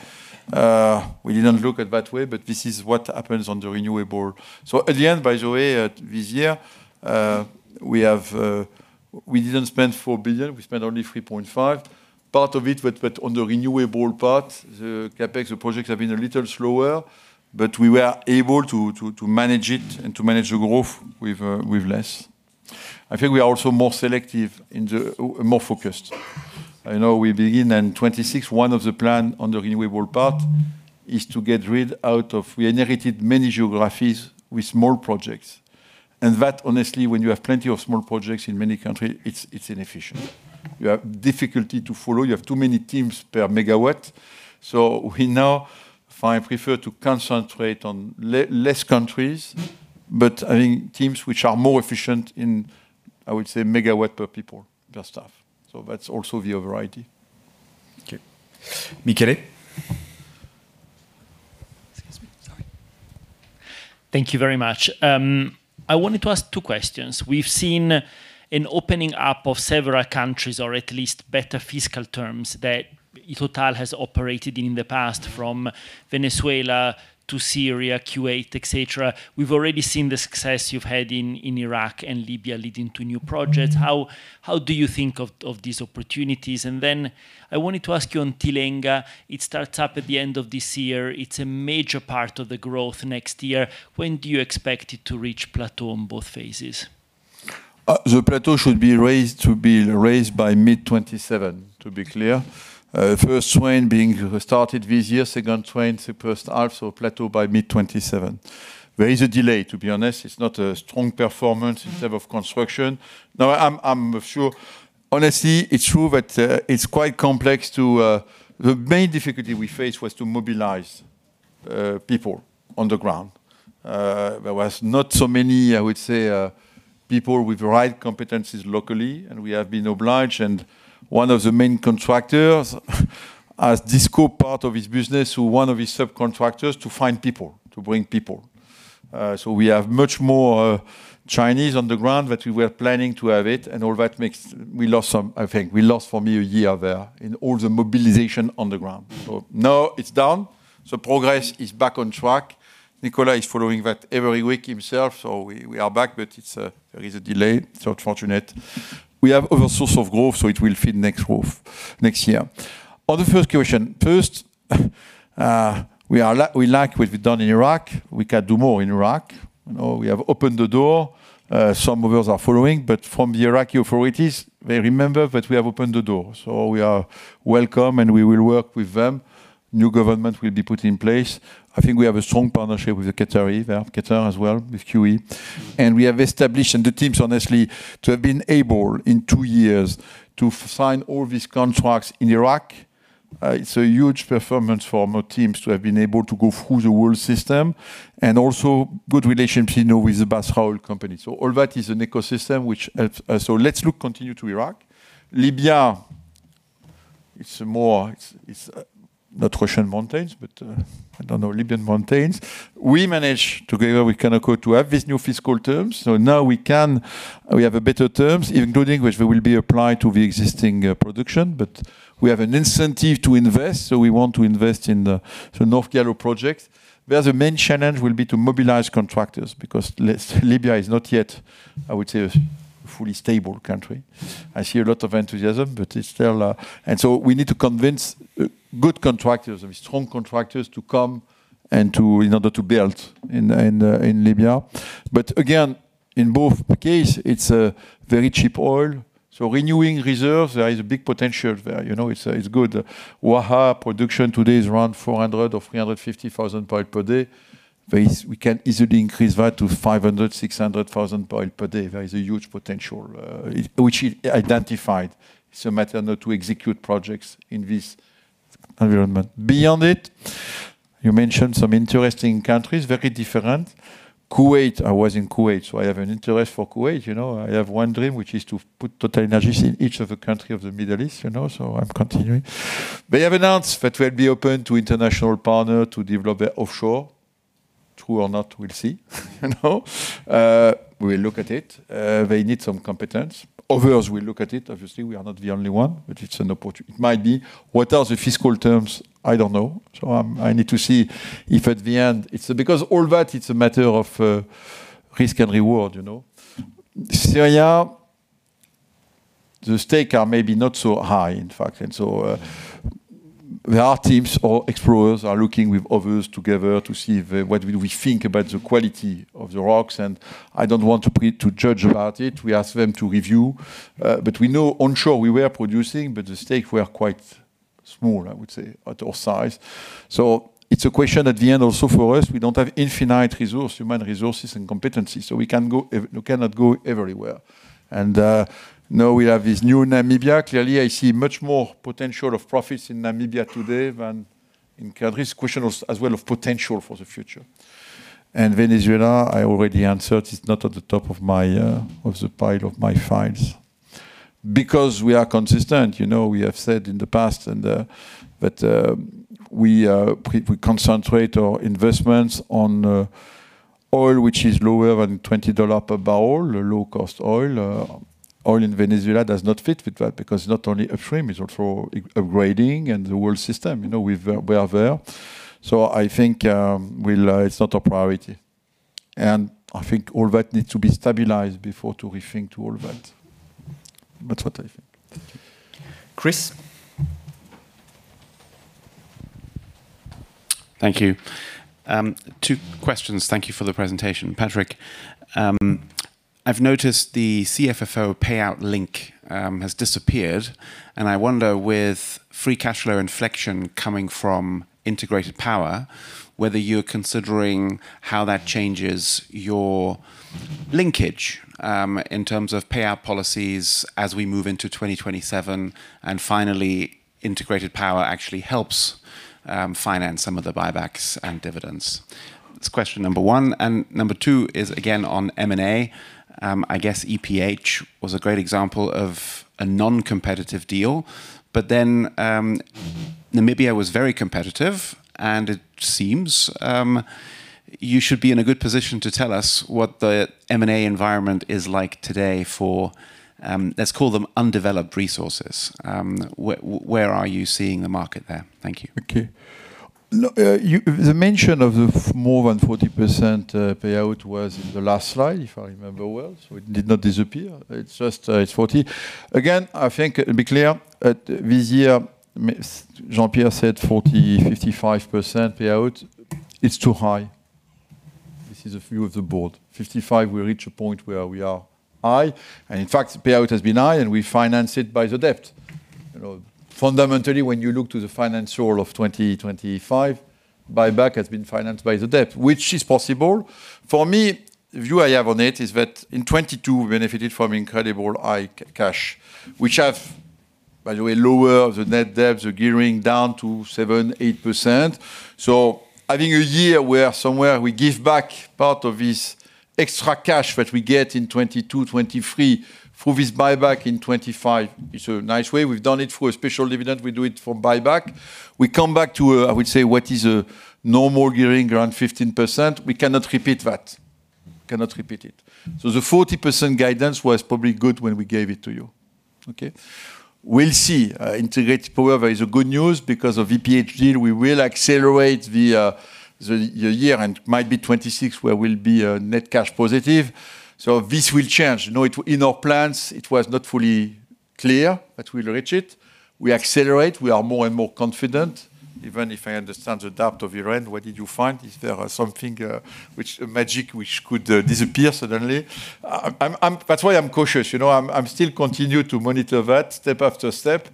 We didn't look at that way, but this is what happens on the renewable. So at the end, by the way, at this year, we have, we didn't spend $4 billion, we spent only $3.5 billion. Part of it, but on the renewable part, the CapEx, the projects have been a little slower, but we were able to manage it and to manage the growth with less. I think we are also more selective and more focused. I know we begin in 2061 of the plan on the renewable part is to get rid out of We inherited many geographies with small projects, and that honestly, when you have plenty of small projects in many countries, it's inefficient. You have difficulty to follow. You have too many teams per megawatt. So we now prefer to concentrate on less countries, but I think teams which are more efficient in, I would say, megawatt per people, per staff. So that's also the other variety. Okay. Michele? Excuse me. Sorry. Thank you very much. I wanted to ask two questions. We've seen an opening up of several countries, or at least better fiscal terms, that Total has operated in, in the past, from Venezuela to Syria, Kuwait, et cetera. We've already seen the success you've had in Iraq and Libya leading to new projects. How do you think of these opportunities? And then I wanted to ask you on Tilenga. It starts up at the end of this year. It's a major part of the growth next year. When do you expect it to reach plateau on both phases? The plateau should be raised, to be raised by mid-2027, to be clear. First one being started this year, second one, the first half of plateau by mid-2027. There is a delay, to be honest. It's not a strong performance in terms of construction. Now, I'm sure. Honestly, it's true that it's quite complex to. The main difficulty we faced was to mobilize people on the ground. There was not so many, I would say, people with right competencies locally, and we have been obliged, and one of the main contractors asked this core part of his business, or one of his subcontractors, to find people, to bring people. So we have much more Chinese on the ground, but we were planning to have it, and all that makes we lost some, I think. We lost, for me, a year there in all the mobilization on the ground. So now it's done. The progress is back on track. Nicolas is following that every week himself, so we are back, but there is a delay. It's unfortunate. We have other source of growth, so it will fit next growth, next year. On the first question, first, we are like, we like what we've done in Iraq. We can do more in Iraq., we have opened the door, some others are following, but from the Iraqi authorities, they remember that we have opened the door, so we are welcome, and we will work with them. New government will be put in place. I think we have a strong partnership with the Qataris, we have Qatar as well, with QE. And we have established, and the teams, honestly, to have been able in two years to sign all these contracts in Iraq, it's a huge performance for our teams to have been able to go through the world system and also good relationship, with the Basra Oil Company. So all that is an ecosystem which helps. So let's look continue to Iraq. Libya, it's more, it's, it's, not Russian mountains, but, I don't know, Libyan mountains. We managed together with Conoco, to have these new fiscal terms, so now we can we have a better terms, including which will be applied to the existing production. But we have an incentive to invest, so we want to invest in the North Gialo project, where the main challenge will be to mobilize contractors, because Libya is not yet, I would say, a fully stable country. I see a lot of enthusiasm, but it's still And so we need to convince good contractors and strong contractors to come and to, in order to build in Libya. But again, in both case, it's a very cheap oil, so renewing reserves, there is a big potential there,? It's good. Waha production today is around 400 or 350,000 barrels per day. But we can easily increase that to 500, 600,000 barrels per day. There is a huge potential which is identified. It's a matter now to execute projects in this environment. Beyond it, you mentioned some interesting countries, very different. Kuwait, I was in Kuwait, so I have an interest for Kuwait,. I have one dream, which is to put TotalEnergies in each of the country of the Middle East, so I'm continuing. They have announced that we'll be open to international partner to develop their offshore. True or not, we'll see.? We will look at it. They need some competence. Others will look at it. Obviously, we are not the only one, but it's an opportunity. It might be. What are the fiscal terms? I don't know. So, I need to see if at the end, it's Because all that, it's a matter of, risk and reward,. Syria, the stakes are maybe not so high, in fact, and so. There are teams or explorers are looking with others together to see the, what do we think about the quality of the rocks, and I don't want to pass judgment about it. We ask them to review, but we know onshore we were producing, but the stakes were quite small, I would say, at our size. So it's a question at the end also for us. We don't have infinite resources, human resources and competency, so we can go we cannot go everywhere. And, now we have this new Namibia. Clearly, I see much more potential of profits in Namibia today than in Sirte. Question of, as well of potential for the future. And Venezuela, I already answered, is not at the top of my, of the pile of my files. Because we are consistent, we have said in the past and, but, we concentrate our investments on, oil, which is lower than $20 per barrel, a low-cost oil. Oil in Venezuela does not fit with that because not only a frame, it's also a grading and the world system, we are there. So I think, we'll, it's not a priority. And I think all that needs to be stabilized before to rethink to all that. That's what I think. Chris? Thank you. Two questions. Thank you for the presentation. Patrick, I've noticed the CFFO payout link has disappeared, and I wonder, with free cash flow inflection coming from integrated power, whether you're considering how that changes your linkage in terms of payout policies as we move into 2027, and finally, integrated power actually helps finance some of the buybacks and dividends. That's question number 1, and number 2 is again on M&A. I guess EPH was a great example of a non-competitive deal, but then, Namibia was very competitive, and it seems you should be in a good position to tell us what the M&A environment is like today for, let's call them undeveloped resources. Where are you seeing the market there? Thank you. Okay. Look, the mention of the more than 40%, payout was in the last slide, if I remember well. So it did not disappear. It's just, it's 40. Again, I think to be clear, at this year, Jean-Pierre said 40-55% payout, it's too high. This is a view of the board. 55, we reach a point where we are high, and in fact, the payout has been high, and we finance it by the debt., fundamentally, when you look to the financial of 2025, buyback has been financed by the debt, which is possible. For me, the view I have on it is that in 2022, we benefited from incredible high cash, which have, by the way, lower the net debt, the gearing down to 7-8%. So I think a year where somewhere we give back part of this extra cash that we get in 2022, 2023 for this buyback in 2025 is a nice way. We've done it for a special dividend; we do it for buyback. We come back to, I would say, what is a normal gearing around 15%. We cannot repeat that. Cannot repeat it. So the 40% guidance was probably good when we gave it to you. Okay? We'll see. Integrated, however, is good news because of EPH deal, we will accelerate the, the year and might be 2026, where we'll be, net cash positive. So this will change., it, in our plans, it was not fully clear that we'll reach it. We accelerate, we are more and more confident, even if I understand the doubt of your end. What did you find? Is there something which magic which could disappear suddenly? I'm That's why I'm cautious., I'm still continue to monitor that step after step,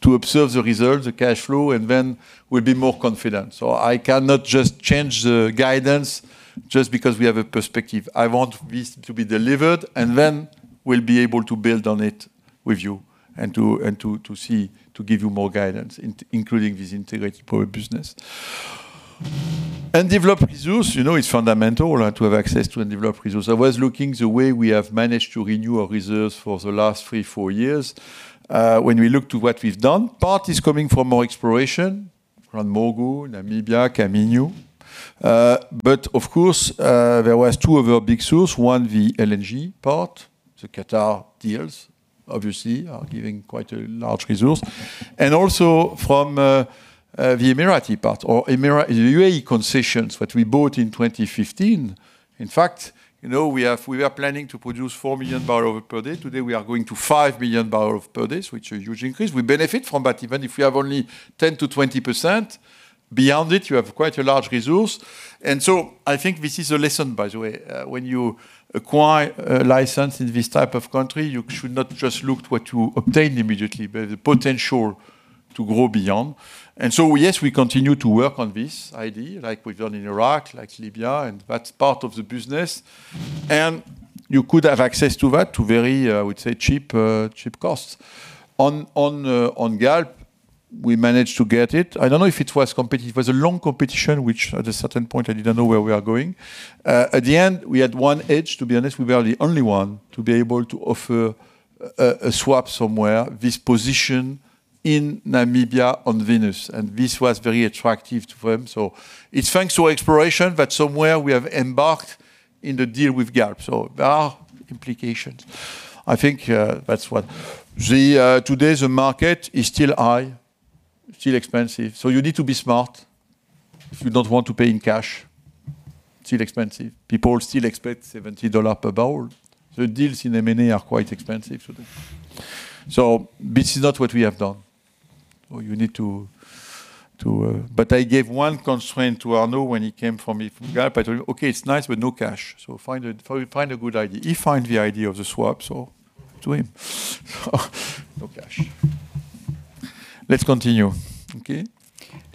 to observe the results, the cash flow, and then we'll be more confident. So I cannot just change the guidance just because we have a perspective. I want this to be delivered, and then we'll be able to build on it with you and to see, to give you more guidance, including this integrated power business. Undeveloped resource, is fundamental to have access to undeveloped resource. I was looking the way we have managed to renew our reserves for the last three, four years. When we look to what we've done, part is coming from more exploration around Moho, Namibia, Cameia. But of course, there were two other big sources: one, the LNG part, the Qatar deals obviously are giving quite a large resource, and also from the Emirati part or UAE concessions, which we bought in 2015. In fact, we have—we are planning to produce 4 million barrels per day. Today, we are going to 5 million barrels per day, which is a huge increase. We benefit from that. Even if we have only 10%-20%, beyond it, you have quite a large resource. And so I think this is a lesson, by the way. When you acquire a license in this type of country, you should not just look what you obtain immediately, but the potential to grow beyond. And so, yes, we continue to work on this idea, like we've done in Iraq, like Libya, and that's part of the business. And you could have access to that to very, I would say, cheap, cheap costs. On Galp, we managed to get it. I don't know if it was competitive. It was a long competition, which at a certain point, I didn't know where we are going. At the end, we had one edge, to be honest, we were the only one to be able to offer a swap somewhere, this position in Namibia on Venus, and this was very attractive to them. So it's thanks to exploration that somewhere we have embarked in the deal with Galp. So there are implications. I think, that's what Today, the market is still high, still expensive, so you need to be smart if you don't want to pay in cash. It's still expensive. People still expect $70 per barrel. The deals in M&A are quite expensive, so this is not what we have done. So you need to. But I gave one constraint to Arnaud when he came to me from Galp. I told him, "Okay, it's nice, but no cash. So find a, find a good idea." He find the idea of the swap, so to him. No cash. Let's continue. Okay.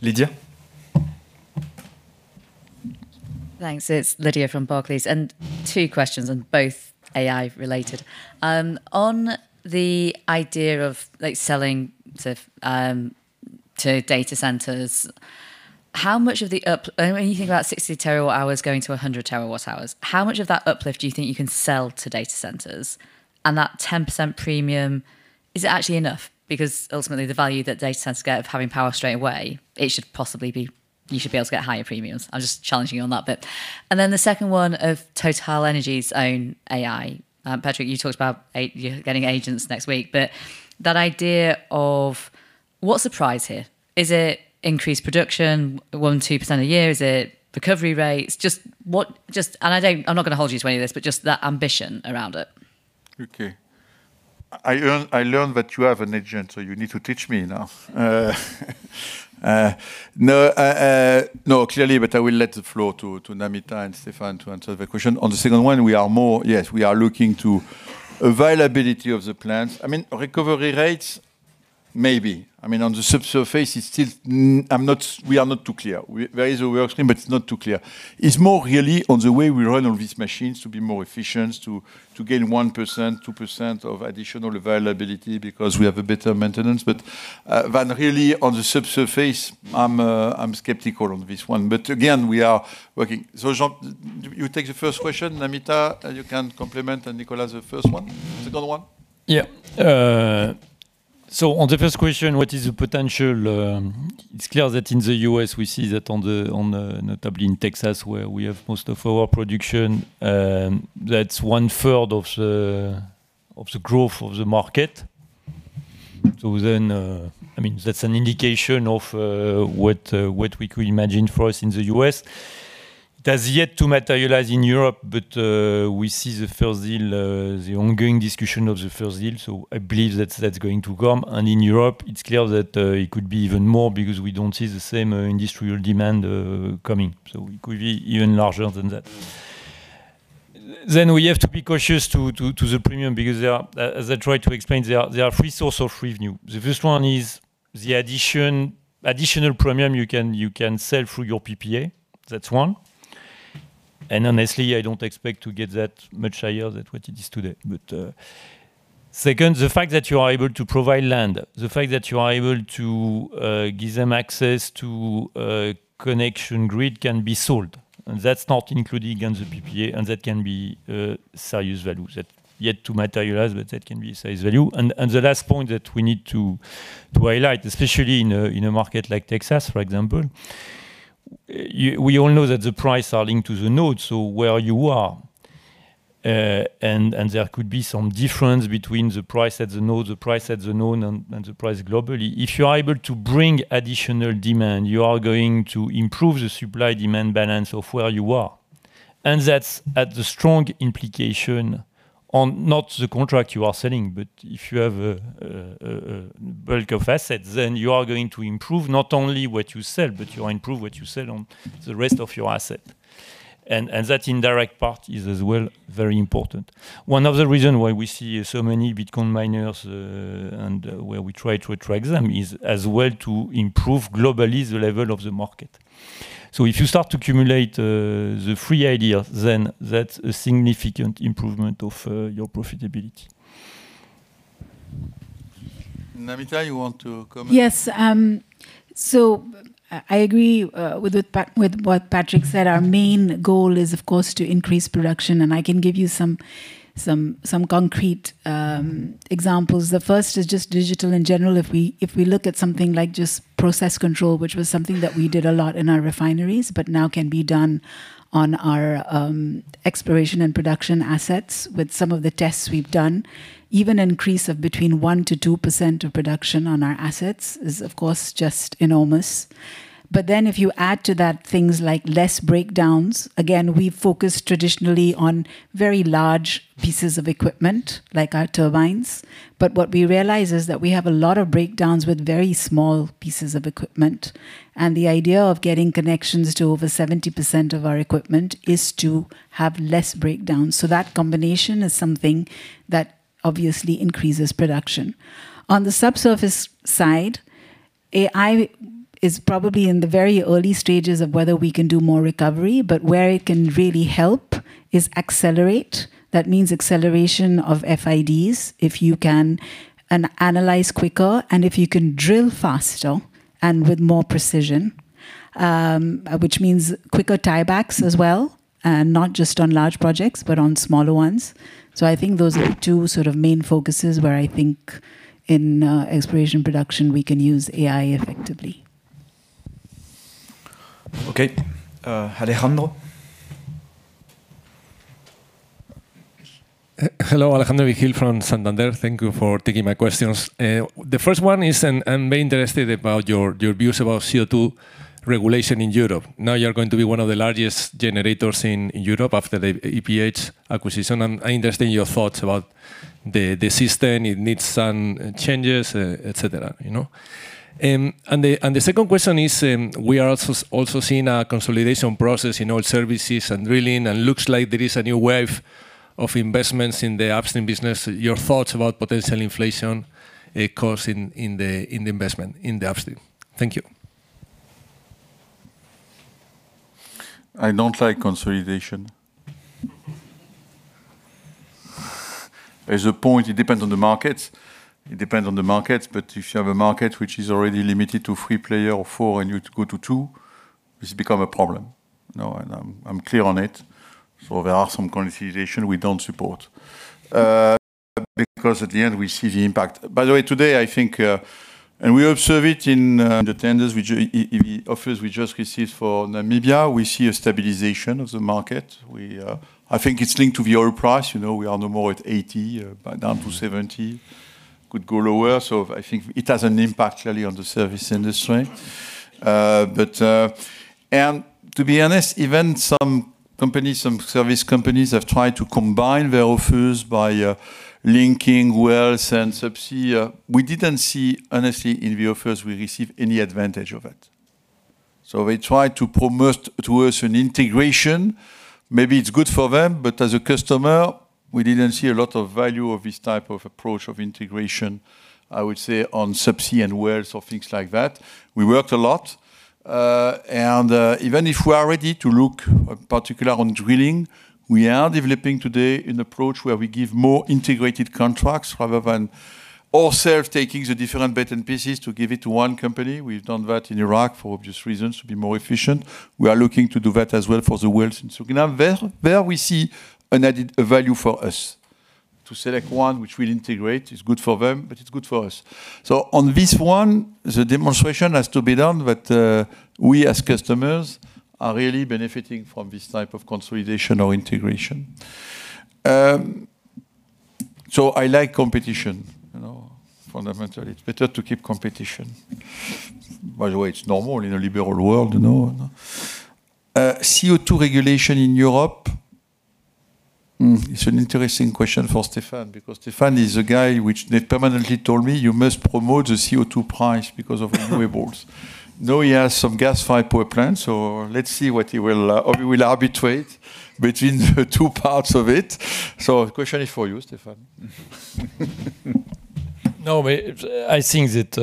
Lydia? Thanks. It's Lydia from Barclays, and two questions, and both AI related. On the idea of, like, selling to, to data centers, how much of the up- I mean, when you think about 60 terawatt-hours going to 100 terawatt-hours, how much of that uplift do you think you can sell to data centers? And that 10% premium, is it actually enough? Because ultimately, the value that data centers get of having power straight away, it should possibly be You should be able to get higher premiums. I'm just challenging you on that bit. And then the second one of TotalEnergies' own AI. Patrick, you talked about a- you getting agents next week, but that idea of what's the prize here? Is it increased production, 1%-2% a year? Is it recovery rates? Just what- just I'm not gonna hold you to any of this, but just that ambition around it? Okay. I learned that you have an agent, so you need to teach me now. No, clearly, but I will let the floor to Namita and Stéphane to answer the question. On the second one, we are more Yes, we are looking to availability of the plants. I mean, recovery rates, maybe. I mean, on the subsurface, it's still, we are not too clear. There is a work stream, but it's not too clear. It's more really on the way we run on these machines to be more efficient, to gain 1%, 2% of additional availability because we have a better maintenance. But than really on the subsurface, I'm skeptical on this one. But again, we are working. So Jean, you take the first question. Namita, you can complement, and Nicolas, the first one- the second one. Yeah. So on the first question, what is the potential? It's clear that in the U.S., we see that on the, notably in Texas, where we have most of our production, that's one-third of the growth of the market. So then, I mean, that's an indication of what we could imagine for us in the U.S. It has yet to materialize in Europe, but we see the first deal, the ongoing discussion of the first deal, so I believe that's going to come. And in Europe, it's clear that it could be even more because we don't see the same industrial demand coming, so it could be even larger than that. Then we have to be cautious to the premium because there are, as I tried to explain, three sources of revenue. The first one is the additional premium you can sell through your PPA. That's one. And honestly, I don't expect to get that much higher than what it is today. But second, the fact that you are able to provide land, the fact that you are able to give them access to a connection grid can be sold, and that's not included in the PPA, and that can be serious value that yet to materialize, but that can be a serious value. The last point that we need to highlight, especially in a market like Texas, for example, you—we all know that the price are linked to the node, so where you are. There could be some difference between the price at the node and the price globally. If you are able to bring additional demand, you are going to improve the supply-demand balance of where you are. And that's a strong implication on not the contract you are selling, but if you have a bulk of assets, then you are going to improve not only what you sell, but you improve what you sell on the rest of your asset. And that indirect part is as well very important. One of the reasons why we see so many Bitcoin miners and where we try to attract them is as well to improve globally the level of the market. So if you start to accumulate the three ideas, then that's a significant improvement of your profitability. Namita, you want to comment? Yes, so I agree with what Patrick said. Our main goal is, of course, to increase production, and I can give you some concrete examples. The first is just digital in general. If we look at something like just process control, which was something that we did a lot in our refineries, but now can be done on our exploration and production assets with some of the tests we've done. Even increase of between 1%-2% of production on our assets is, of course, just enormous. But then, if you add to that things like less breakdowns, again, we've focused traditionally on very large pieces of equipment, like our turbines, but what we realize is that we have a lot of breakdowns with very small pieces of equipment, and the idea of getting connections to over 70% of our equipment is to have less breakdowns. So that combination is something that obviously increases production. On the subsurface side, AI is probably in the very early stages of whether we can do more recovery, but where it can really help is accelerate. That means acceleration of FIDs, if you can, and analyze quicker, and if you can drill faster and with more precision, which means quicker tiebacks as well, and not just on large projects, but on smaller ones. So I think those are the two sort of main focuses where I think in exploration production, we can use AI effectively. Okay. Alejandro? Hello, Alejandro Vigil from Santander. Thank you for taking my questions. The first one is, and I'm very interested about your views about CO2 regulation in Europe. Now, you're going to be one of the largest generators in Europe after the EPH acquisition, and I understand your thoughts about the system. It needs some changes, et cetera,? And the second question is, we are also seeing a consolidation process in all services and drilling, and looks like there is a new wave of investments in the upstream business. Your thoughts about potential inflation, it cause in the investment in the upstream? Thank you. I don't like consolidation. There's a point, it depends on the market. It depends on the market, but if you have a market which is already limited to three player or four, and you go to two, this become a problem. No, and I'm, I'm clear on it. So there are some consolidation we don't support, because at the end, we see the impact. By the way, today, I think. And we observe it in the tenders, which the offers we just received for Namibia, we see a stabilization of the market. We, I think it's linked to the oil price., we are no more at $80, but down to $70. Could go lower, so I think it has an impact clearly on the service industry. But To be honest, even some companies, some service companies, have tried to combine their offers by linking wells and subsea. We didn't see, honestly, in the offers we receive any advantage of it. So they tried to promote towards an integration. Maybe it's good for them, but as a customer, we didn't see a lot of value of this type of approach of integration, I would say, on subsea and wells or things like that. We worked a lot, and even if we are ready to look particular on drilling, we are developing today an approach where we give more integrated contracts rather than all self taking the different bits and pieces to give it to one company. We've done that in Iraq for obvious reasons, to be more efficient. We are looking to do that as well for the wells in Suriname. Where, where we see an added value for us, to select one which will integrate, it's good for them, but it's good for us. So on this one, the demonstration has to be done, but, we as customers are really benefiting from this type of consolidation or integration. So I like competition, fundamentally. It's better to keep competition. By the way, it's normal in a liberal world? CO2 regulation in Europe, it's an interesting question for Stéphane, because Stéphane is a guy which they permanently told me, "You must promote the CO2 price because of renewables." Now he has some gas-fired power plant, so let's see what he will, or he will arbitrate between the two parts of it. So the question is for you, Stéphane. No, but I think that,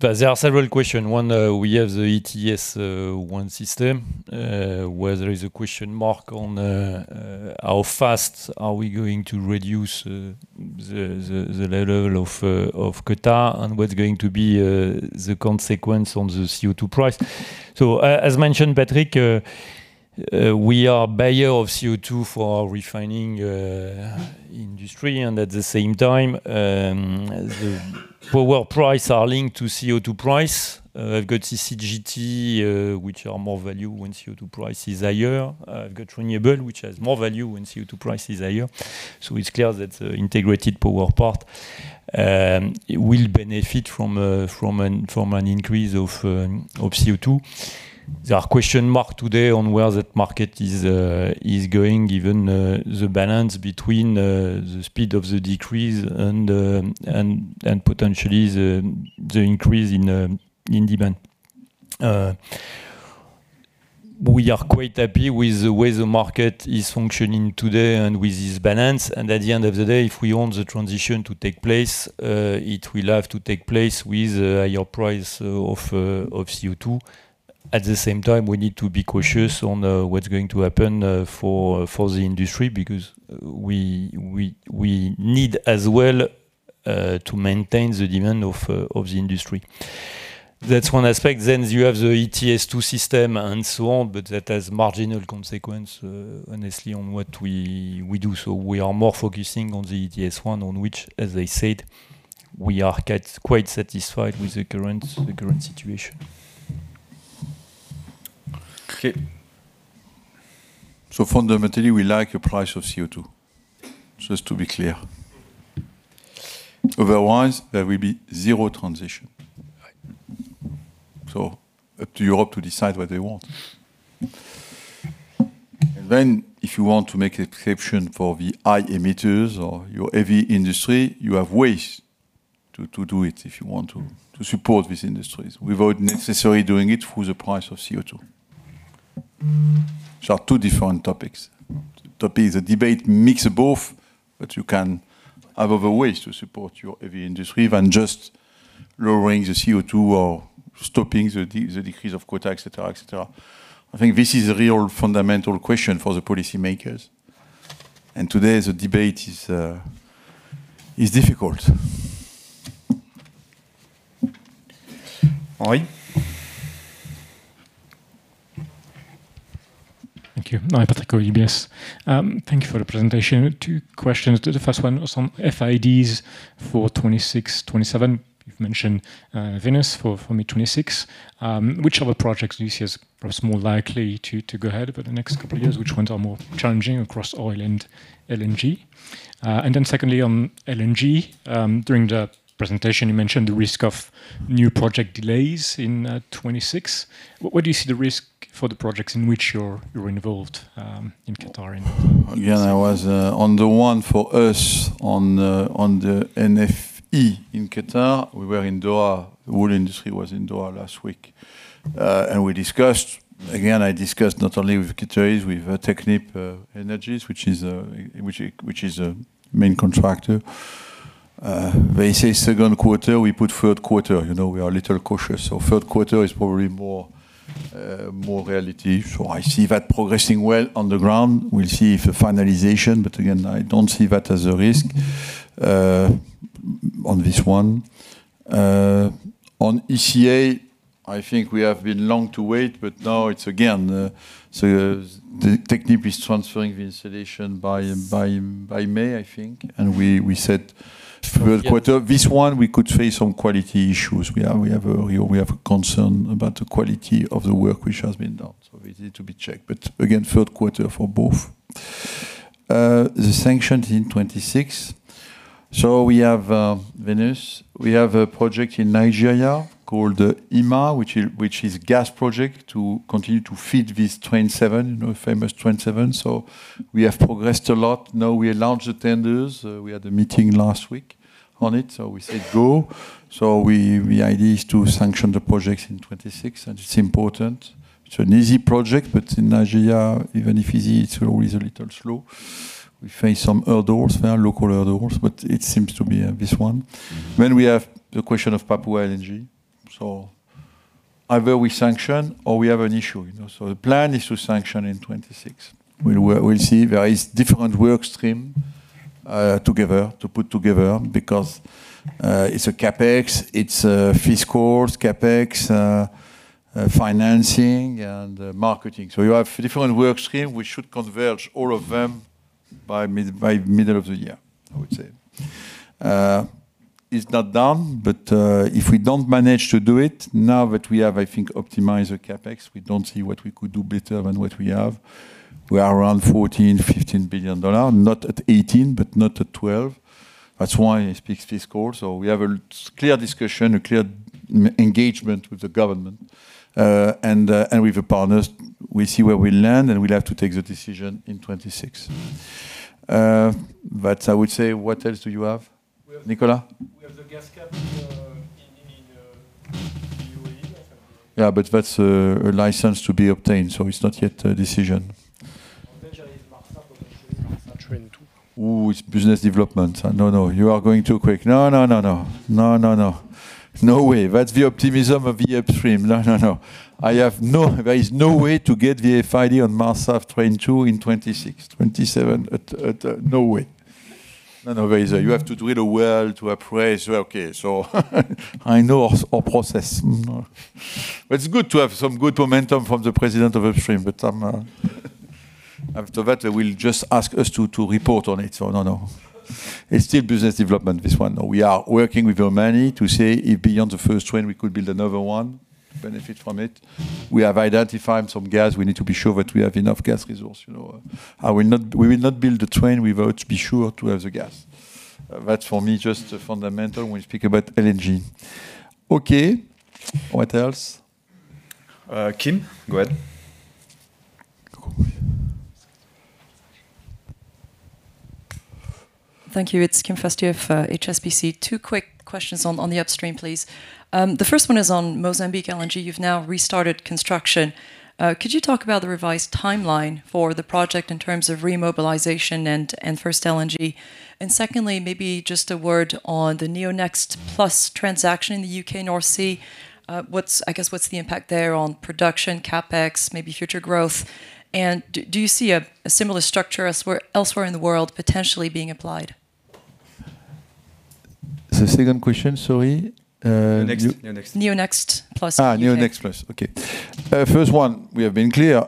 there are several questions. One, we have the ETS, one system, where there is a question mark on, how fast are we going to reduce, the level of, of Qatar and what's going to be, the consequence on the CO2 price. So as mentioned, Patrick, we are buyer of CO2 for refining, industry, and at the same time, the power world price are linked to CO2 price. I've got CCGT, which are more value when CO2 price is higher. I've got renewable, which has more value when CO2 price is higher. So it's clear that the integrated power part, it will benefit from a, from an, from an increase of, of CO2. There are question marks today on where that market is, is going, given, the balance between, the speed of the decrease and, and potentially the, the increase in, in demand. We are quite happy with the way the market is functioning today and with this balance, and at the end of the day, if we want the transition to take place, it will have to take place with a higher price of, of CO2. At the same time, we need to be cautious on, what's going to happen, for, for the industry because we, we, we need as well, to maintain the demand of, of the industry. That's one aspect. Then you have the ETS2 system and so on, but that has marginal consequence, honestly, on what we, we do. We are more focusing on the ETS1, on which, as I said, we are quite, quite satisfied with the current situation. Okay. Fundamentally, we like a price of CO2, just to be clear. Otherwise, there will be zero transition. Right. So up to Europe to decide what they want. And then if you want to make exception for the high emitters or your heavy industry, you have ways to, to do it if you want to, to support these industries without necessarily doing it through the price of CO2. There are two different topics. Topic, the debate mix both, but you can have other ways to support your heavy industry than just lowering the CO2 or stopping the the decrease of quota, et cetera, et cetera. I think this is a real fundamental question for the policymakers, and today the debate is, is difficult. Oi? Thank you. I'm Henri Patricot, UBS. Thank you for the presentation. 2 questions. The first one on FIDs for 2026, 2027. You've mentioned Venus for mid-2026. Which other projects do you see as perhaps more likely to go ahead over the next couple of years? Which ones are more challenging across oil and LNG? And then secondly, on LNG, during the presentation, you mentioned the risk of new project delays in 2026. What do you see the risk for the projects in which you're involved in Qatar? Again, I was on the one for us on the NFE in Qatar. We were in Doha. The whole industry was in Doha last week. And we discussed. Again, I discussed not only with Qataris, with Technip Energies, which is a main contractor. They say second quarter, we put third quarter., we are a little cautious, so third quarter is probably more reality. So I see that progressing well on the ground. We'll see if a finalization, but again, I don't see that as a risk on this one. On ECA, I think we have been long to wait, but now it's again, so the technique is transferring the installation by May, I think, and we said third quarter. This one, we could face some quality issues. We have a concern about the quality of the work which has been done, so it is to be checked, but again, third quarter for both. The sanctions in 2026. So we have Venus. We have a project in Nigeria called IMA, which is gas project to continue to feed this train seven, famous train seven. So we have progressed a lot. Now we launched the tenders. We had a meeting last week on it, so we said, "Go." So we, the idea is to sanction the projects in 2026, and it's important. It's an easy project, but in Nigeria, even if easy, it's always a little slow. We face some hurdles, local hurdles, but it seems to be this one. Then we have the question of Papua New Guinea. So either we sanction or we have an issue,. So the plan is to sanction in 2026. We'll see. There are different work streams together to put together because it's a CapEx, it's a FID, CapEx, financing and marketing. So you have different work streams. We should converge all of them by mid-year, I would say. It's not done, but if we don't manage to do it, now that we have, I think, optimized the CapEx, we don't see what we could do better than what we have. We are around $14-$15 billion, not at 18, but not at 12. That's why it speaks FID. We have a clear discussion, a clear engagement with the government, and with the partners. We'll see where we land, and we'll have to take the decision in 2026. But I would say, what else do you have, Nicolas? We have the gas cap in UAE. Yeah, but that's a license to be obtained, so it's not yet a decision. Ooh, it's business development. No, no, you are going too quick. No, no, no, no. No, no, no. No way. That's the optimism of the upstream. No, no, no. There is no way to get the FID on Marsa train two in 2026, 2027, no way. No, no, there is a You have to do it well to appraise. Okay, so I know our process. But it's good to have some good momentum from the president of upstream, but after that, they will just ask us to report on it. So no, no. It's still business development, this one. We are working with Oman to say if beyond the first train, we could build another one, benefit from it. We have identified some gas. We need to be sure that we have enough gas resource,. I will not, we will not build a train without be sure to have the gas. That's for me, just a fundamental when we speak about LNG. Okay, what else? Kim, go ahead. Thank you. It's Kim Fustier of, HSBC. Two quick questions on, on the upstream, please. The first one is on Mozambique LNG. You've now restarted construction. Could you talk about the revised timeline for the project in terms of remobilization and, and first LNG? And secondly, maybe just a word on the NeoNext Plus transaction in the UK, North Sea. What's, I guess, what's the impact there on production, CapEx, maybe future growth? And do you see a, a similar structure as elsewhere in the world potentially being applied? The second question, sorry- NeoNext, NeoNext. NeoNext Plus. Ah, NeoNext Plus. Okay. First one, we have been clear.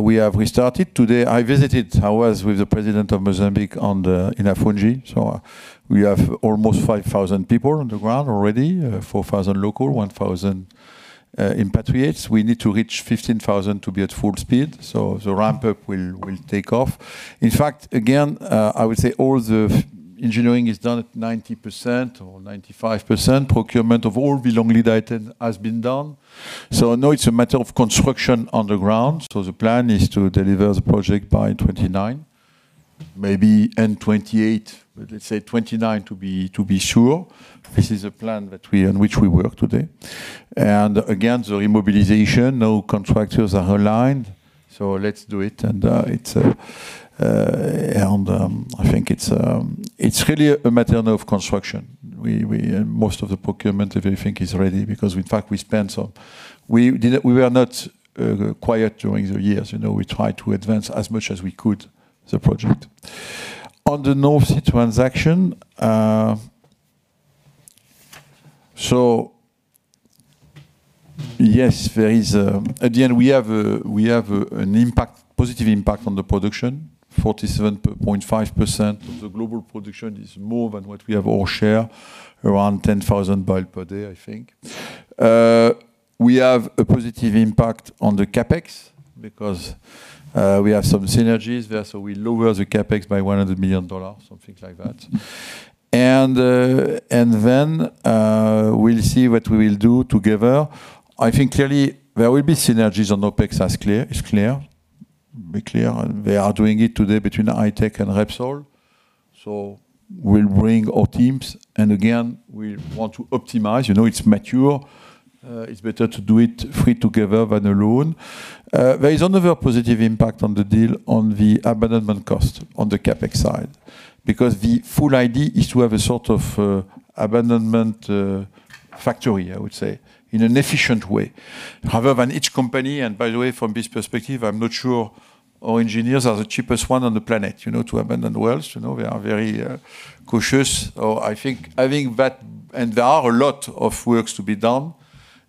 We have restarted. Today, I visited, I was with the president of Mozambique on the, in Afungi, so we have almost 5,000 people on the ground already, 4,000 local, 1,000 expatriates. We need to reach 15,000 to be at full speed, so the ramp up will take off. In fact, again, I would say all the engineering is done at 90% or 95%. Procurement of all the long lead items has been done. So now it's a matter of construction on the ground. So the plan is to deliver the project by 2029, maybe end 2028, but let's say 2029 to be sure. This is a plan that we, on which we work today. Again, the remobilization, no contractors are aligned, so let's do it, and it's really a matter now of construction. We most of the procurement, everything is ready because in fact, we spent on. We did not we were not quiet during the years,? We tried to advance as much as we could, the project. On the North Sea transaction. Yes, there is, at the end, we have a, we have a, an impact, positive impact on the production. 47.5% of the global production is more than what we have all share, around 10,000 barrels per day, I think. We have a positive impact on the CapEx because, we have some synergies there, so we lower the CapEx by $100 million, something like that. And then, we'll see what we will do together. I think clearly there will be synergies on OpEx as clear, it's clear. Be clear, and they are doing it today between ITEC and Repsol. So we'll bring our teams, and again, we want to optimize., it's mature. It's better to do it free together than alone. There is another positive impact on the deal, on the abandonment cost, on the CapEx side, because the full idea is to have a sort of abandonment factory, I would say, in an efficient way. However, in each company, and by the way, from this perspective, I'm not sure our engineers are the cheapest one on the planet, to abandon wells., we are very cautious. So I think, I think that And there are a lot of works to be done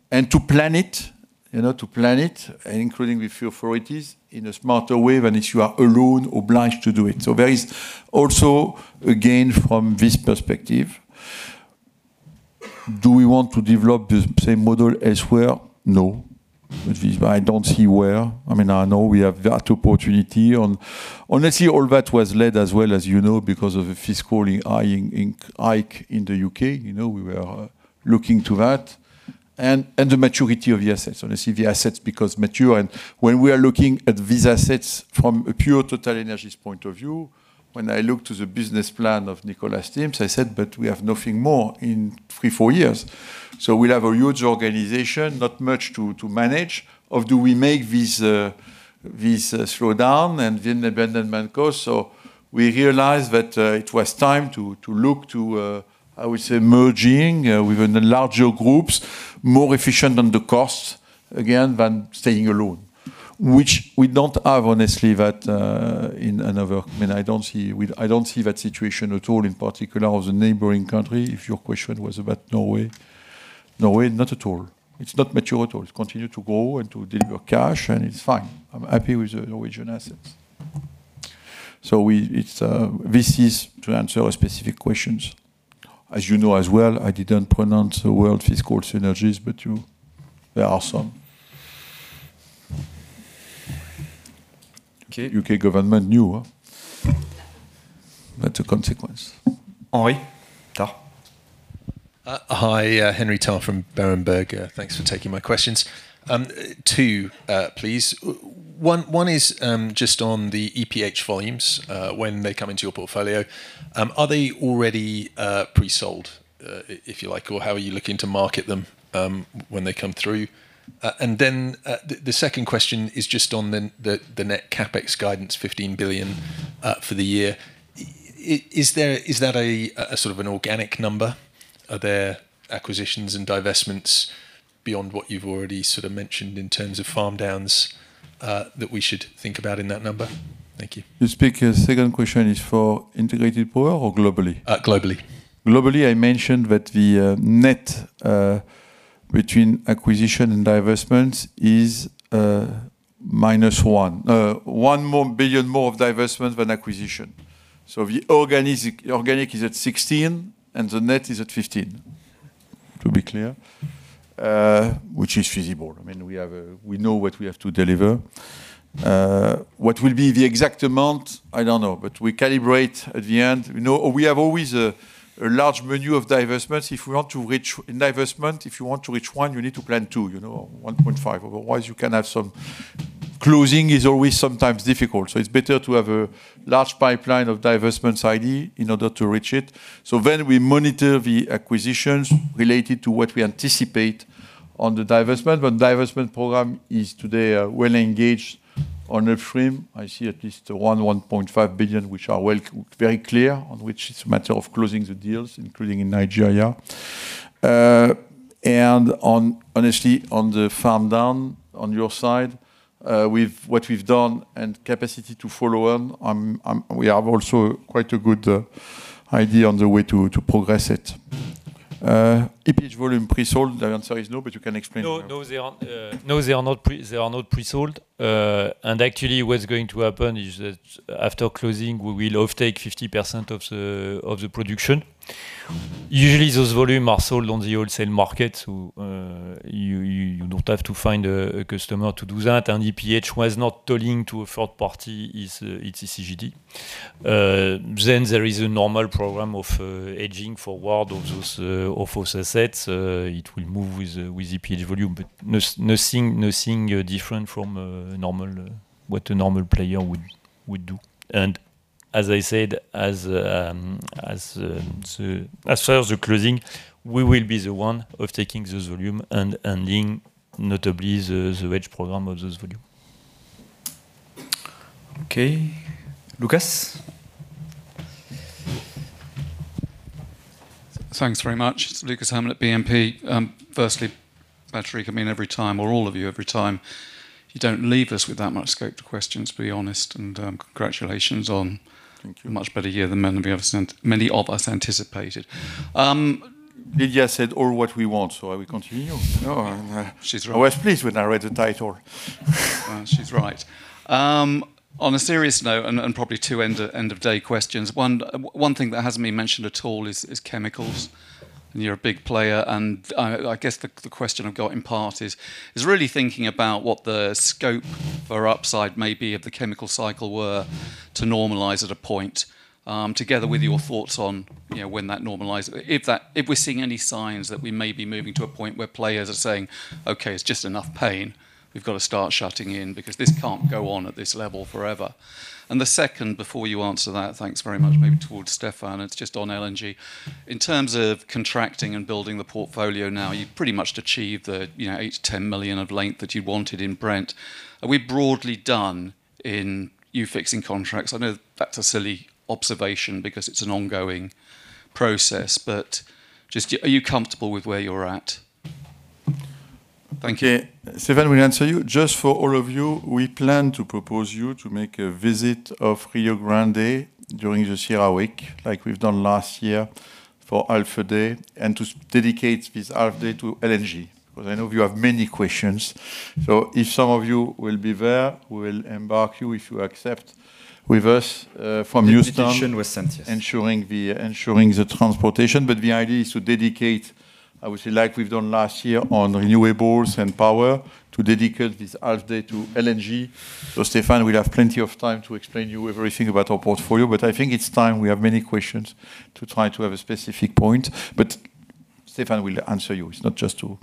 and to plan it, to plan it, including with your authorities, in a smarter way than if you are alone or obliged to do it. So there is also, again, from this perspective, do we want to develop the same model elsewhere? No. I don't see where. I mean, I know we have that opportunity on—honestly, all that was led as well, as because of a fiscal hike in the UK., we were looking to that and the maturity of the assets. Honestly, the assets becomes mature, and when we are looking at these assets from a pure TotalEnergies point of view, when I look to the business plan of Nicolas' teams, I said, "But we have nothing more in three, four years." So we'll have a huge organization, not much to manage, or do we make this slowdown and then the abandonment cost? So we realized that it was time to look to, I would say, merging with the larger groups, more efficient on the cost, again, than staying alone, which we don't have, honestly, that in another. I mean, I don't see I don't see that situation at all, in particular of the neighboring country, if your question was about Norway. Norway, not at all. It's not mature at all. It's continued to grow and to deliver cash, and it's fine. I'm happy with the Norwegian assets. So it's, this is to answer specific questions. As as well, I didn't pronounce the word fiscal synergies, but you, there are some. Okay. UK government knew, huh? That's a consequence. Henry Tarr. Hi, Henry Tarr from Berenberg. Thanks for taking my questions. Two, please. One is just on the EPH volumes when they come into your portfolio. Are they already pre-sold, if you like, or how are you looking to market them when they come through? And then the net CapEx guidance, $15 billion for the year. Is that a sort of an organic number? Are there acquisitions and divestments beyond what you've already sort of mentioned in terms of farm downs that we should think about in that number? Thank you. Your second question is for integrated power or globally? Uh, globally. Globally, I mentioned that the net between acquisition and divestment is minus one. $1 billion more of divestment than acquisition. So the organic is at $16 billion, and the net is at $15 billion, to be clear, which is feasible. I mean, we have a We know what we have to deliver. What will be the exact amount? I don't know, but we calibrate at the end., we have always a large menu of divestments. If we want to reach investment, if you want to reach $1 billion, you need to plan $2 billion, $1.5 billion. Otherwise, you can have some Closing is always sometimes difficult, so it's better to have a large pipeline of divestments identified in order to reach it. So then we monitor the acquisitions related to what we anticipate on the divestment, but divestment program is today, well engaged on upstream. I see at least $1.5 billion, which are well, very clear, on which it's a matter of closing the deals, including in Nigeria. And on, honestly, on the farm down, on your side, with what we've done and capacity to follow on, I'm we have also quite a good, idea on the way to progress it. EPH volume pre-sold, the answer is no, but you can explain. No, no, they aren't. No, they are not pre—they are not pre-sold. And actually, what's going to happen is that after closing, we will offtake 50% of the production. Usually, those volumes are sold on the wholesale market, so you don't have to find a customer to do that, and EPH was not selling to a third party, is, it's a CGD. Then there is a normal program of hedging forward of those assets. It will move with EPH volume, but nothing different from normal, what a normal player would do. And as I said, so as far as the closing, we will be the one offtaking this volume and ending notably the hedge program of this volume. Okay. Lucas? Thanks very much. It's Lucas Herrmann, BNP. Firstly, Patrick, I mean, every time or all of you, every time You don't leave us with that much scope for questions, to be honest, and congratulations on- Thank you. a much better year than many of us anticipated. Lydia said all what we want, so I will continue. She's always pleased when I read the title. Well, she's right. On a serious note, and probably 2 end of day questions, one, one thing that hasn't been mentioned at all is chemicals, and you're a big player, and I guess the question I've got in part is really thinking about what the scope or upside may be if the chemical cycle were to normalize at a point, together with your thoughts on, when that normalize. If that- if we're seeing any signs that we may be moving to a point where players are saying, "Okay, it's just enough pain. We've got to start shutting in because this can't go on at this level forever." And the second, before you answer that, thanks very much, maybe towards Stéphane, it's just on LNG. In terms of contracting and building the portfolio now, you've pretty much achieved the, 8-10 million of length that you wanted in Brent. Are we broadly done in you fixing contracts? I know that's a silly observation because it's an ongoing process, but just are you comfortable with where you're at? Thank you. Stéphane will answer you. Just for all of you, we plan to propose you to make a visit of Rio Grande during this year week, like we've done last year for Alpha Day, and to dedicate this Alpha Day to LNG, because I know you have many questions. So if some of you will be there, we will embark you, if you accept, with us, from Houston- Invitation was sent, yes. ensuring the transportation. But the idea is to dedicate, I would say, like we've done last year on renewables and power, to dedicate this half day to LNG. So Stéphane will have plenty of time to explain you everything about our portfolio, but I think it's time we have many questions to try to have a specific point. But Stéphane will answer you. It's not just to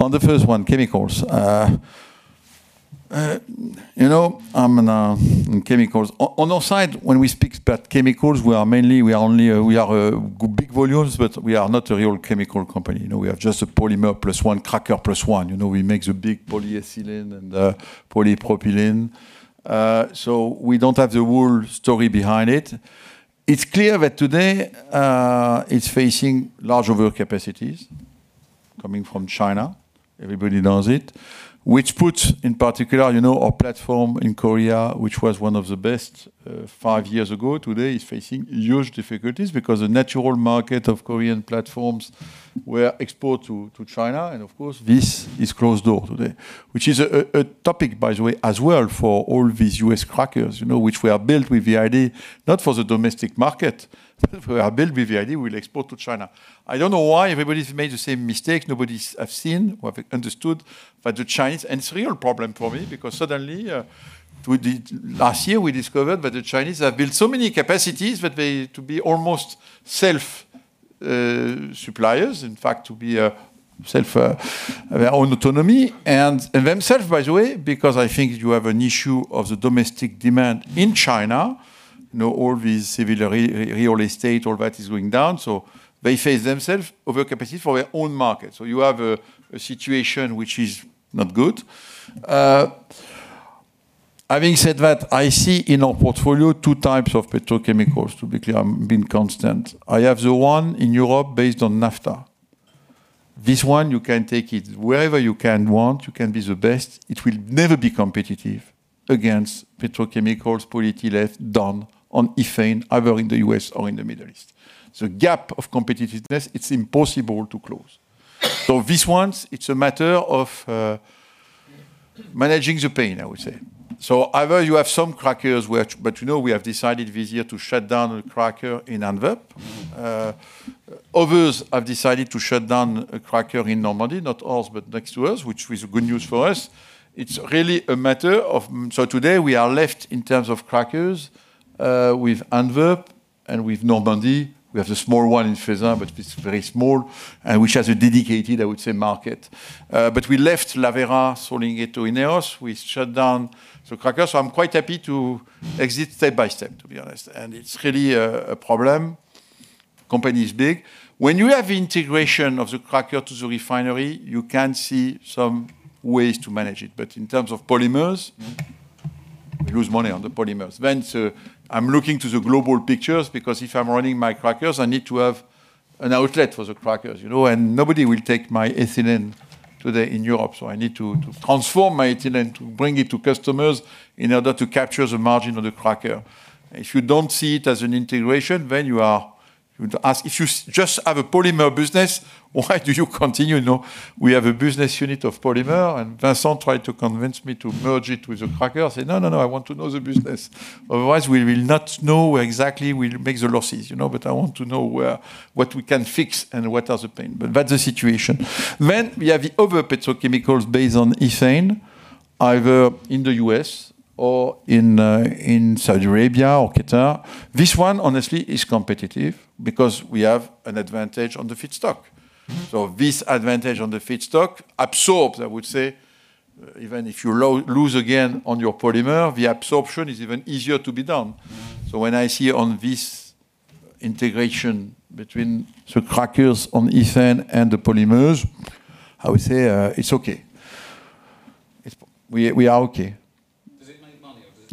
On the first one, chemicals., on chemicals, on our side, when we speak about chemicals, we are mainly, we are only, we are a big volumes, but we are not a real chemical company., we are just a polymer plus one, cracker plus one., we make the big polyethylene and the polypropylene. So we don't have the whole story behind it. It's clear that today, it's facing large overcapacities coming from China, everybody knows it, which puts, in particular, our platform in Korea, which was one of the best, five years ago, today is facing huge difficulties because the natural market of Korean platforms were export to, to China, and of course, this is closed door today. Which is a topic, by the way, as well, for all these U.S crackers, which were built with the idea, not for the domestic market. They were built with the idea, we'll export to China. I don't know why everybody's made the same mistake. Nobody's have seen or have understood that the Chinese It's a real problem for me because suddenly, last year, we discovered that the Chinese have built so many capacities that they to be almost self suppliers, in fact, to be a self, their own autonomy and themselves, by the way, because I think you have an issue of the domestic demand in China. , all these real estate, all that is going down, so they face themselves overcapacity for their own market. So you have a situation which is not good. Having said that, I see in our portfolio two types of petrochemicals, to be clear, I'm being constant. I have the one in Europe based on Naphtha. This one, you can take it wherever you can want, you can be the best, it will never be competitive against petrochemicals, polyethylene done on ethane, either in the U.S. or in the Middle East. The gap of competitiveness, it's impossible to close. So these ones, it's a matter of managing the pain, I would say. So either you have some crackers which But we have decided this year to shut down a cracker in Antwerp. Others have decided to shut down a cracker in Normandy, not us, but next to us, which is good news for us. It's really a matter of So today, we are left, in terms of crackers, with Antwerp and with Normandy. We have the small one in Feyzin, but it's very small, and which has a dedicated, I would say, market. But we left Lavera, selling it to Ineos. We shut down the cracker. So I'm quite happy to exit step by step, to be honest. And it's really a, a problem. Company is big. When you have integration of the cracker to the refinery, you can see some ways to manage it. But in terms of polymers, we lose money on the polymers. Then, so I'm looking to the global pictures because if I'm running my crackers, I need to have an outlet for the crackers, and nobody will take my ethylene today in Europe. So I need to, to transform my ethylene, to bring it to customers in order to capture the margin of the cracker. If you don't see it as an integration, then you are- you ask, if you just have a polymer business, why do you continue,? We have a business unit of polymer, and Vincent tried to convince me to merge it with the cracker. I said, "No, no, no, I want to know the business, otherwise we will not know where exactly we'll make the losses,? But I want to know where what we can fix and what are the pain." But that's the situation. Then we have the other petrochemicals based on ethane, either in the U.S. or in, in Saudi Arabia or Qatar. This one, honestly, is competitive because we have an advantage on the feedstock. So this advantage on the feedstock absorbs, I would say, even if you lose again on your polymer, the absorption is even easier to be done. So when I see on this integration between the crackers on ethane and the polymers, I would say, it's okay. It's We, we are okay.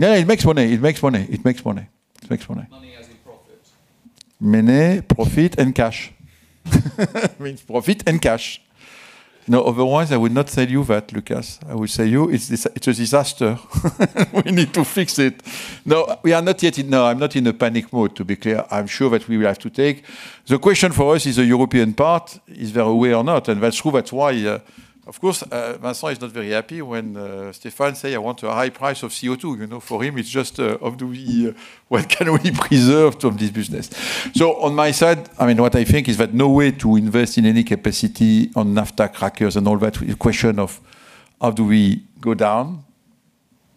Yeah, it makes money. It makes money. It makes money. It makes money. Money as in profit? Money, profit, and cash. It means profit and cash. No, otherwise, I would not tell you that, Lucas. I will say you, it's a, it's a disaster. We need to fix it. No, we are not yet in. No, I'm not in a panic mode, to be clear. I'm sure that we will have to take The question for us is the European part, is there a way or not? And that's true. That's why, of course, Vincent is not very happy when Stefan say, "I want a high price of CO2.", for him, it's just, how do we, what can we preserve from this business? So on my side, I mean, what I think is that no way to invest in any capacity on NAFTA crackers and all that. A question of how do we go down?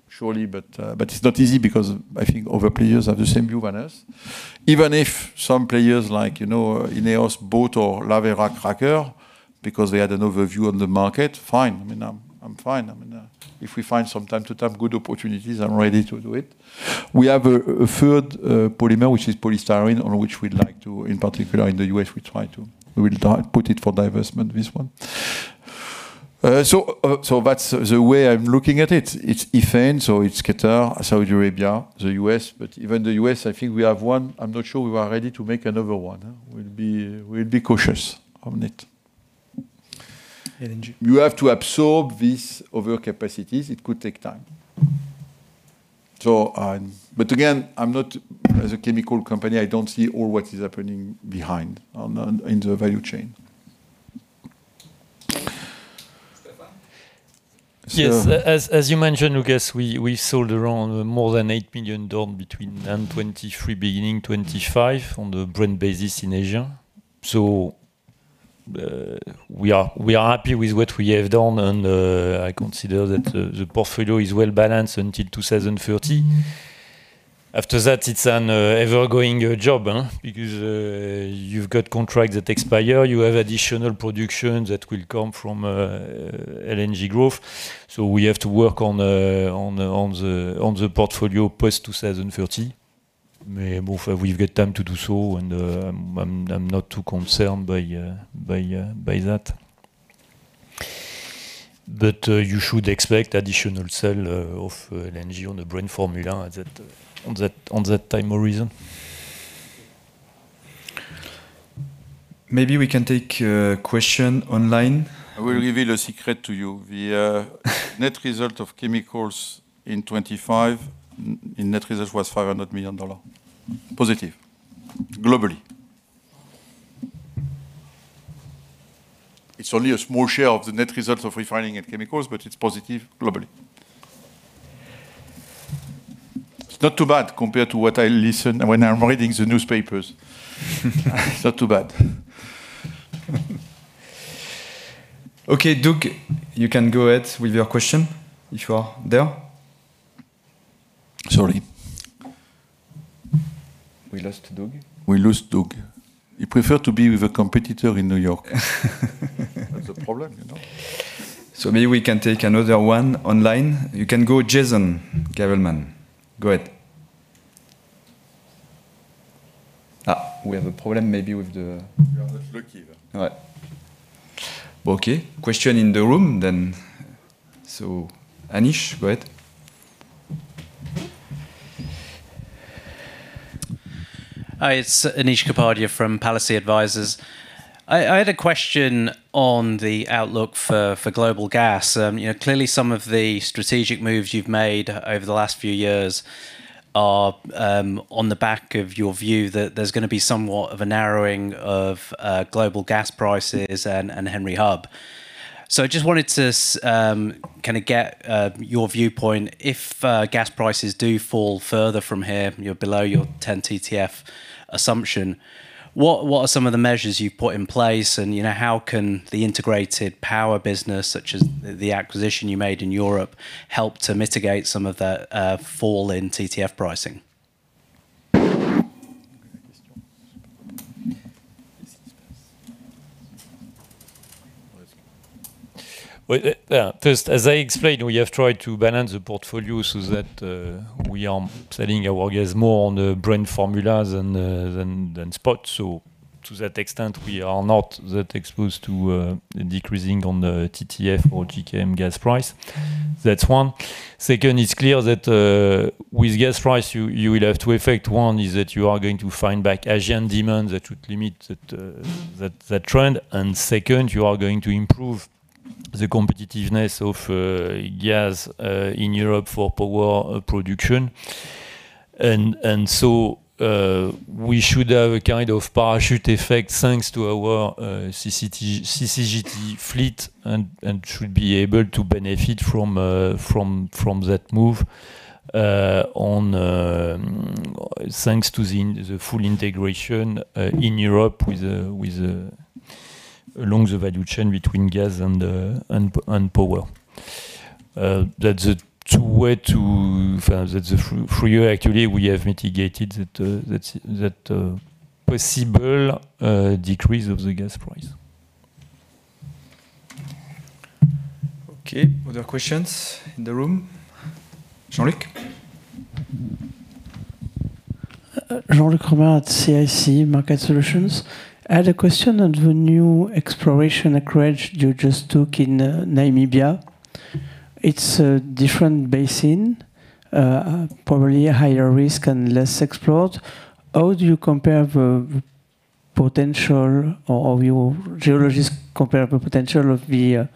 Surely, but it's not easy because I think other players have the same view as us. Even if some players like, Ineos bought the Lavera cracker, because they had an overview on the market, fine. I mean, I'm fine. I mean, if we find from time to time good opportunities, I'm ready to do it. We have a third polymer, which is polystyrene, on which we'd like to, in particular in the U.S, try to put it for divestment, this one. So that's the way I'm looking at it. It's ethane, so it's Qatar, Saudi Arabia, the U.S. But even the U.S, I think we have one. I'm not sure we are ready to make another one. We'll be cautious on it. LNG. You have to absorb these over capacities. It could take time. So, but again, I'm not, as a chemical company, I don't see all what is happening behind on, in the value chain. Stefan? Yes. As you mentioned, Lucas, we sold around more than 8 million tons between end 2023, beginning 2025, on the spot basis in Asia. So, we are happy with what we have done, and I consider that the portfolio is well balanced until 2030. After that, it's an ever-going job, huh? Because you've got contracts that expire, you have additional production that will come from LNG growth. So we have to work on the portfolio post 2030. Maybe we've got time to do so, and I'm not too concerned by that. But you should expect additional sale of LNG on the spot formula at that time horizon. Maybe we can take a question online. I will reveal a secret to you. The net result of chemicals in 2025, in net result was $500 million, positive, globally. It's only a small share of the net results of refining and chemicals, but it's positive globally. It's not too bad compared to what I listen when I'm reading the newspapers. It's not too bad. Okay, Doug, you can go ahead with your question if you are there. Sorry. We lost Doug? We lose Doug. He prefer to be with a competitor in New York. That's a problem. So maybe we can take another one online. You can go, Jason Gabelman. Go ahead. We have a problem maybe with the- You are not lucky, though. All right. Okay, question in the room then. Anish, go ahead. Hi, it's Anish Kapadia from Palissy Advisors. I had a question on the outlook for global gas., clearly some of the strategic moves you've made over the last few years are on the back of your view that there's gonna be somewhat of a narrowing of global gas prices and Henry Hub. So I just wanted to kind of get your viewpoint. If gas prices do fall further from here, you're below your 10 TTF assumption, what are some of the measures you've put in place? And, how can the integrated power business, such as the acquisition you made in Europe, help to mitigate some of the fall in TTF pricing? Well, first, as I explained, we have tried to balance the portfolio so that we are selling our gas more on the brand formula than spot. So to that extent, we are not that exposed to decreasing on the TTF or JKM gas price. That's one. Second, it's clear that with gas price, you will have to affect, one, is that you are going to find back Asian demand that would limit that trend. And second, you are going to improve the competitiveness of gas in Europe for power production. So, we should have a kind of parachute effect, thanks to our CCGT fleet, and should be able to benefit from that move, thanks to the full integration in Europe along the value chain between gas and power. That's the 2 way to That's the through you, actually, we have mitigated that possible decrease of the gas price. Okay. Other questions in the room? Jean-Luc? Jean-Luc Romain at CIC Market Solutions. I had a question on the new exploration acreage you just took in, Namibia. It's a different basin, probably a higher risk and less explored. How do you compare the potential or your geologists compare the potential of the,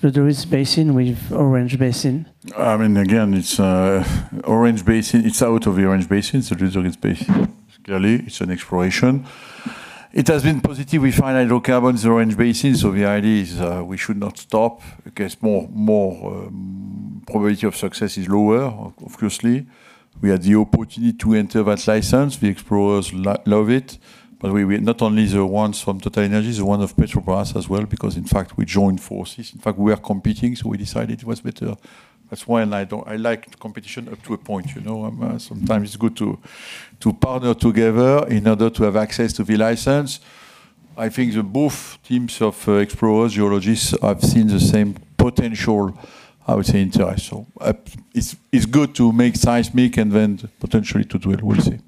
the Dorris Basin with Orange Basin? I mean, again, it's Orange Basin, it's out of the Orange Basin, so it is a basin. Clearly, it's an exploration. It has been positive. We find hydrocarbons, Orange Basin, so the idea is we should not stop because more, more, probability of success is lower. Obviously, we had the opportunity to enter that license. The explorers love it, but we, we not only the ones from TotalEnergies, the one of Petrobras as well, because in fact, we joined forces. In fact, we are competing, so we decided it was better. That's why I don't—I like competition up to a point,? Sometimes it's good to partner together in order to have access to the license. I think that both teams of explorers, geologists, have seen the same potential, I would say, interest. So, it's good to make seismic and then potentially to do it, we'll see.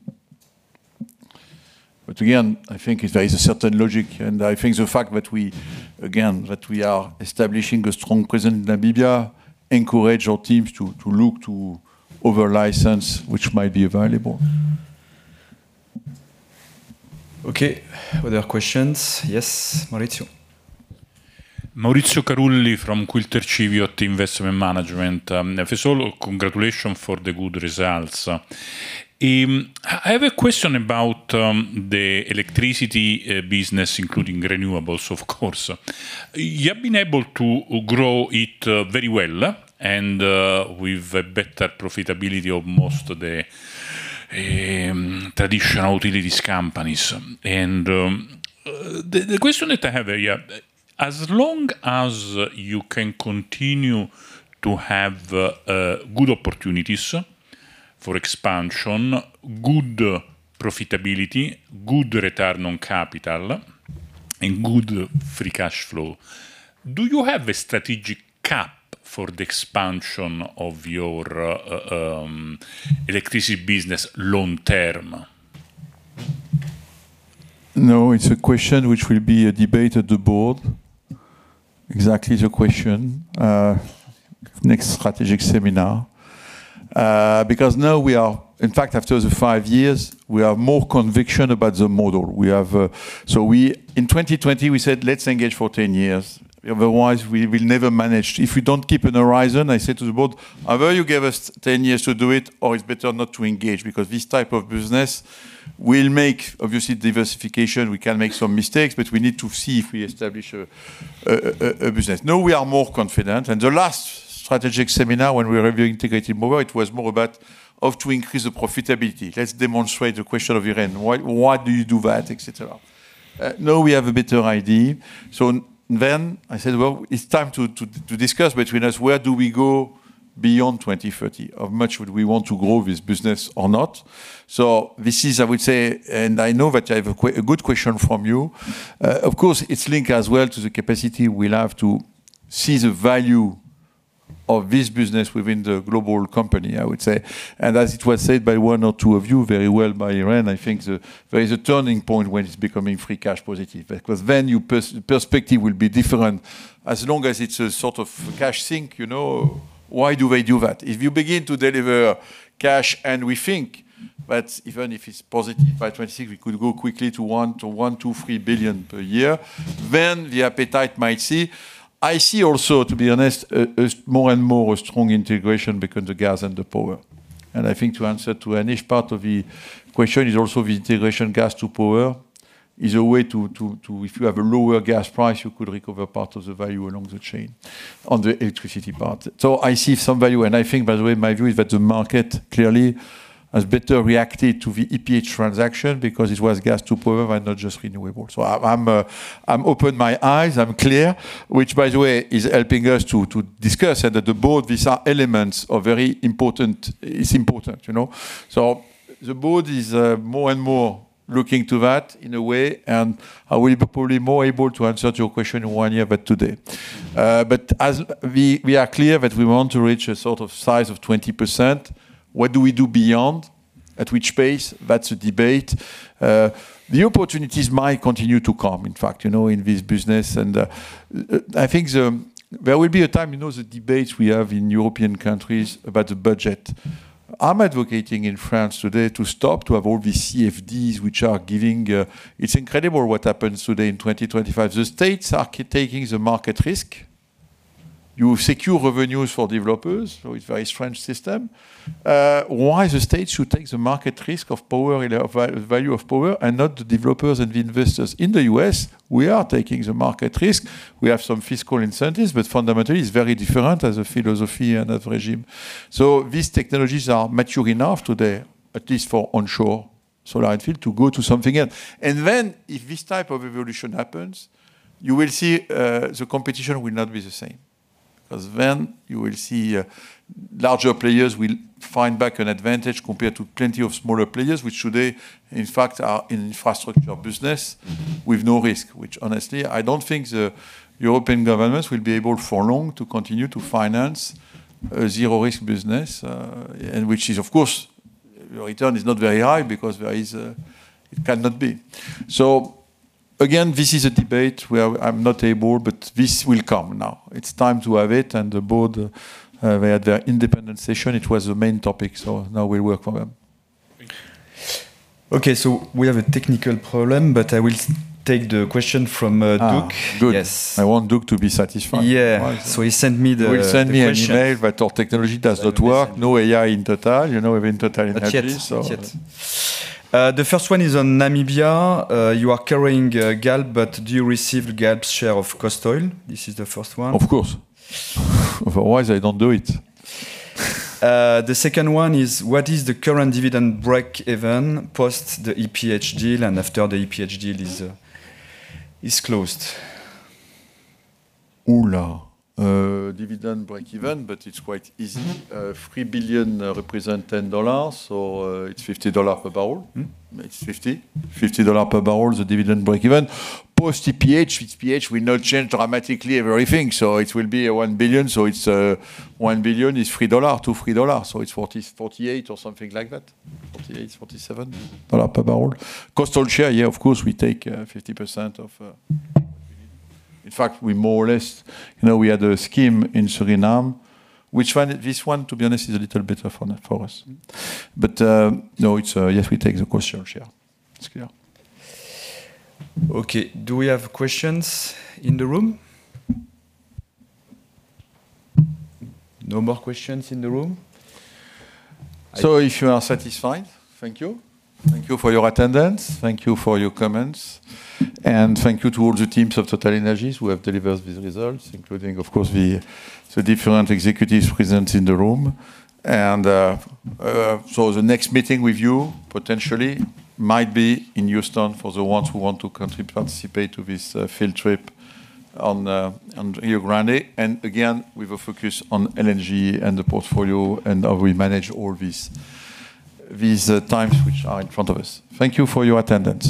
But again, I think there is a certain logic, and I think the fact that we again are establishing a strong presence in Namibia encourage our teams to look to other license which might be available. Okay. Other questions? Yes, Maurizio. Maurizio Carulli from Quilter Cheviot Investment Management. First of all, congratulations for the good results. I have a question about the electricity business, including renewables, of course. You have been able to grow it very well and with a better profitability of most of the traditional utilities companies. The question that I have here, as long as you can continue to have good opportunities for expansion, good profitability, good return on capital, and good free cash flow, do you have a strategic cap for the expansion of your electricity business long term? No, it's a question which will be a debate at the board. Exactly the question, next strategic seminar. Because now we are In fact, after the five years, we have more conviction about the model. We have, so we- in 2020, we said, "Let's engage for ten years, otherwise we will never manage." If we don't keep an horizon, I said to the board, "Either you give us ten years to do it, or it's better not to engage, because this type of business will make obviously diversification. We can make some mistakes, but we need to see if we establish a business." Now, we are more confident, and the last strategic seminar when we were integrated more, it was more about have to increase the profitability. Let's demonstrate the question of Iran. Why, why do you do that? Et cetera. Now we have a better idea. So then I said, "Well, it's time to discuss between us, where do we go beyond 2030? How much would we want to grow this business or not?" So this is, I would say, and I know that I have a good question from you. Of course, it's linked as well to the capacity we'll have to see the value of this business within the global company, I would say. And as it was said by one or two of you, very well by Irene, I think there is a turning point when it's becoming free cash positive, because then your perspective will be different. As long as it's a sort of cash sink, why do they do that? If you begin to deliver cash and we think that even if it's positive by 2060, we could go quickly to $1-3 billion per year, then the appetite might see. I see also, to be honest, a more and more strong integration between the gas and the power. I think to answer to each part of the question is also the integration gas to power is a way to if you have a lower gas price, you could recover part of the value along the chain on the electricity part. So I see some value, and I think, by the way, my view is that the market clearly has better reacted to the EPH transaction because it was gas to power and not just renewable. So I'm open my eyes, I'm clear, which by the way, is helping us to discuss and that the board, these are elements are very important. It's important,? So the board is more and more looking to that in a way, and I will be probably more able to answer your question in one year, but today. But as we are clear that we want to reach a sort of size of 20%, what do we do beyond, at which pace? That's a debate. The opportunities might continue to come, in fact, in this business. And I think there will be a time, the debates we have in European countries about the budget. I'm advocating in France today to stop to have all these CFDs which are giving. It's incredible what happens today in 2025. The states are taking the market risk. You secure revenues for developers, so it's very strange system. Why the state should take the market risk of power and the value of power and not the developers and the investors? In the U.S., we are taking the market risk. We have some fiscal incentives, but fundamentally, it's very different as a philosophy and as regime. So these technologies are mature enough today, at least for onshore solar and wind, to go to something else. And then if this type of evolution happens, you will see, the competition will not be the same, 'cause then you will see, larger players will find back an advantage compared to plenty of smaller players, which today, in fact, are in infrastructure business with no risk, which honestly, I don't think the European governments will be able for long to continue to finance a zero-risk business, and which is, of course, return is not very high because there is it cannot be. So- Again, this is a debate where I'm not able, but this will come now. It's time to have it, and the board, they had their independent session. It was the main topic, so now we work for them. Thank you. Okay, so we have a technical problem, but I will take the question from Duke. Ah, good. Yes. I want Duke to be satisfied. Yeah. Right. So he sent me He will send me an email, but our technology does not work. No AI in Total, even TotalEnergies, so- Not yet. Not yet. The first one is on Namibia. You are carrying Galp, but do you receive Galp's share of Cost Oil? This is the first one. Of course. Otherwise, I don't do it. The second one is: What is the current dividend break-even post the EPH deal and after the EPH deal is closed? Ooh, la. Dividend break-even, but it's quite easy. Mm-hmm. 3 billion represent $10, so it's $50 per barrel. It's 50. $50 per barrel, the dividend break-even. Post EPH, EPH will not change dramatically everything, so it will be $1 billion. So it's, $1 billion is $3 to $3, so it's 40, 48 or something like that. 48, 47 dollar per barrel. Cost Oil share, yeah, of course, we take, 50% of. In fact, we more or less, we had a scheme in Suriname, which one—this one, to be honest, is a little better for us. But, no, it's, yes, we take the cost share. It's clear. Okay. Do we have questions in the room? No more questions in the room? So if you are satisfied, thank you. Thank you for your attendance, thank you for your comments, and thank you to all the teams of TotalEnergies who have delivered these results, including, of course, the different executives present in the room. So the next meeting with you, potentially, might be in Houston, for the ones who want to come participate to this, field trip on Rio Grande. And again, with a focus on LNG and the portfolio and how we manage all these times which are in front of us. Thank you for your attendance.